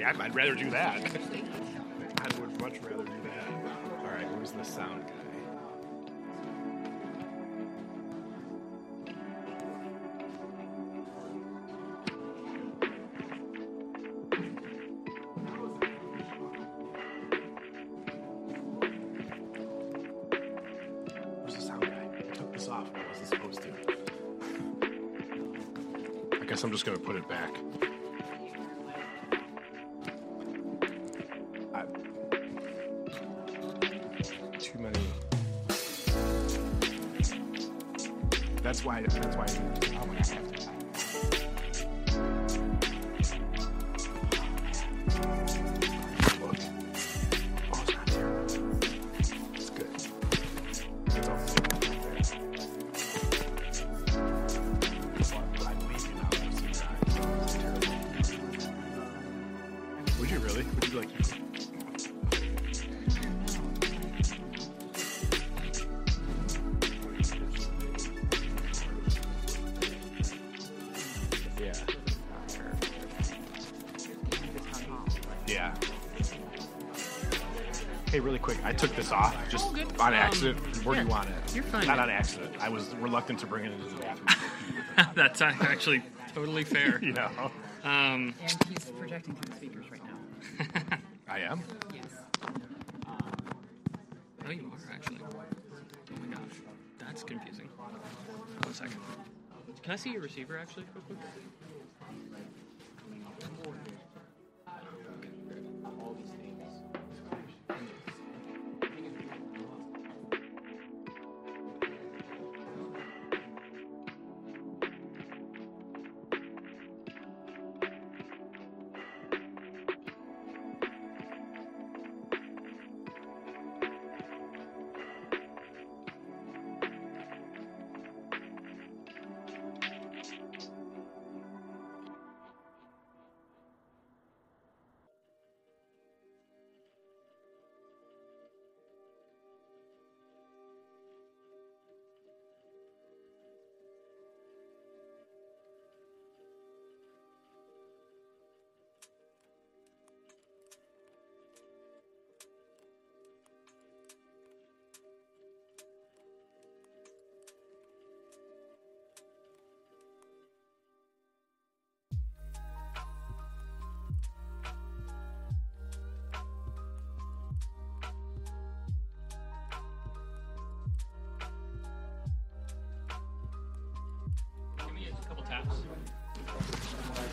Too many. That's why, Where do you want it? You're fine. Not on accident. I was reluctant to bring it into the bathroom. That's actually totally fair. You know? He's projecting through the speakers right now. I am? Yes. No, you are actually. Oh, my gosh, that's confusing. One second. Can I see your receiver actually, real quick? Give me a couple taps. Good.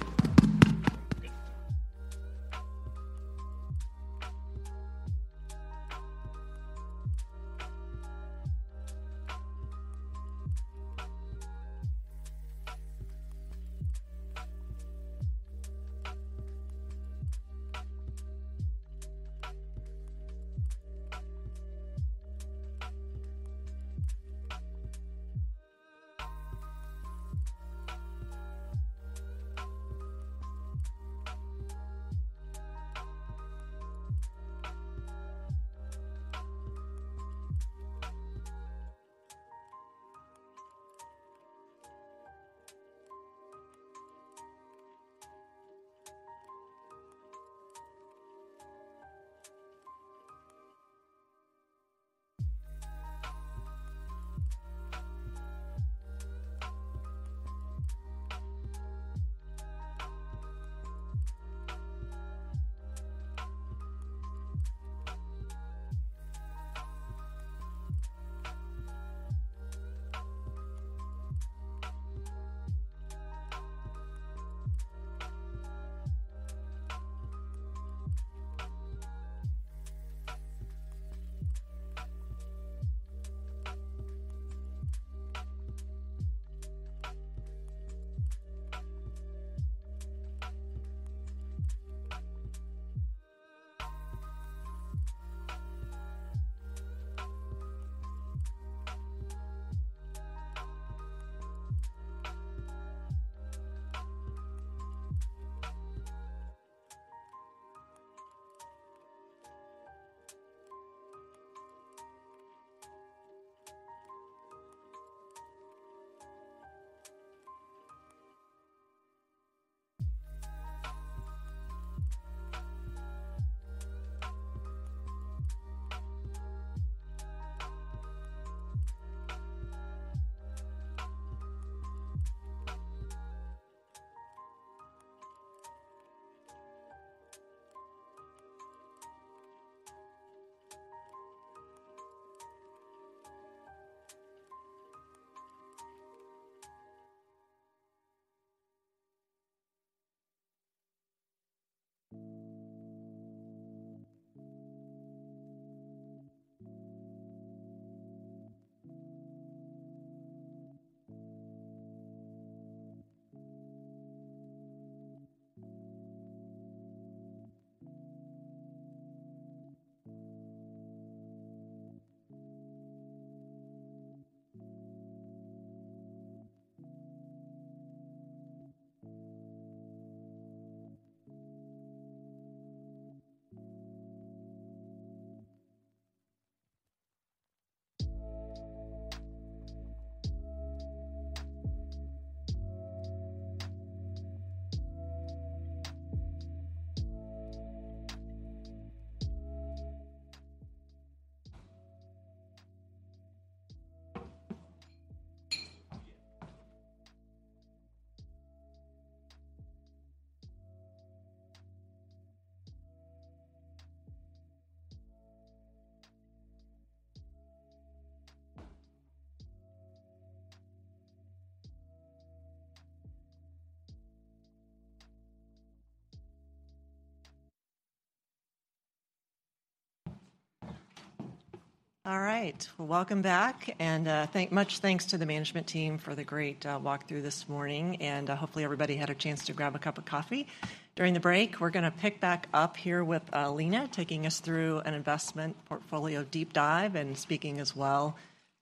All right. Well, welcome back, and thanks to the management team for the great walkthrough this morning, and hopefully, everybody had a chance to grab a cup of coffee during the break. We're gonna pick back up here with Leena, taking us through an investment portfolio deep dive, and speaking as well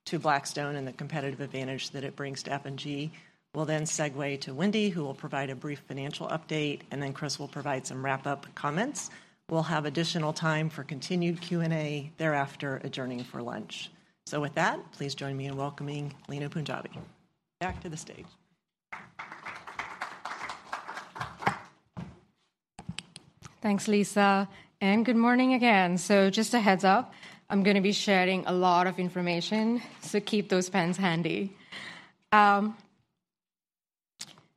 to Blackstone and the competitive advantage that it brings to F&G. We'll then segue to Wendy, who will provide a brief financial update, and then Chris will provide some wrap-up comments. We'll have additional time for continued Q&A, thereafter adjourning for lunch. So with that, please join me in welcoming Leena Punjabi back to the stage. Thanks, Lisa, and good morning again. So just a heads-up, I'm gonna be sharing a lot of information, so keep those pens handy.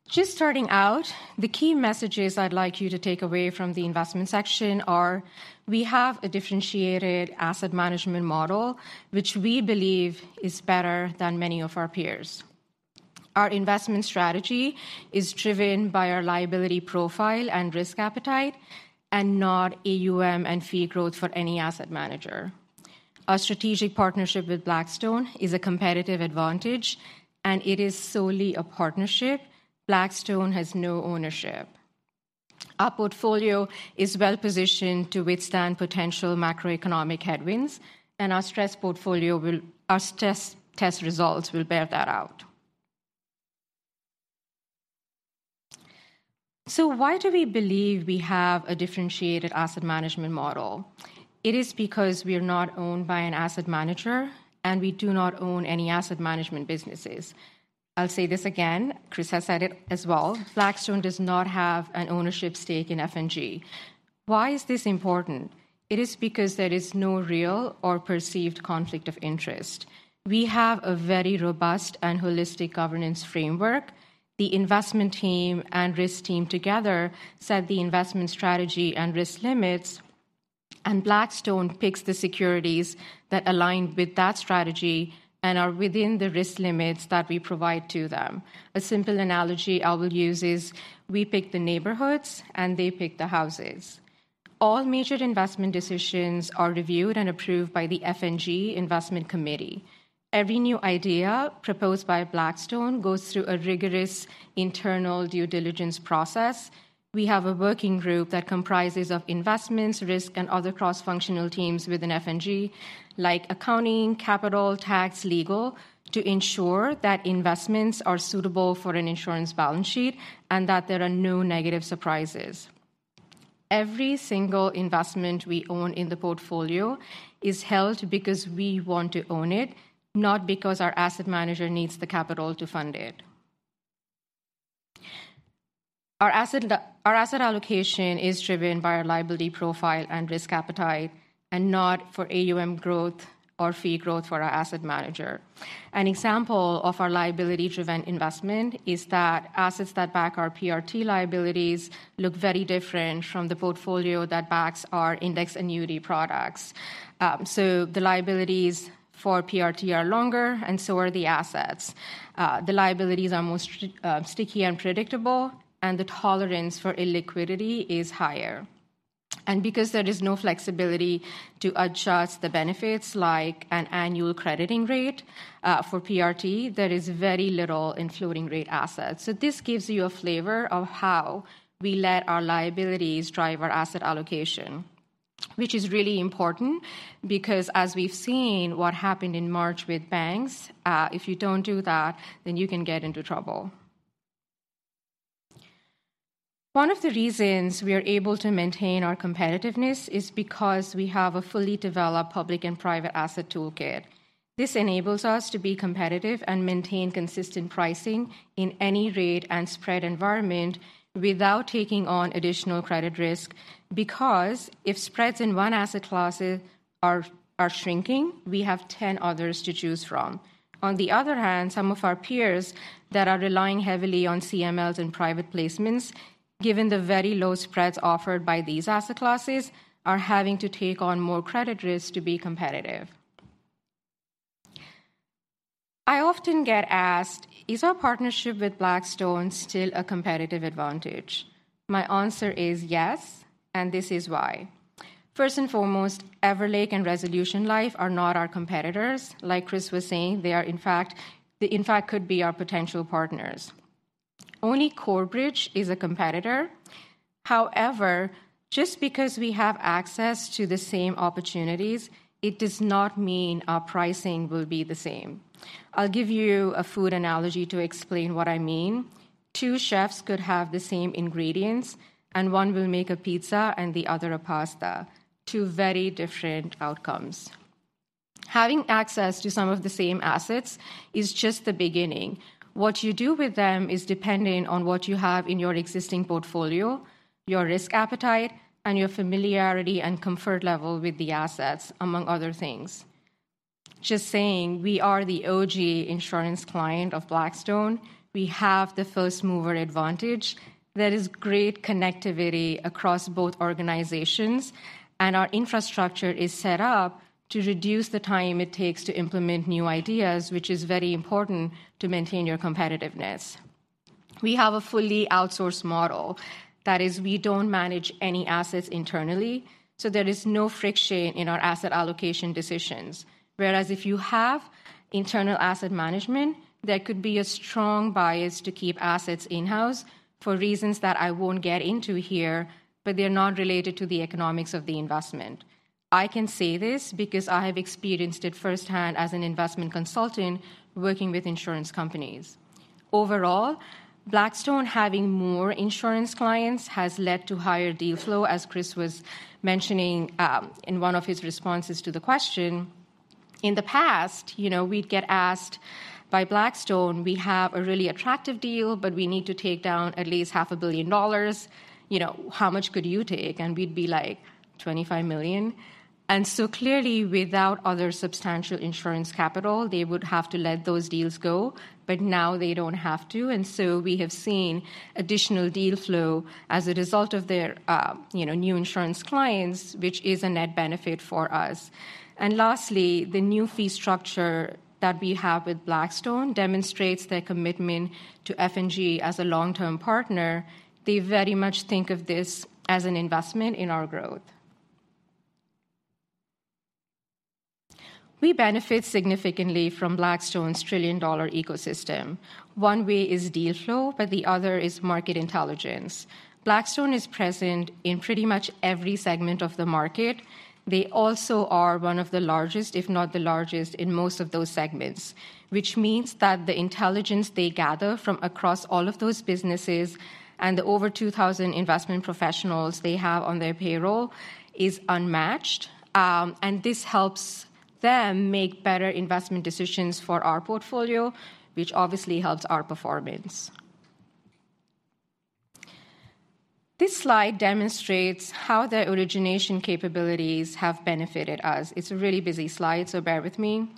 Just starting out, the key messages I'd like you to take away from the investment section are: we have a differentiated asset management model, which we believe is better than many of our peers. Our investment strategy is driven by our liability profile and risk appetite, and not AUM and fee growth for any asset manager. Our strategic partnership with Blackstone is a competitive advantage, and it is solely a partnership. Blackstone has no ownership. Our portfolio is well-positioned to withstand potential macroeconomic headwinds, and our stress test results will bear that out. So why do we believe we have a differentiated asset management model? It is because we are not owned by an asset manager, and we do not own any asset management businesses. I'll say this again, Chris has said it as well, Blackstone does not have an ownership stake in F&G. Why is this important? It is because there is no real or perceived conflict of interest. We have a very robust and holistic governance framework. The investment team and risk team together set the investment strategy and risk limits, and Blackstone picks the securities that align with that strategy and are within the risk limits that we provide to them. A simple analogy I will use is, we pick the neighborhoods, and they pick the houses. All major investment decisions are reviewed and approved by the F&G Investment Committee. Every new idea proposed by Blackstone goes through a rigorous internal due diligence process. We have a working group that comprises of investments, risk, and other cross-functional teams within F&G, like accounting, capital, tax, legal, to ensure that investments are suitable for an insurance balance sheet and that there are no negative surprises. Every single investment we own in the portfolio is held because we want to own it, not because our asset manager needs the capital to fund it. Our asset, our asset allocation is driven by our liability profile and risk appetite, and not for AUM growth or fee growth for our asset manager. An example of our liability-driven investment is that assets that back our PRT liabilities look very different from the portfolio that backs our Index Annuity products. So the liabilities for PRT are longer, and so are the assets. The liabilities are more sticky and predictable, and the tolerance for illiquidity is higher. Because there is no flexibility to adjust the benefits, like an annual crediting rate, for PRT, there is very little in floating rate assets. This gives you a flavor of how we let our liabilities drive our asset allocation, which is really important because, as we've seen what happened in March with banks, if you don't do that, then you can get into trouble. One of the reasons we are able to maintain our competitiveness is because we have a fully developed public and private asset toolkit. This enables us to be competitive and maintain consistent pricing in any rate and spread environment without taking on additional credit risk, because if spreads in one asset classes are shrinking, we have 10 others to choose from. On the other hand, some of our peers that are relying heavily on CMLs and private placements, given the very low spreads offered by these asset classes, are having to take on more credit risk to be competitive. I often get asked: "Is our partnership with Blackstone still a competitive advantage?" My answer is yes, and this is why. First and foremost, Everlake and Resolution Life are not our competitors. Like Chris was saying, they, in fact, could be our potential partners. Only Corebridge is a competitor. However, just because we have access to the same opportunities, it does not mean our pricing will be the same. I'll give you a food analogy to explain what I mean. Two chefs could have the same ingredients, and one will make a pizza and the other a pasta. Two very different outcomes. Having access to some of the same assets is just the beginning. What you do with them is dependent on what you have in your existing portfolio, your risk appetite, and your familiarity and comfort level with the assets, among other things. Just saying, we are the OG insurance client of Blackstone. We have the first-mover advantage. There is great connectivity across both organizations, and our infrastructure is set up to reduce the time it takes to implement new ideas, which is very important to maintain your competitiveness.... We have a fully outsourced model. That is, we don't manage any assets internally, so there is no friction in our asset allocation decisions. Whereas if you have internal asset management, there could be a strong bias to keep assets in-house for reasons that I won't get into here, but they're not related to the economics of the investment. I can say this because I have experienced it firsthand as an investment consultant working with insurance companies. Overall, Blackstone having more insurance clients has led to higher deal flow, as Chris was mentioning, in one of his responses to the question. In the past, you know, we'd get asked by Blackstone, "We have a really attractive deal, but we need to take down at least $500 million. You know, how much could you take?" And we'd be like, "$25 million." And so clearly, without other substantial insurance capital, they would have to let those deals go, but now they don't have to, and so we have seen additional deal flow as a result of their, you know, new insurance clients, which is a net benefit for us. And lastly, the new fee structure that we have with Blackstone demonstrates their commitment to F&G as a long-term partner. They very much think of this as an investment in our growth. We benefit significantly from Blackstone's trillion-dollar ecosystem. One way is deal flow, but the other is market intelligence. Blackstone is present in pretty much every segment of the market. They also are one of the largest, if not the largest, in most of those segments, which means that the intelligence they gather from across all of those businesses and the over 2,000 investment professionals they have on their payroll is unmatched. And this helps them make better investment decisions for our portfolio, which obviously helps our performance. This slide demonstrates how their origination capabilities have benefited us. It's a really busy slide, so bear with me.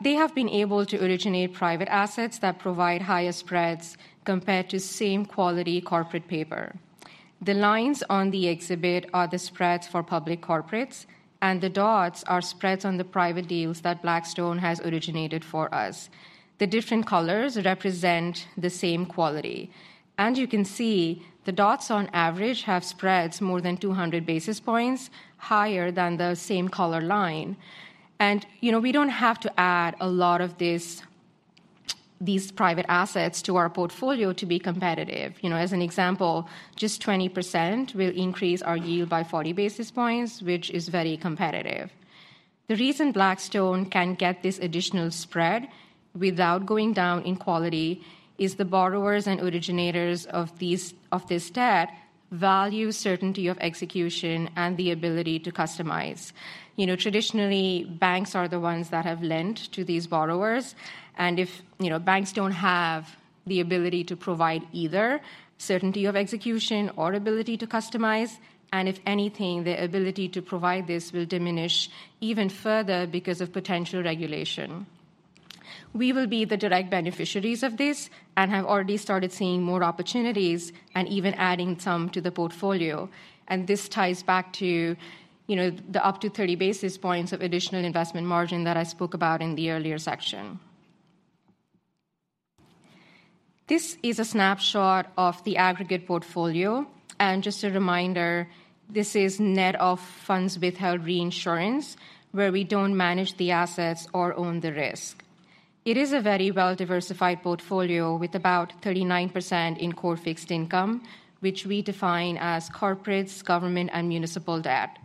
They have been able to originate private assets that provide higher spreads compared to same-quality corporate paper. The lines on the exhibit are the spreads for public corporates, and the dots are spreads on the private deals that Blackstone has originated for us. The different colors represent the same quality, and you can see the dots on average have spreads more than 200 basis points higher than the same color line. And, you know, we don't have to add a lot of these private assets to our portfolio to be competitive. You know, as an example, just 20% will increase our yield by 40 basis points, which is very competitive. The reason Blackstone can get this additional spread without going down in quality is the borrowers and originators of this debt value certainty of execution and the ability to customize. You know, traditionally, banks are the ones that have lent to these borrowers, and if, you know, banks don't have the ability to provide either certainty of execution or ability to customize, and if anything, their ability to provide this will diminish even further because of potential regulation. We will be the direct beneficiaries of this and have already started seeing more opportunities and even adding some to the portfolio. And this ties back to, you know, the up to 30 basis points of additional investment margin that I spoke about in the earlier section. This is a snapshot of the aggregate portfolio, and just a reminder, this is net of funds withheld reinsurance, where we don't manage the assets or own the risk. It is a very well-diversified portfolio with about 39% in core fixed income, which we define as corporates, government, and municipal debt.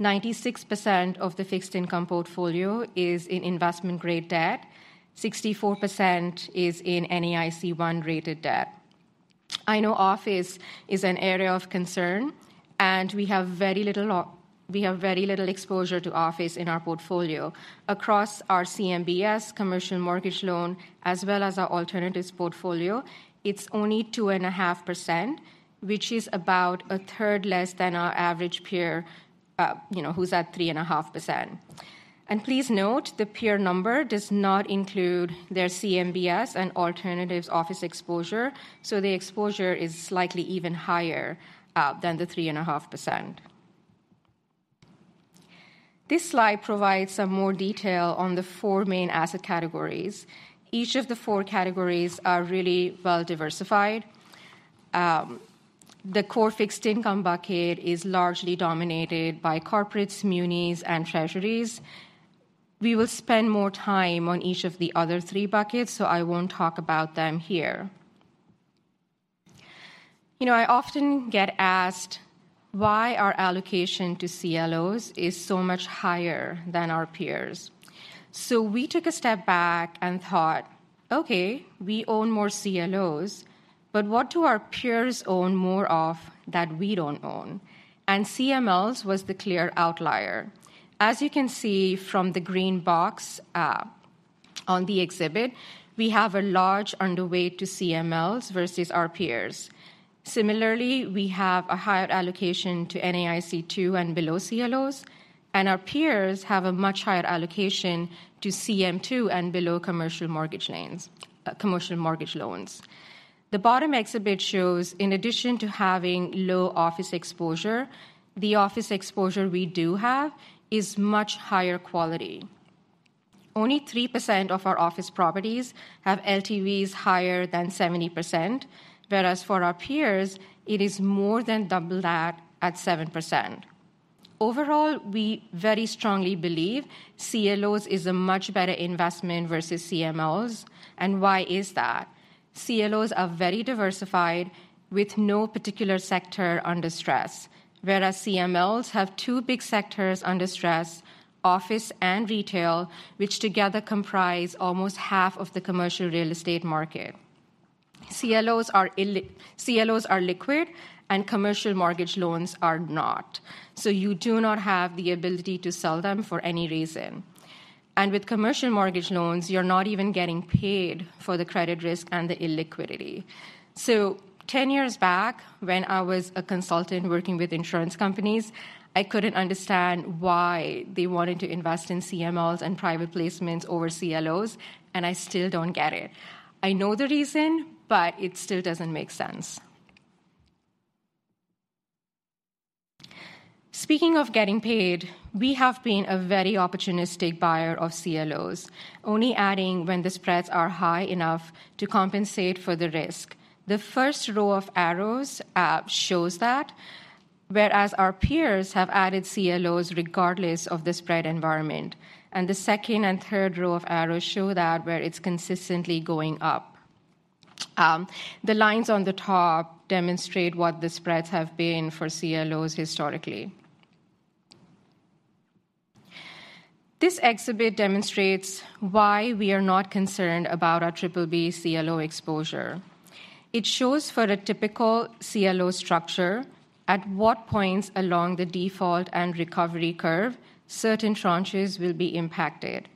96% of the fixed income portfolio is in investment-grade debt. 64% is in NAIC 1 rated debt. I know office is an area of concern, and we have very little exposure to office in our portfolio. Across our CMBS commercial mortgage loan, as well as our alternatives portfolio, it's only 2.5%, which is about a third less than our average peer, you know, who's at 3.5%. And please note, the peer number does not include their CMBS and alternatives office exposure, so the exposure is slightly even higher than the 3.5%. This slide provides some more detail on the four main asset categories. Each of the four categories are really well diversified. The core fixed income bucket is largely dominated by corporates, munis, and treasuries. We will spend more time on each of the other three buckets, so I won't talk about them here. You know, I often get asked why our allocation to CLOs is so much higher than our peers. So we took a step back and thought, "Okay, we own more CLOs, but what do our peers own more of that we don't own?" And CMLs was the clear outlier. As you can see from the green box, on the exhibit, we have a large underweight to CMLs versus our peers. Similarly, we have a higher allocation to NAIC 2 and below CLOs, and our peers have a much higher allocation to CM 2 and below commercial mortgage loans, commercial mortgage loans. The bottom exhibit shows, in addition to having low office exposure, the office exposure we do have is much higher quality. Only 3% of our office properties have LTVs higher than 70%, whereas for our peers, it is more than double that at 7%. Overall, we very strongly believe CLOs is a much better investment versus CMLs. And why is that? CLOs are very diversified with no particular sector under stress, whereas CMLs have two big sectors under stress, office and retail, which together comprise almost half of the commercial real estate market. CLOs are liquid, and commercial mortgage loans are not. So you do not have the ability to sell them for any reason. And with commercial mortgage loans, you're not even getting paid for the credit risk and the illiquidity. So 10 years back, when I was a consultant working with insurance companies, I couldn't understand why they wanted to invest in CMLs and private placements over CLOs, and I still don't get it. I know the reason, but it still doesn't make sense. Speaking of getting paid, we have been a very opportunistic buyer of CLOs, only adding when the spreads are high enough to compensate for the risk. The first row of arrows shows that, whereas our peers have added CLOs regardless of the spread environment, and the second and third row of arrows show that where it's consistently going up. The lines on the top demonstrate what the spreads have been for CLOs historically. This exhibit demonstrates why we are not concerned about our BBB CLO exposure. It shows for a typical CLO structure, at what points along the default and recovery curve certain tranches will be impacted.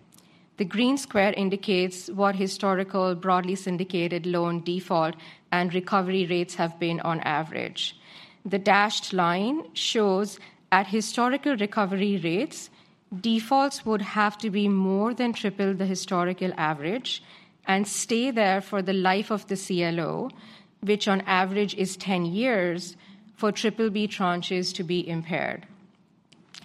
The green square indicates what historical, broadly syndicated loan default and recovery rates have been on average. The dashed line shows at historical recovery rates, defaults would have to be more than triple the historical average and stay there for the life of the CLO, which on average is 10 years, for BBB tranches to be impaired.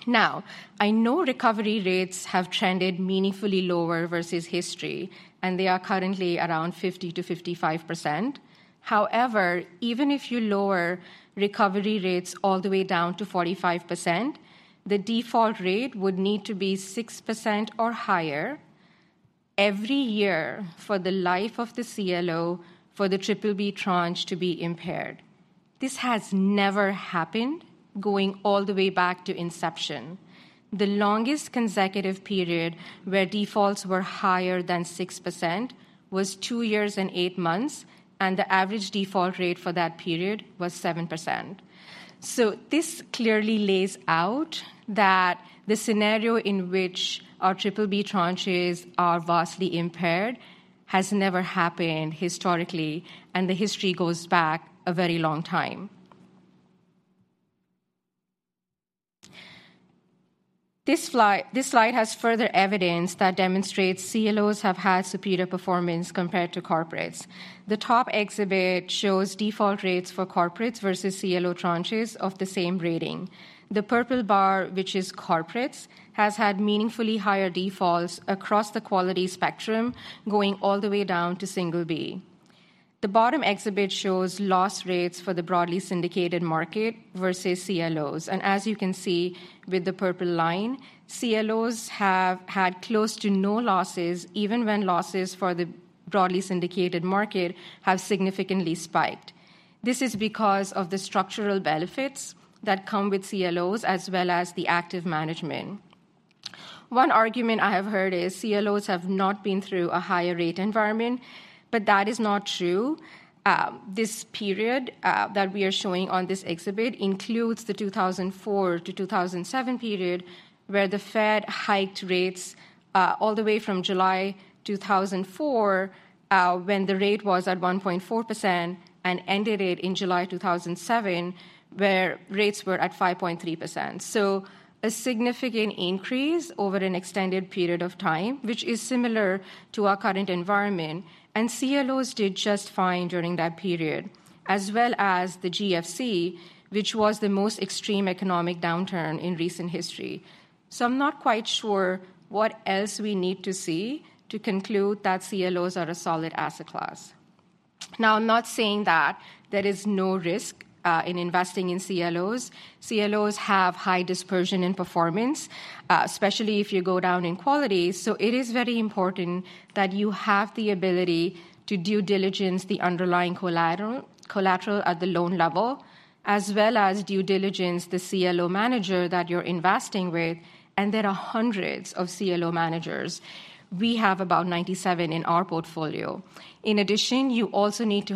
Now, I know recovery rates have trended meaningfully lower versus history, and they are currently around 50%-55%. However, even if you lower recovery rates all the way down to 45%, the default rate would need to be 6% or higher every year for the life of the CLO for the BBB tranche to be impaired. This has never happened, going all the way back to inception. The longest consecutive period where defaults were higher than 6% was two years and eight months, and the average default rate for that period was 7%. So this clearly lays out that the scenario in which our BBB tranches are vastly impaired has never happened historically, and the history goes back a very long time. This slide has further evidence that demonstrates CLOs have had superior performance compared to corporates. The top exhibit shows default rates for corporates versus CLO tranches of the same rating. The purple bar, which is corporates, has had meaningfully higher defaults across the quality spectrum, going all the way down to single-B. The bottom exhibit shows loss rates for the broadly syndicated market versus CLOs. As you can see with the purple line, CLOs have had close to no losses, even when losses for the broadly syndicated market have significantly spiked. This is because of the structural benefits that come with CLOs, as well as the active management. One argument I have heard is CLOs have not been through a higher rate environment, but that is not true. This period that we are showing on this exhibit includes the 2004-2007 period, where the Fed hiked rates all the way from July 2004, when the rate was at 1.4%, and ended it in July 2007, where rates were at 5.3%. So a significant increase over an extended period of time, which is similar to our current environment, and CLOs did just fine during that period, as well as the GFC, which was the most extreme economic downturn in recent history. So I'm not quite sure what else we need to see to conclude that CLOs are a solid asset class. Now, I'm not saying that there is no risk in investing in CLOs. CLOs have high dispersion in performance, especially if you go down in quality. So it is very important that you have the ability to due diligence the underlying collateral at the loan level, as well as due diligence the CLO manager that you're investing with, and there are hundreds of CLO managers. We have about 97 in our portfolio. In addition, you also need to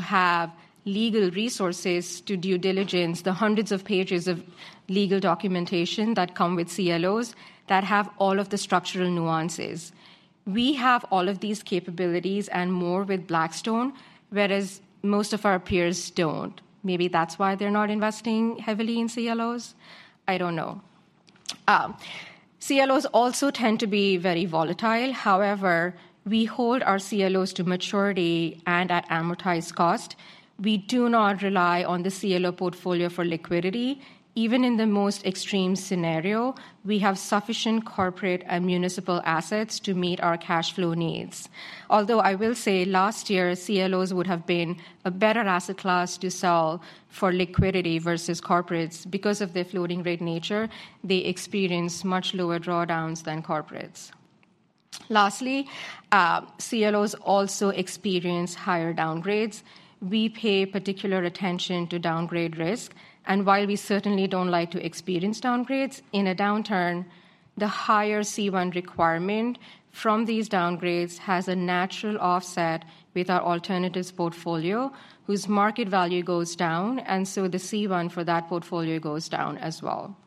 have legal resources to do due diligence, the hundreds of pages of legal documentation that come with CLOs that have all of the structural nuances. We have all of these capabilities and more with Blackstone, whereas most of our peers don't. Maybe that's why they're not investing heavily in CLOs? I don't know... CLOs also tend to be very volatile. However, we hold our CLOs to maturity and at amortized cost. We do not rely on the CLO portfolio for liquidity. Even in the most extreme scenario, we have sufficient corporate and municipal assets to meet our cash flow needs. Although I will say, last year, CLOs would have been a better asset class to sell for liquidity versus corporates. Because of their floating rate nature, they experience much lower drawdowns than corporates. Lastly, CLOs also experience higher downgrades. We pay particular attention to downgrade risk, and while we certainly don't like to experience downgrades, in a downturn, the higher C1 requirement from these downgrades has a natural offset with our alternatives portfolio, whose market value goes down, and so the C1 for that portfolio goes down as well.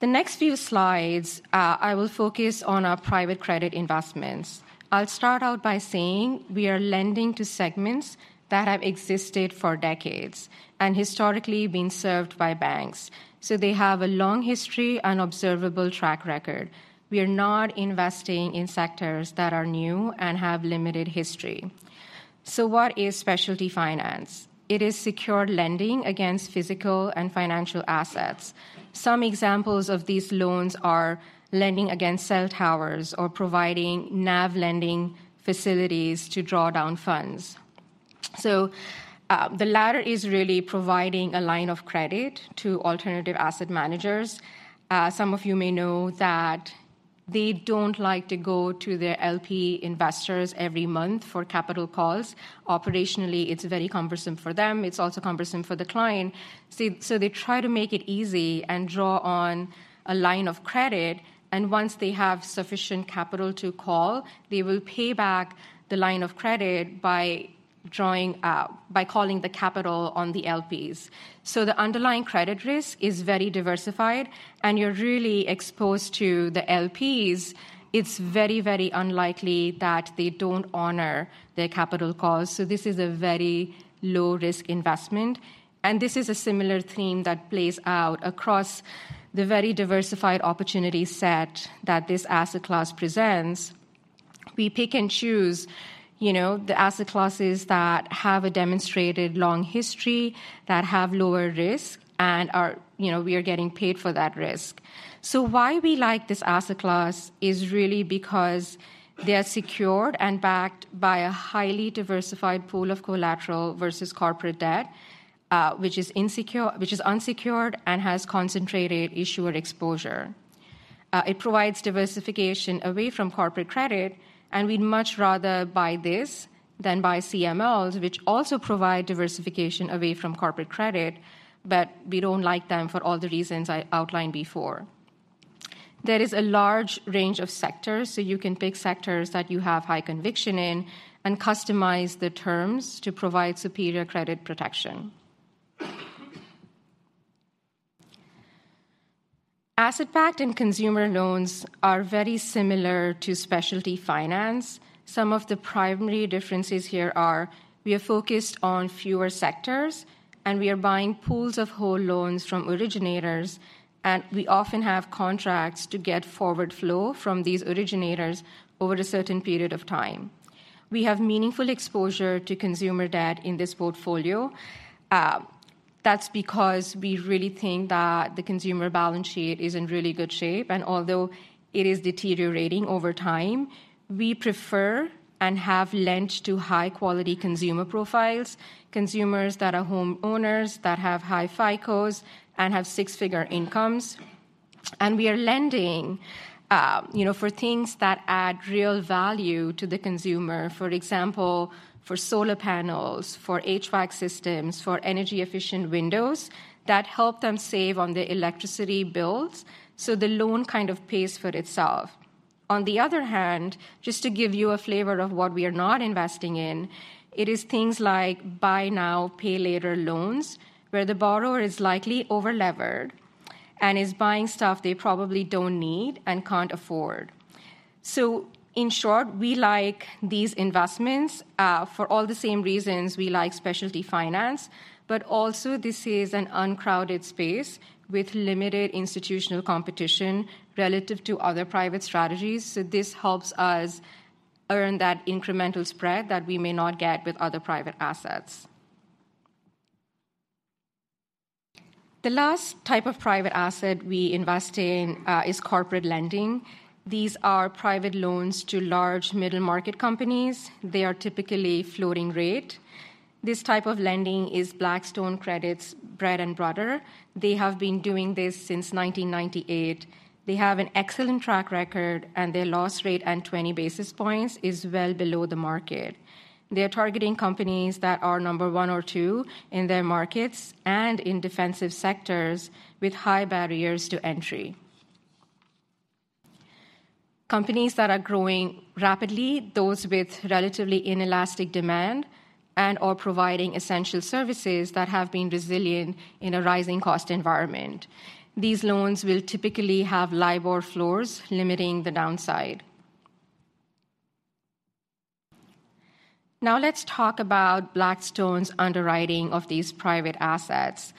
The next few slides, I will focus on our Private Credit Investments. I'll start out by saying we are lending to segments that have existed for decades and historically been served by banks, so they have a long history and observable track record. We are not investing in sectors that are new and have limited history. So what is specialty finance? It is secured lending against physical and financial assets. Some examples of these loans are lending against cell towers or providing NAV lending facilities to draw down funds. So, the latter is really providing a line of credit to alternative asset managers. Some of you may know that they don't like to go to their LP investors every month for capital calls. Operationally, it's very cumbersome for them. It's also cumbersome for the client. So, so they try to make it easy and draw on a line of credit, and once they have sufficient capital to call, they will pay back the line of credit by drawing, by calling the capital on the LPs. So the underlying credit risk is very diversified, and you're really exposed to the LPs. It's very, very unlikely that they don't honor their capital calls, so this is a very low-risk investment, and this is a similar theme that plays out across the very diversified opportunity set that this asset class presents. We pick and choose, you know, the asset classes that have a demonstrated long history, that have lower risk, and are, you know, we are getting paid for that risk. So why we like this asset class is really because they are secured and backed by a highly diversified pool of collateral versus corporate debt, which is unsecured and has concentrated issuer exposure. It provides diversification away from corporate credit, and we'd much rather buy this than buy CMLs, which also provide diversification away from corporate credit, but we don't like them for all the reasons I outlined before. There is a large range of sectors, so you can pick sectors that you have high conviction in and customize the terms to provide superior credit protection. Asset-backed and consumer loans are very similar to specialty finance. Some of the primary differences here are, we are focused on fewer sectors, and we are buying pools of whole loans from originators, and we often have contracts to get forward flow from these originators over a certain period of time. We have meaningful exposure to consumer debt in this portfolio. That's because we really think that the consumer balance sheet is in really good shape, and although it is deteriorating over time, we prefer and have lent to high-quality consumer profiles, consumers that are homeowners, that have high FICOs and have six-figure incomes. We are lending, you know, for things that add real value to the consumer, for example, for solar panels, for HVAC systems, for energy-efficient windows that help them save on their electricity bills, so the loan kind of pays for itself. On the other hand, just to give you a flavor of what we are not investing in, it is things like buy now, pay later loans, where the borrower is likely over-levered and is buying stuff they probably don't need and can't afford. So in short, we like these investments, for all the same reasons we like specialty finance, but also this is an uncrowded space with limited institutional competition relative to other private strategies, so this helps us earn that incremental spread that we may not get with other private assets. The last type of private asset we invest in, is corporate lending. These are private loans to large middle-market companies. They are typically floating rate. This type of lending is Blackstone Credit's bread and butter. They have been doing this since 1998. They have an excellent track record, and their loss rate at 20 basis points is well below the market. They are targeting companies that are number one or two in their markets and in defensive sectors with high barriers to entry. Companies that are growing rapidly, those with relatively inelastic demand and/or providing essential services that have been resilient in a rising cost environment. These loans will typically have LIBOR floors, limiting the downside.... Now let's talk about Blackstone's underwriting of these private assets.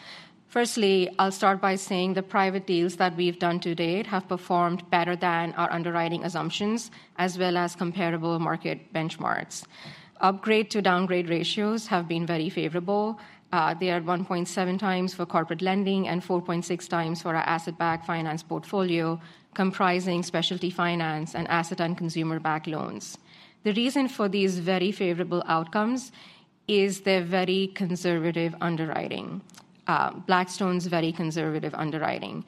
Firstly, I'll start by saying the private deals that we've done to date have performed better than our underwriting assumptions, as well as comparable market benchmarks. Upgrade to downgrade ratios have been very favorable. They are 1.7 times for corporate lending and 4.6 times for our asset-backed finance portfolio, comprising specialty finance and asset and consumer-backed loans. The reason for these very favorable outcomes is their very conservative underwriting, Blackstone's very conservative underwriting.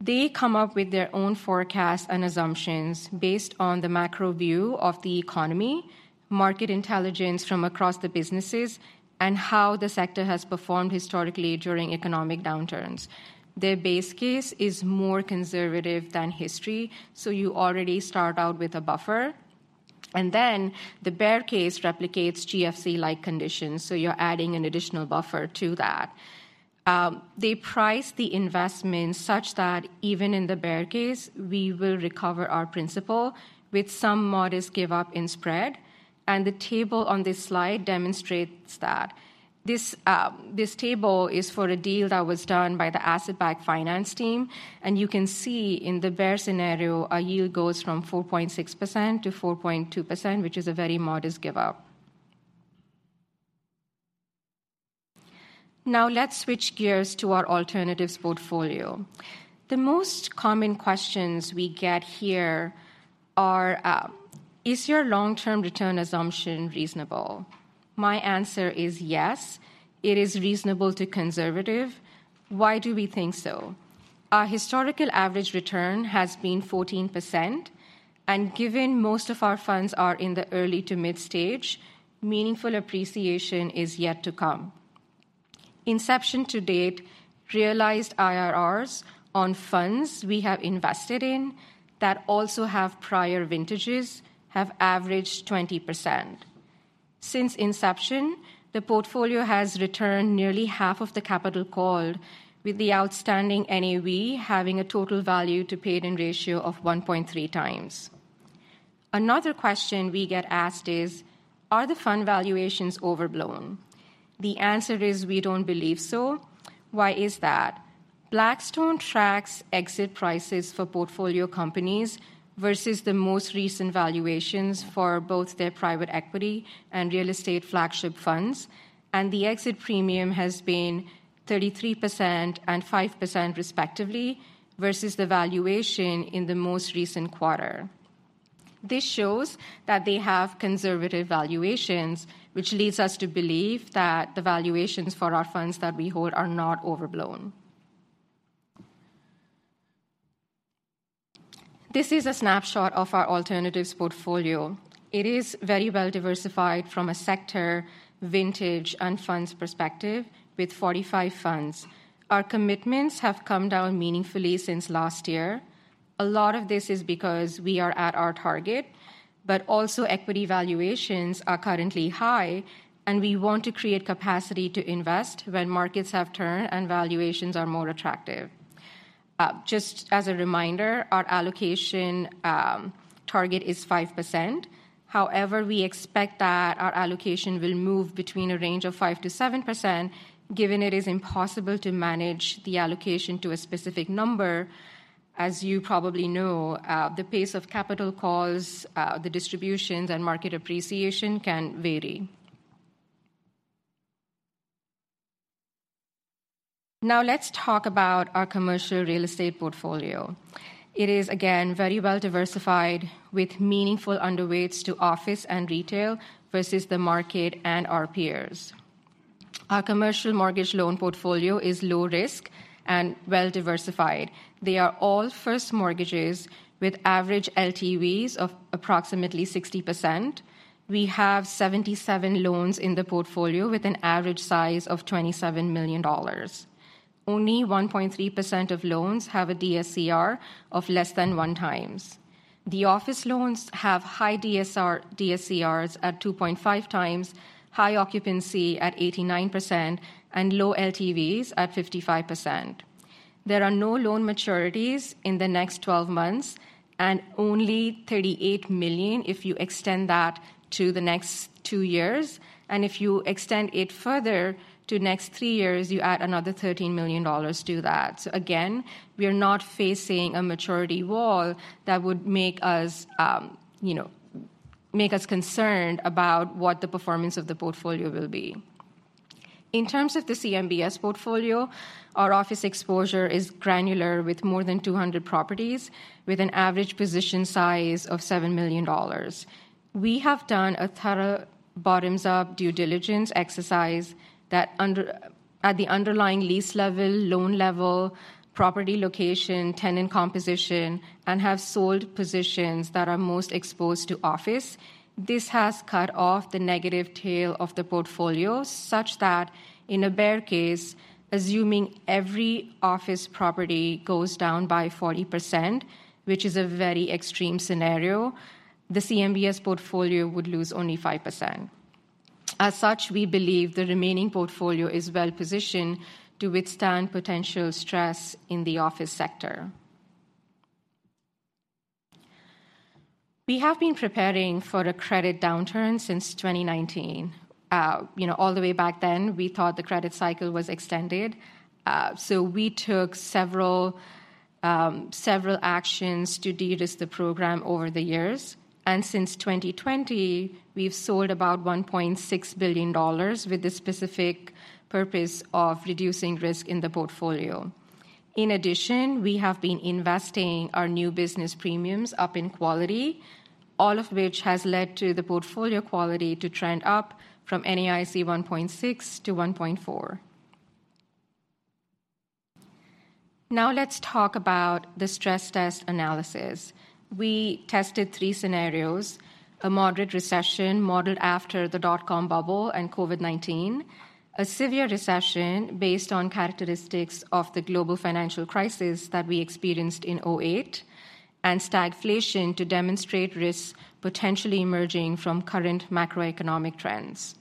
They come up with their own forecasts and assumptions based on the macro view of the economy, market intelligence from across the businesses, and how the sector has performed historically during economic downturns. Their base case is more conservative than history, so you already start out with a buffer, and then the bear case replicates GFC-like conditions, so you're adding an additional buffer to that. They price the investment such that even in the bear case, we will recover our principal with some modest give-up in spread, and the table on this slide demonstrates that. This, this table is for a deal that was done by the asset-backed finance team, and you can see in the bear scenario, our yield goes from 4.6%-4.2%, which is a very modest give-up. Now, let's switch gears to our alternatives portfolio. The most common questions we get here are, "Is your long-term return assumption reasonable?" My answer is yes, it is reasonable to conservative. Why do we think so? Our historical average return has been 14%, and given most of our funds are in the early to mid-stage, meaningful appreciation is yet to come. Inception to date, realized IRRs on funds we have invested in that also have prior vintages, have averaged 20%. Since inception, the portfolio has returned nearly half of the capital called, with the outstanding NAV having a total value to paid-in ratio of 1.3 times. Another question we get asked is: "Are the fund valuations overblown?" The answer is we don't believe so. Why is that? Blackstone tracks exit prices for portfolio companies versus the most recent valuations for both their private equity and real estate flagship funds, and the exit premium has been 33% and 5% respectively, versus the valuation in the most recent quarter. This shows that they have conservative valuations, which leads us to believe that the valuations for our funds that we hold are not overblown. This is a snapshot of our alternatives portfolio. It is very well-diversified from a sector, vintage, and funds perspective with 45 funds. Our commitments have come down meaningfully since last year. A lot of this is because we are at our target, but also equity valuations are currently high, and we want to create capacity to invest when markets have turned and valuations are more attractive. Just as a reminder, our allocation target is 5%. However, we expect that our allocation will move between a range of 5%-7%, given it is impossible to manage the allocation to a specific number. As you probably know, the pace of capital calls, the distributions, and market appreciation can vary. Now, let's talk about our commercial real estate portfolio. It is, again, very well-diversified, with meaningful underweights to office and retail versus the market and our peers. Our commercial mortgage loan portfolio is low risk and well-diversified. They are all first mortgages with average LTVs of approximately 60%. We have 77 loans in the portfolio, with an average size of $27 million. Only 1.3% of loans have a DSCR of less than 1x. The office loans have high DSCRs at 2.5x, high occupancy at 89%, and low LTVs at 55%. There are no loan maturities in the next 12 months, and only $38 million if you extend that to the next two years. And if you extend it further to next three years, you add another $13 million to that. So again, we are not facing a maturity wall that would make us, you know, make us concerned about what the performance of the portfolio will be. In terms of the CMBS portfolio, our office exposure is granular, with more than 200 properties, with an average position size of $7 million. We have done a thorough bottoms-up due diligence exercise that at the underlying lease level, loan level, property location, tenant composition, and have sold positions that are most exposed to office. This has cut off the negative tail of the portfolio, such that in a bear case, assuming every office property goes down by 40%, which is a very extreme scenario, the CMBS portfolio would lose only 5%. As such, we believe the remaining portfolio is well-positioned to withstand potential stress in the office sector... We have been preparing for a credit downturn since 2019. You know, all the way back then, we thought the credit cycle was extended. So we took several, several actions to de-risk the program over the years. And since 2020, we've sold about $1.6 billion with the specific purpose of reducing risk in the portfolio. In addition, we have been investing our new business premiums up in quality, all of which has led to the portfolio quality to trend up from NAIC 1.6 to 1.4. Now, let's talk about the stress test analysis. We tested three scenarios: a moderate recession modeled after the dot-com bubble and COVID-19, a severe recession based on characteristics of the global financial crisis that we experienced in 2008, and stagflation to demonstrate risks potentially emerging from current macroeconomic trends.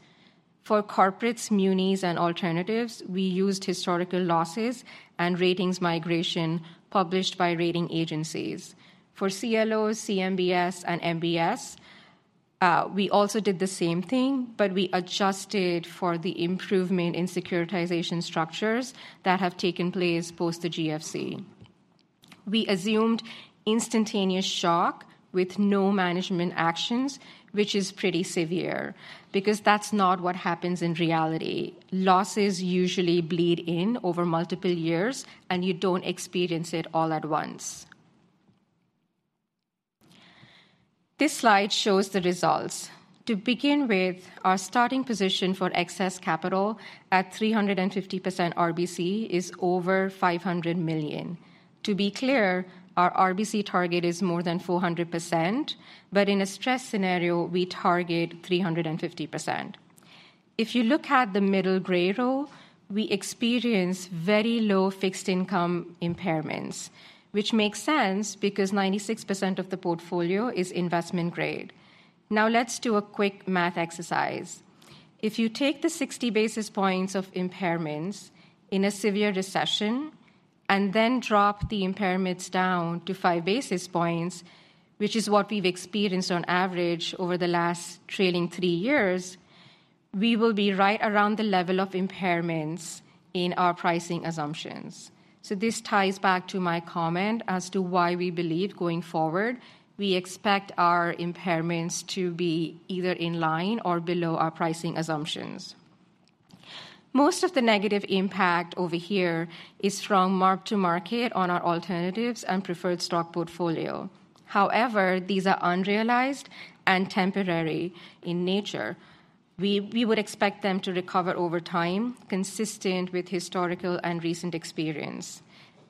For corporates, munis, and alternatives, we used historical losses and ratings migration published by rating agencies. For CLOs, CMBS, and MBS, we also did the same thing, but we adjusted for the improvement in securitization structures that have taken place post the GFC. We assumed instantaneous shock with no management actions, which is pretty severe because that's not what happens in reality. Losses usually bleed in over multiple years, and you don't experience it all at once. This slide shows the results. To begin with, our starting position for excess capital at 350% RBC is over $500 million. To be clear, our RBC target is more than 400%, but in a stress scenario, we target 350%. If you look at the middle gray row, we experience very low fixed income impairments, which makes sense because 96% of the portfolio is investment grade. Now, let's do a quick math exercise. If you take the 60 basis points of impairments in a severe recession and then drop the impairments down to 5 basis points, which is what we've experienced on average over the last trailing three years, we will be right around the level of impairments in our pricing assumptions. So this ties back to my comment as to why we believe going forward, we expect our impairments to be either in line or below our pricing assumptions. Most of the negative impact over here is from mark-to-market on our alternatives and preferred stock portfolio. However, these are unrealized and temporary in nature. We would expect them to recover over time, consistent with historical and recent experience.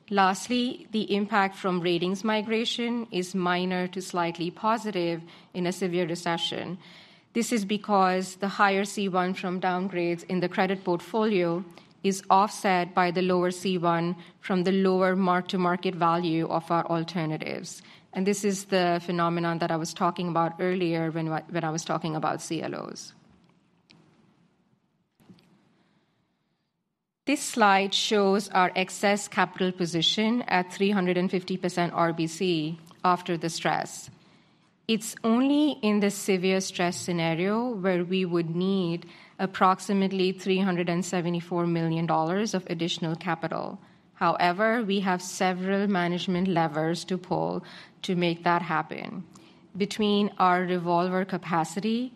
Lastly, the impact from ratings migration is minor to slightly positive in a severe recession. This is because the higher C1 from downgrades in the credit portfolio is offset by the lower C1 from the lower mark-to-market value of our alternatives. And this is the phenomenon that I was talking about earlier when I was talking about CLOs. This slide shows our excess capital position at 350% RBC after the stress. It's only in the severe stress scenario where we would need approximately $374 million of additional capital. However, we have several management levers to pull to make that happen. Between our revolver capacity,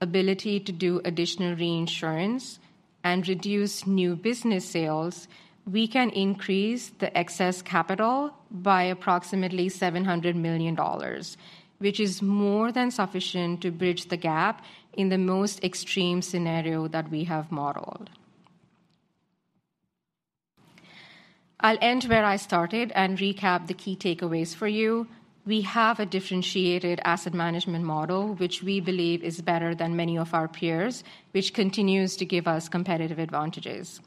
ability to do additional reinsurance, and reduce new business sales, we can increase the excess capital by approximately $700 million, which is more than sufficient to bridge the gap in the most extreme scenario that we have modeled. I'll end where I started and recap the key takeaways for you. We have a differentiated asset management model, which we believe is better than many of our peers, which continues to give us competitive advantages.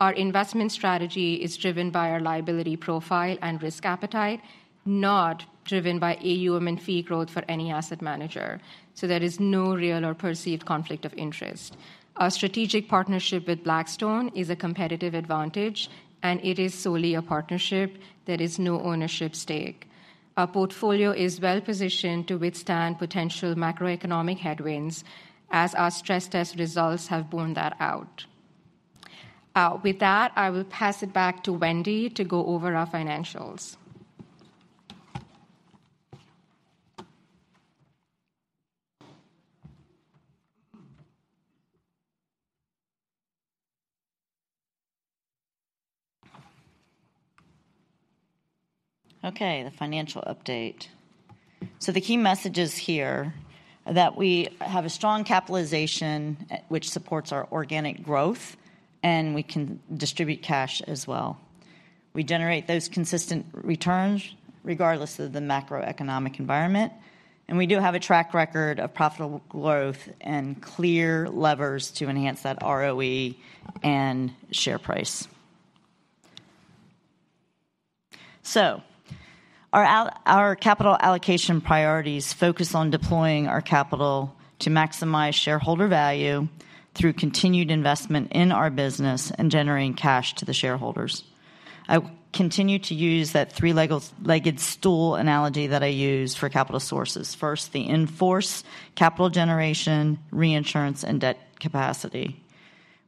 Our investment strategy is driven by our liability profile and risk appetite, not driven by AUM and fee growth for any asset manager, so there is no real or perceived conflict of interest. Our strategic partnership with Blackstone is a competitive advantage, and it is solely a partnership. There is no ownership stake. Our portfolio is well-positioned to withstand potential macroeconomic headwinds, as our stress test results have borne that out. With that, I will pass it back to Wendy to go over our financials. Okay, the financial update. So the key messages here are that we have a strong capitalization, which supports our organic growth, and we can distribute cash as well. We generate those consistent returns regardless of the macroeconomic environment, and we do have a track record of profitable growth and clear levers to enhance that ROE and share price. So our our capital allocation priorities focus on deploying our capital to maximize shareholder value through continued investment in our business and generating cash to the shareholders.... I continue to use that three-legged stool analogy that I use for capital sources. First, the in-force capital generation, reinsurance, and debt capacity.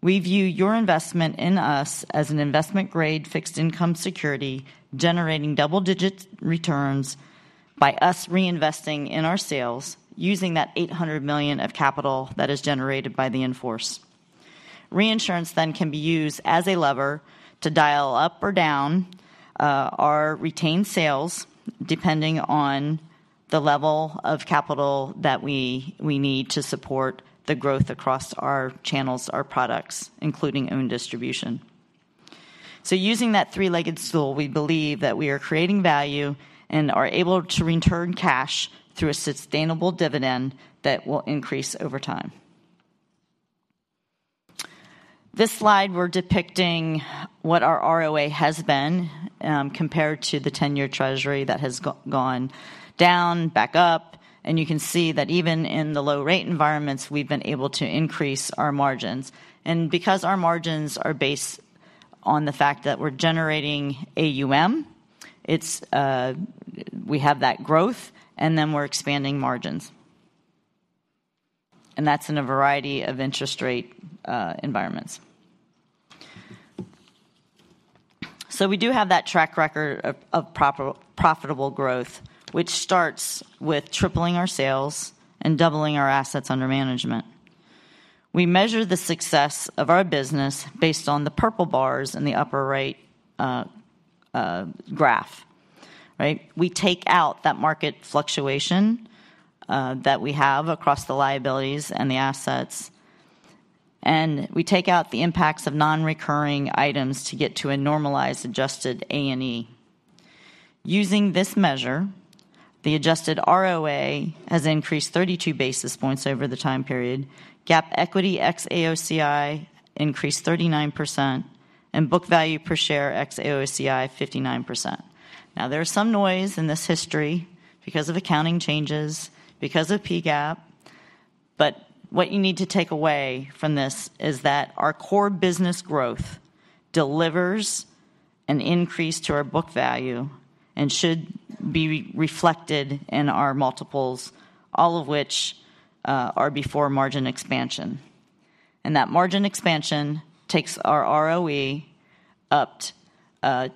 We view your investment in us as an investment-grade fixed income security, generating double-digit returns by us reinvesting in our sales, using that $800 million of capital that is generated by the in-force. Reinsurance then can be used as a lever to dial up or down our retained sales, depending on the level of capital that we need to support the growth across our channels, our products, including own distribution. So using that three-legged stool, we believe that we are creating value and are able to return cash through a sustainable dividend that will increase over time. This slide, we're depicting what our ROA has been compared to the 10-year treasury that has gone down, back up, and you can see that even in the low-rate environments, we've been able to increase our margins. And because our margins are based on the fact that we're generating AUM, it's we have that growth, and then we're expanding margins. And that's in a variety of interest rate environments. So we do have that track record of, of profitable growth, which starts with tripling our sales and doubling our assets under management. We measure the success of our business based on the purple bars in the upper right, graph, right? We take out that market fluctuation, that we have across the liabilities and the assets, and we take out the impacts of non-recurring items to get to a normalized, Adjusted Net Earnings. Using this measure, the Adjusted ROA has increased 32 basis points over the time period, GAAP equity ex-AOCI increased 39%, and book value per share ex-AOCI, 59%. Now, there is some noise in this history because of accounting changes, because of PGAAP, but what you need to take away from this is that our core business growth delivers an increase to our book value and should be reflected in our multiples, all of which are before margin expansion. And that margin expansion takes our ROE up to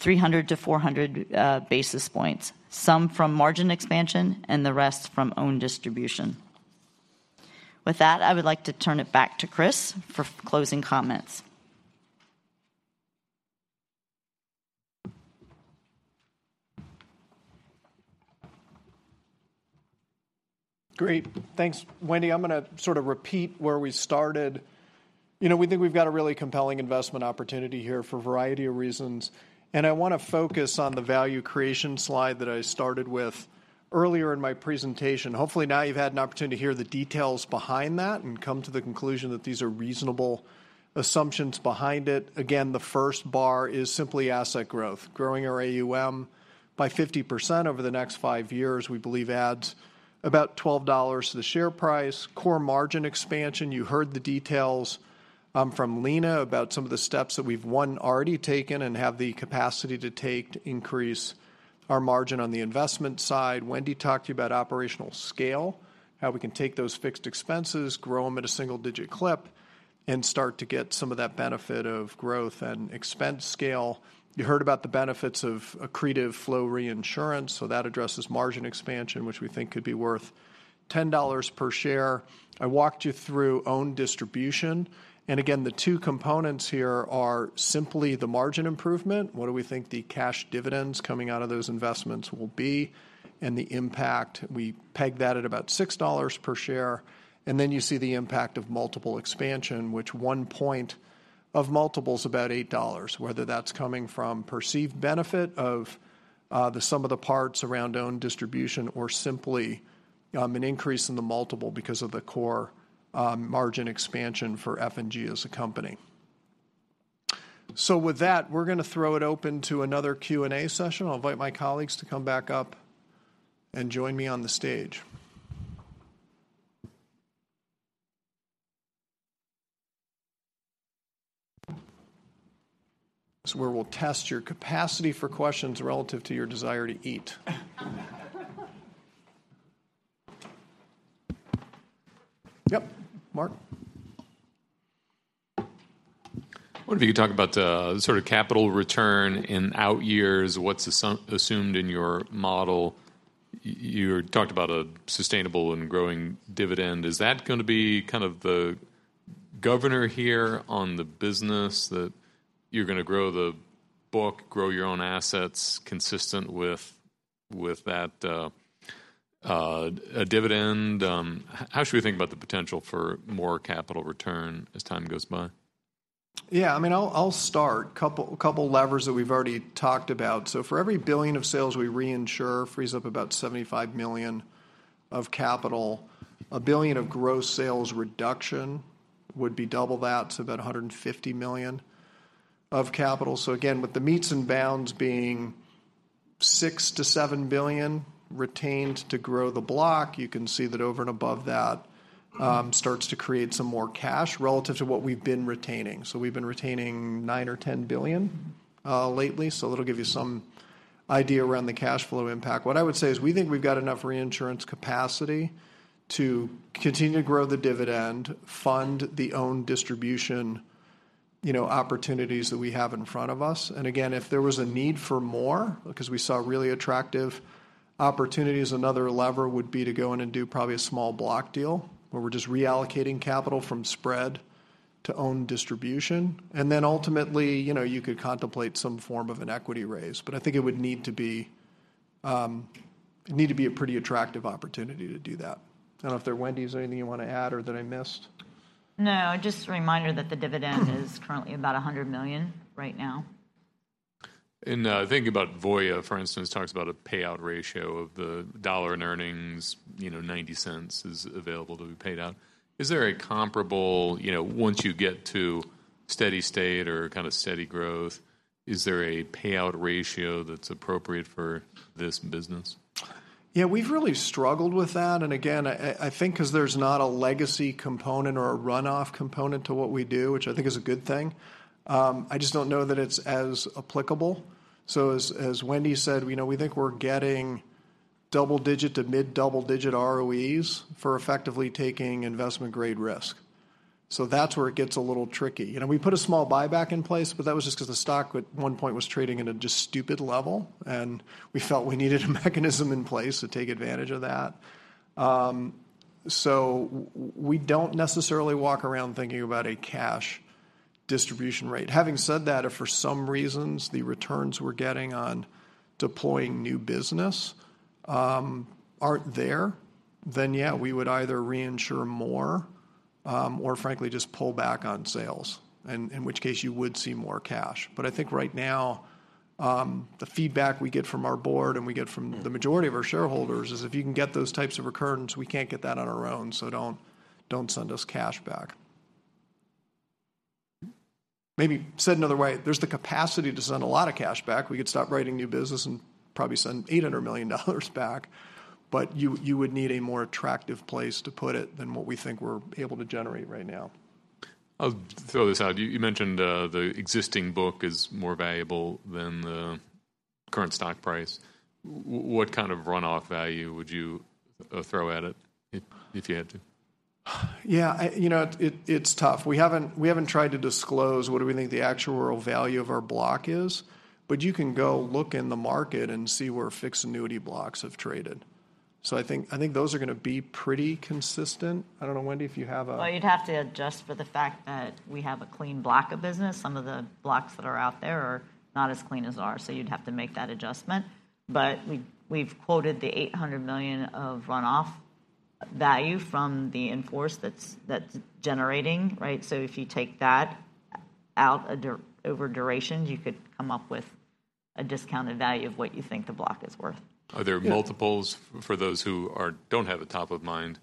300-400 basis points, some from margin expansion and the rest from own distribution. With that, I would like to turn it back to Chris for closing comments. Great. Thanks, Wendy. I'm gonna sort of repeat where we started. You know, we think we've got a really compelling investment opportunity here for a variety of reasons, and I wanna focus on the value creation slide that I started with earlier in my presentation. Hopefully, now you've had an opportunity to hear the details behind that and come to the conclusion that these are reasonable assumptions behind it. Again, the first bar is simply asset growth. Growing our AUM by 50% over the next five years, we believe adds about $12 to the share price. Core margin expansion, you heard the details from Leena about some of the steps that we've already taken and have the capacity to take to increase our margin on the investment side. Wendy talked to you about operational scale, how we can take those fixed expenses, grow them at a single-digit clip, and start to get some of that benefit of growth and expense scale. You heard about the benefits of accretive flow reinsurance, so that addresses margin expansion, which we think could be worth $10 per share. I walked you through own distribution, and again, the two components here are simply the margin improvement. What do we think the cash dividends coming out of those investments will be and the impact? We peg that at about $6 per share, and then you see the impact of multiple expansion, which one point of multiple is about $8, whether that's coming from perceived benefit of, the sum of the parts around own distribution or simply, an increase in the multiple because of the core, margin expansion for F&G as a company. So with that, we're gonna throw it open to another Q&A session. I'll invite my colleagues to come back up and join me on the stage. This is where we'll test your capacity for questions relative to your desire to eat. Yep, Mark? What if you could talk about the sort of capital return in outyears, what's assumed in your model? You talked about a sustainable and growing dividend. Is that gonna be kind of the governor here on the business, that you're gonna grow the book, grow your own assets consistent with that dividend? How should we think about the potential for more capital return as time goes by? Yeah, I mean, I'll start. Couple, couple levers that we've already talked about. For every $1 billion of sales we reinsure, frees up about $75 million of capital. A $1 billion of gross sales reduction would be double that, so about $150 million of capital. Again, with the meets and bounds being $6 billion-$7 billion retained to grow the block. You can see that over and above that, you know, starts to create some more cash relative to what we've been retaining. We've been retaining $9 billion or $10 billion lately, so that'll give you some idea around the cash flow impact. What I would say is, we think we've got enough reinsurance capacity to continue to grow the dividend, fund the own distribution, you know, opportunities that we have in front of us. And again, if there was a need for more, because we saw really attractive opportunities, another lever would be to go in and do probably a small block deal, where we're just reallocating capital from spread to own distribution. And then ultimately, you know, you could contemplate some form of an equity raise. But I think it would need to be. It'd need to be a pretty attractive opportunity to do that. I don't know if there, Wendy, is there anything you want to add or that I missed? No, just a reminder that the dividend is currently about $100 million right now. In thinking about Voya, for instance, talks about a payout ratio of the dollar in earnings, you know, $0.90 is available to be paid out. Is there a comparable, you know, once you get to steady state or kind of steady growth, is there a payout ratio that's appropriate for this business? Yeah, we've really struggled with that, and again, I think because there's not a legacy component or a runoff component to what we do, which I think is a good thing. I just don't know that it's as applicable. So as Wendy said, you know, we think we're getting double-digit to mid-double-digit ROEs for effectively taking investment-grade risk. So that's where it gets a little tricky. You know, we put a small buyback in place, but that was just 'cause the stock at one point was trading at a just stupid level, and we felt we needed a mechanism in place to take advantage of that. So we don't necessarily walk around thinking about a cash distribution rate. Having said that, if for some reasons, the returns we're getting on deploying new business aren't there, then yeah, we would either reinsure more or frankly, just pull back on sales, and in which case, you would see more cash. But I think right now, the feedback we get from our board and we get from the majority of our shareholders is, if you can get those types of recurrence, we can't get that on our own, so don't, don't send us cash back. Maybe said another way, there's the capacity to send a lot of cash back. We could stop writing new business and probably send $800 million back, but you, you would need a more attractive place to put it than what we think we're able to generate right now. I'll throw this out. You mentioned the existing book is more valuable than the current stock price. What kind of runoff value would you throw at it if you had to? Yeah. You know, it's tough. We haven't tried to disclose what we think the actuarial value of our block is, but you can go look in the market and see where fixed annuity blocks have traded. So I think those are gonna be pretty consistent. I don't know, Wendy, if you have a. Well, you'd have to adjust for the fact that we have a clean block of business. Some of the blocks that are out there are not as clean as ours, so you'd have to make that adjustment. But we've, we've quoted the $800 million of runoff value from the in-force that's, that's generating, right? So if you take that out of over duration, you could come up with a discounted value of what you think the block is worth. Are there multiples for those who don't have it top of mind?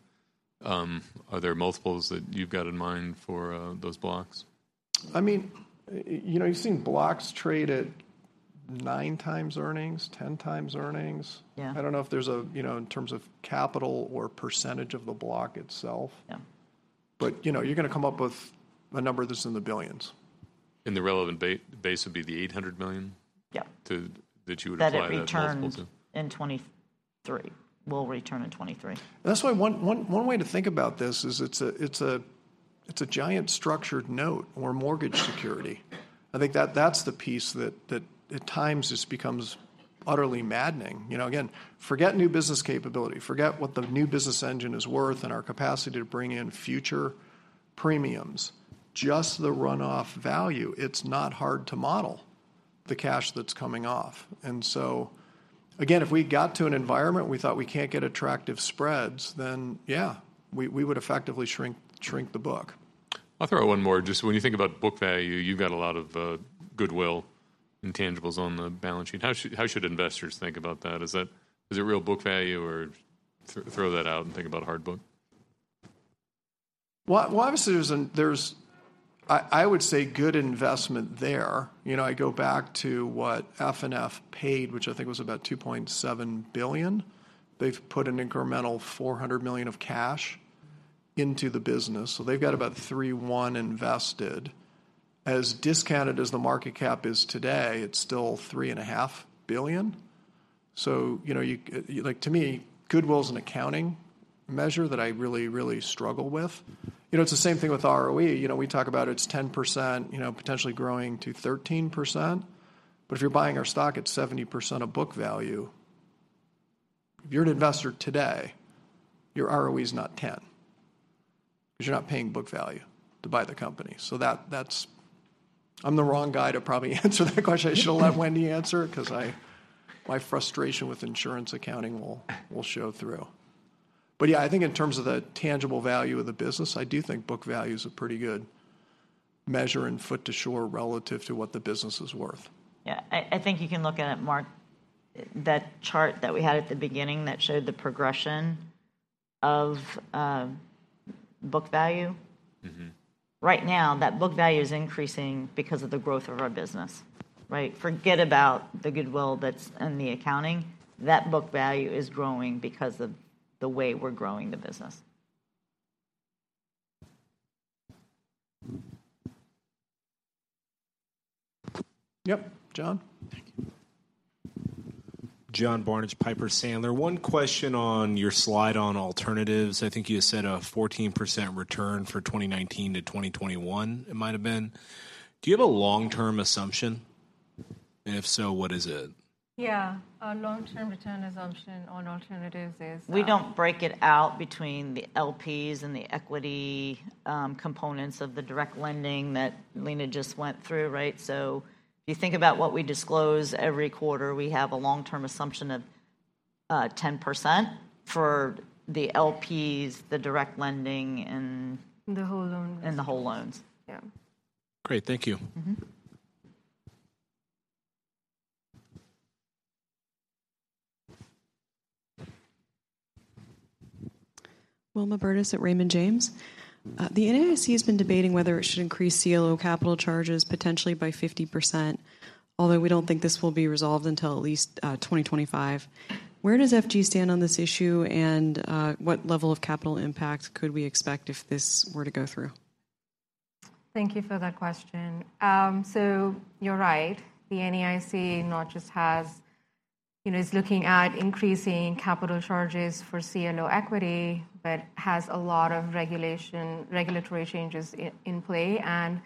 Are there multiples that you've got in mind for those blocks? I mean, you know, you've seen blocks trade at 9x earnings, 10x earnings. Yeah. I don't know if there's a, you know, in terms of capital or percentage of the block itself. Yeah But, you know, you're gonna come up with a number that's in the billions. The relevant base would be the $800 million to that you would apply that multiple to? That it returns in 2023. Will return in 2023. That's why one way to think about this is it's a giant structured note or mortgage security. I think that's the piece that at times just becomes utterly maddening. You know, again, forget new business capability, forget what the new business engine is worth and our capacity to bring in future premiums. Just the runoff value, it's not hard to model the cash that's coming off. And so again, if we got to an environment we thought we can't get attractive spreads, then yeah, we would effectively shrink the book. I'll throw one more. Just when you think about book value, you've got a lot of goodwill and tangibles on the balance sheet. How should, how should investors think about that? Is it real book value, or throw that out and think about hard book? Well, obviously, there's, I would say, good investment there. You know, I go back to what FNF paid, which I think was about $2.7 billion. They've put an incremental $400 million of cash into the business, so they've got about $3.1 billion invested. As discounted as the market cap is today, it's still $3.5 billion. So, you know, like, to me, goodwill's an accounting measure that I really, really struggle with. You know, it's the same thing with ROE. You know, we talk about it's 10%, you know, potentially growing to 13%, but if you're buying our stock at 70% of book value, if you're an investor today, your ROE is not 10, because you're not paying book value to buy the company. So that, that's... I'm the wrong guy to probably answer that question. I should let Wendy answer it, because my frustration with insurance accounting will show through. But yeah, I think in terms of the tangible value of the business, I do think book value is a pretty good measure and foothold relative to what the business is worth. Yeah. I, I think you can look at it, Mark. That chart that we had at the beginning that showed the progression of book value. Right now, that book value is increasing because of the growth of our business, right? Forget about the goodwill that's in the accounting. That book value is growing because of the way we're growing the business. Yep, John? Thank you. John Barnidge, Piper Sandler. One question on your slide on alternatives. I think you said a 14% return for 2019-2021, it might have been. Do you have a long-term assumption? And if so, what is it? Yeah. Our long-term return assumption on alternatives is, We don't break it out between the LPs and the equity components of the direct lending that Leena just went through, right? So if you think about what we disclose every quarter, we have a long-term assumption of 10% for the LPs, the direct lending, and- The whole loans. and the whole loans. Yeah. Great, thank you. Wilma Burdis at Raymond James. The NAIC has been debating whether it should increase CLO capital charges potentially by 50%, although we don't think this will be resolved until at least 2025. Where does F&G stand on this issue, and what level of capital impact could we expect if this were to go through? Thank you for that question. So you're right. The NAIC, you know, is looking at increasing capital charges for CLO equity, but has a lot of regulation, regulatory changes in play, and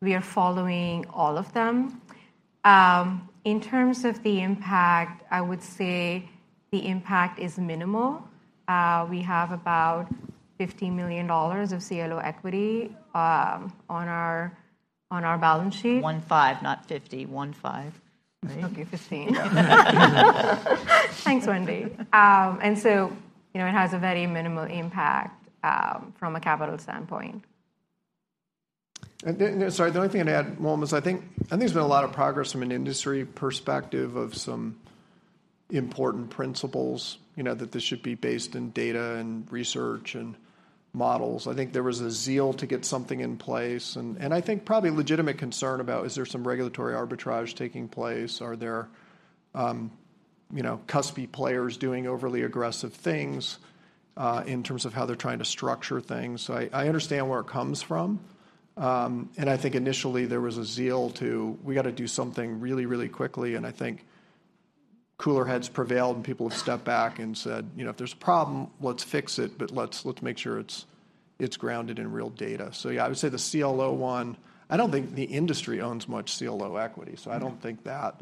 we are following all of them. In terms of the impact, I would say the impact is minimal. We have about $50 million of CLO equity on our balance sheet. 15, not 50. 15, right? Okay, 15. Thanks, Wendy. And so, you know, it has a very minimal impact from a capital standpoint. Then, sorry, the only thing I'd add, Wilma, is I think, I think there's been a lot of progress from an industry perspective of some important principles, you know, that this should be based in data and research and models. I think there was a zeal to get something in place, and I think probably legitimate concern about, is there some regulatory arbitrage taking place? Are there, you know, cuspy players doing overly aggressive things, in terms of how they're trying to structure things? So I understand where it comes from, and I think initially there was a zeal to, "We got to do something really, really quickly," and I think cooler heads prevailed, and people have stepped back and said, "You know, if there's a problem, let's fix it, but let's make sure it's grounded in real data." So yeah, I would say the CLO one, I don't think the industry owns much CLO equity, so I don't think that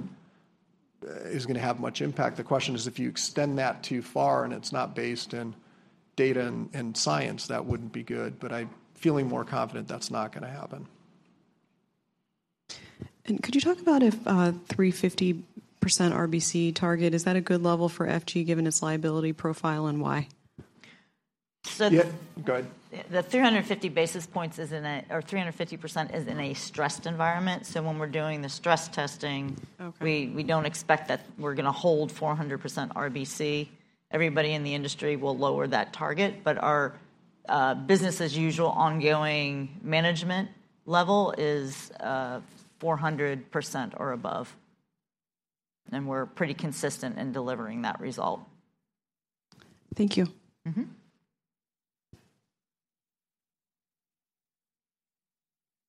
is going to have much impact. The question is, if you extend that too far and it's not based in data and science, that wouldn't be good, but I'm feeling more confident that's not going to happen. Could you talk about if 350% RBC target is a good level for F&G, given its liability profile, and why? So- Yeah, go ahead. The 350 basis points is in a... or 350% is in a stressed environment. So when we're doing the stress testing- Okay We don't expect that we're going to hold 400% RBC. Everybody in the industry will lower that target, but our business as usual, ongoing management level is 400% or above, and we're pretty consistent in delivering that result. Thank you.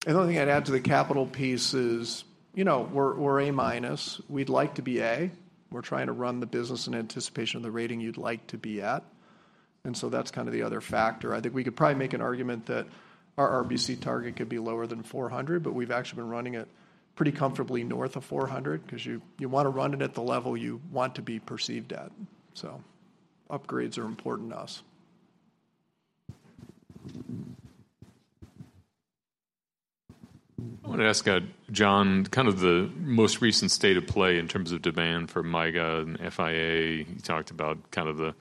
Another thing I'd add to the capital piece is, you know, we're A-minus. We'd like to be A. We're trying to run the business in anticipation of the rating you'd like to be at, and so that's kind of the other factor. I think we could probably make an argument that our RBC target could be lower than 400, but we've actually been running it pretty comfortably north of 400, 'cause you want to run it at the level you want to be perceived at. So upgrades are important to us. I want to ask, John, kind of the most recent state of play in terms of demand for MYGA and FIA. You talked about kind of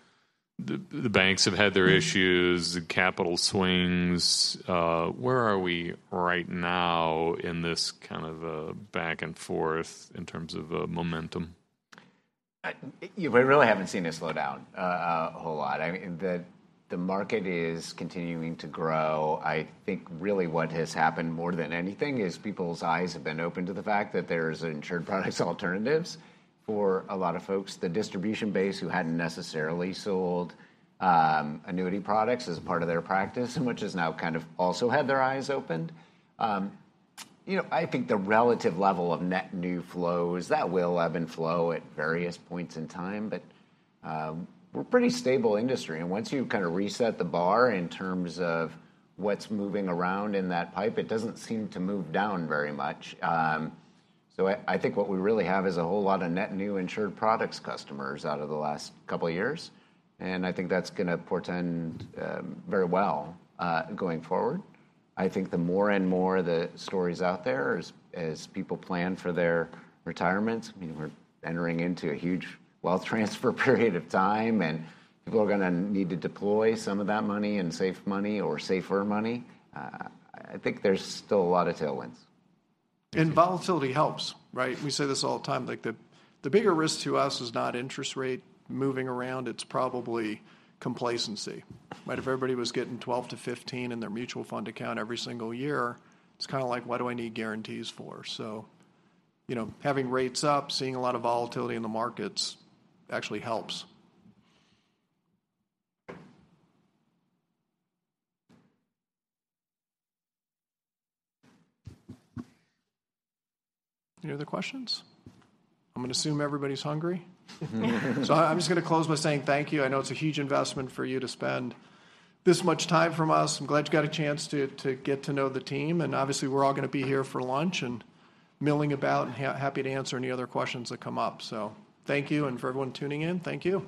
the banks have had their issues capital swings. Where are we right now in this kind of back and forth in terms of momentum? We really haven't seen it slow down a whole lot. I mean, the market is continuing to grow. I think really what has happened more than anything is people's eyes have been opened to the fact that there's insured products alternatives for a lot of folks. The distribution base who hadn't necessarily sold annuity products as a part of their practice, which has now kind of also had their eyes opened. You know, I think the relative level of net new flows, that will ebb and flow at various points in time, but we're a pretty stable industry, and once you kind of reset the bar in terms of what's moving around in that pipe, it doesn't seem to move down very much. So I think what we really have is a whole lot of net new insured products customers out of the last couple of years, and I think that's going to portend very well going forward. I think the more and more the stories out there as people plan for their retirements, I mean, we're entering into a huge wealth transfer period of time, and people are going to need to deploy some of that money and safe money or safer money. I think there's still a lot of tailwinds. Volatility helps, right? We say this all the time. Like, the bigger risk to us is not interest rate moving around, it's probably complacency, right? If everybody was getting 12-15 in their Mutual Fund account every single year, it's kind of like, what do I need guarantees for? So, you know, having rates up, seeing a lot of volatility in the markets actually helps. Any other questions? I'm going to assume everybody's hungry. So I, I'm just going to close by saying thank you. I know it's a huge investment for you to spend this much time from us. I'm glad you got a chance to, to get to know the team, and obviously, we're all going to be here for lunch and milling about, and happy to answer any other questions that come up. So thank you, and for everyone tuning in, thank you.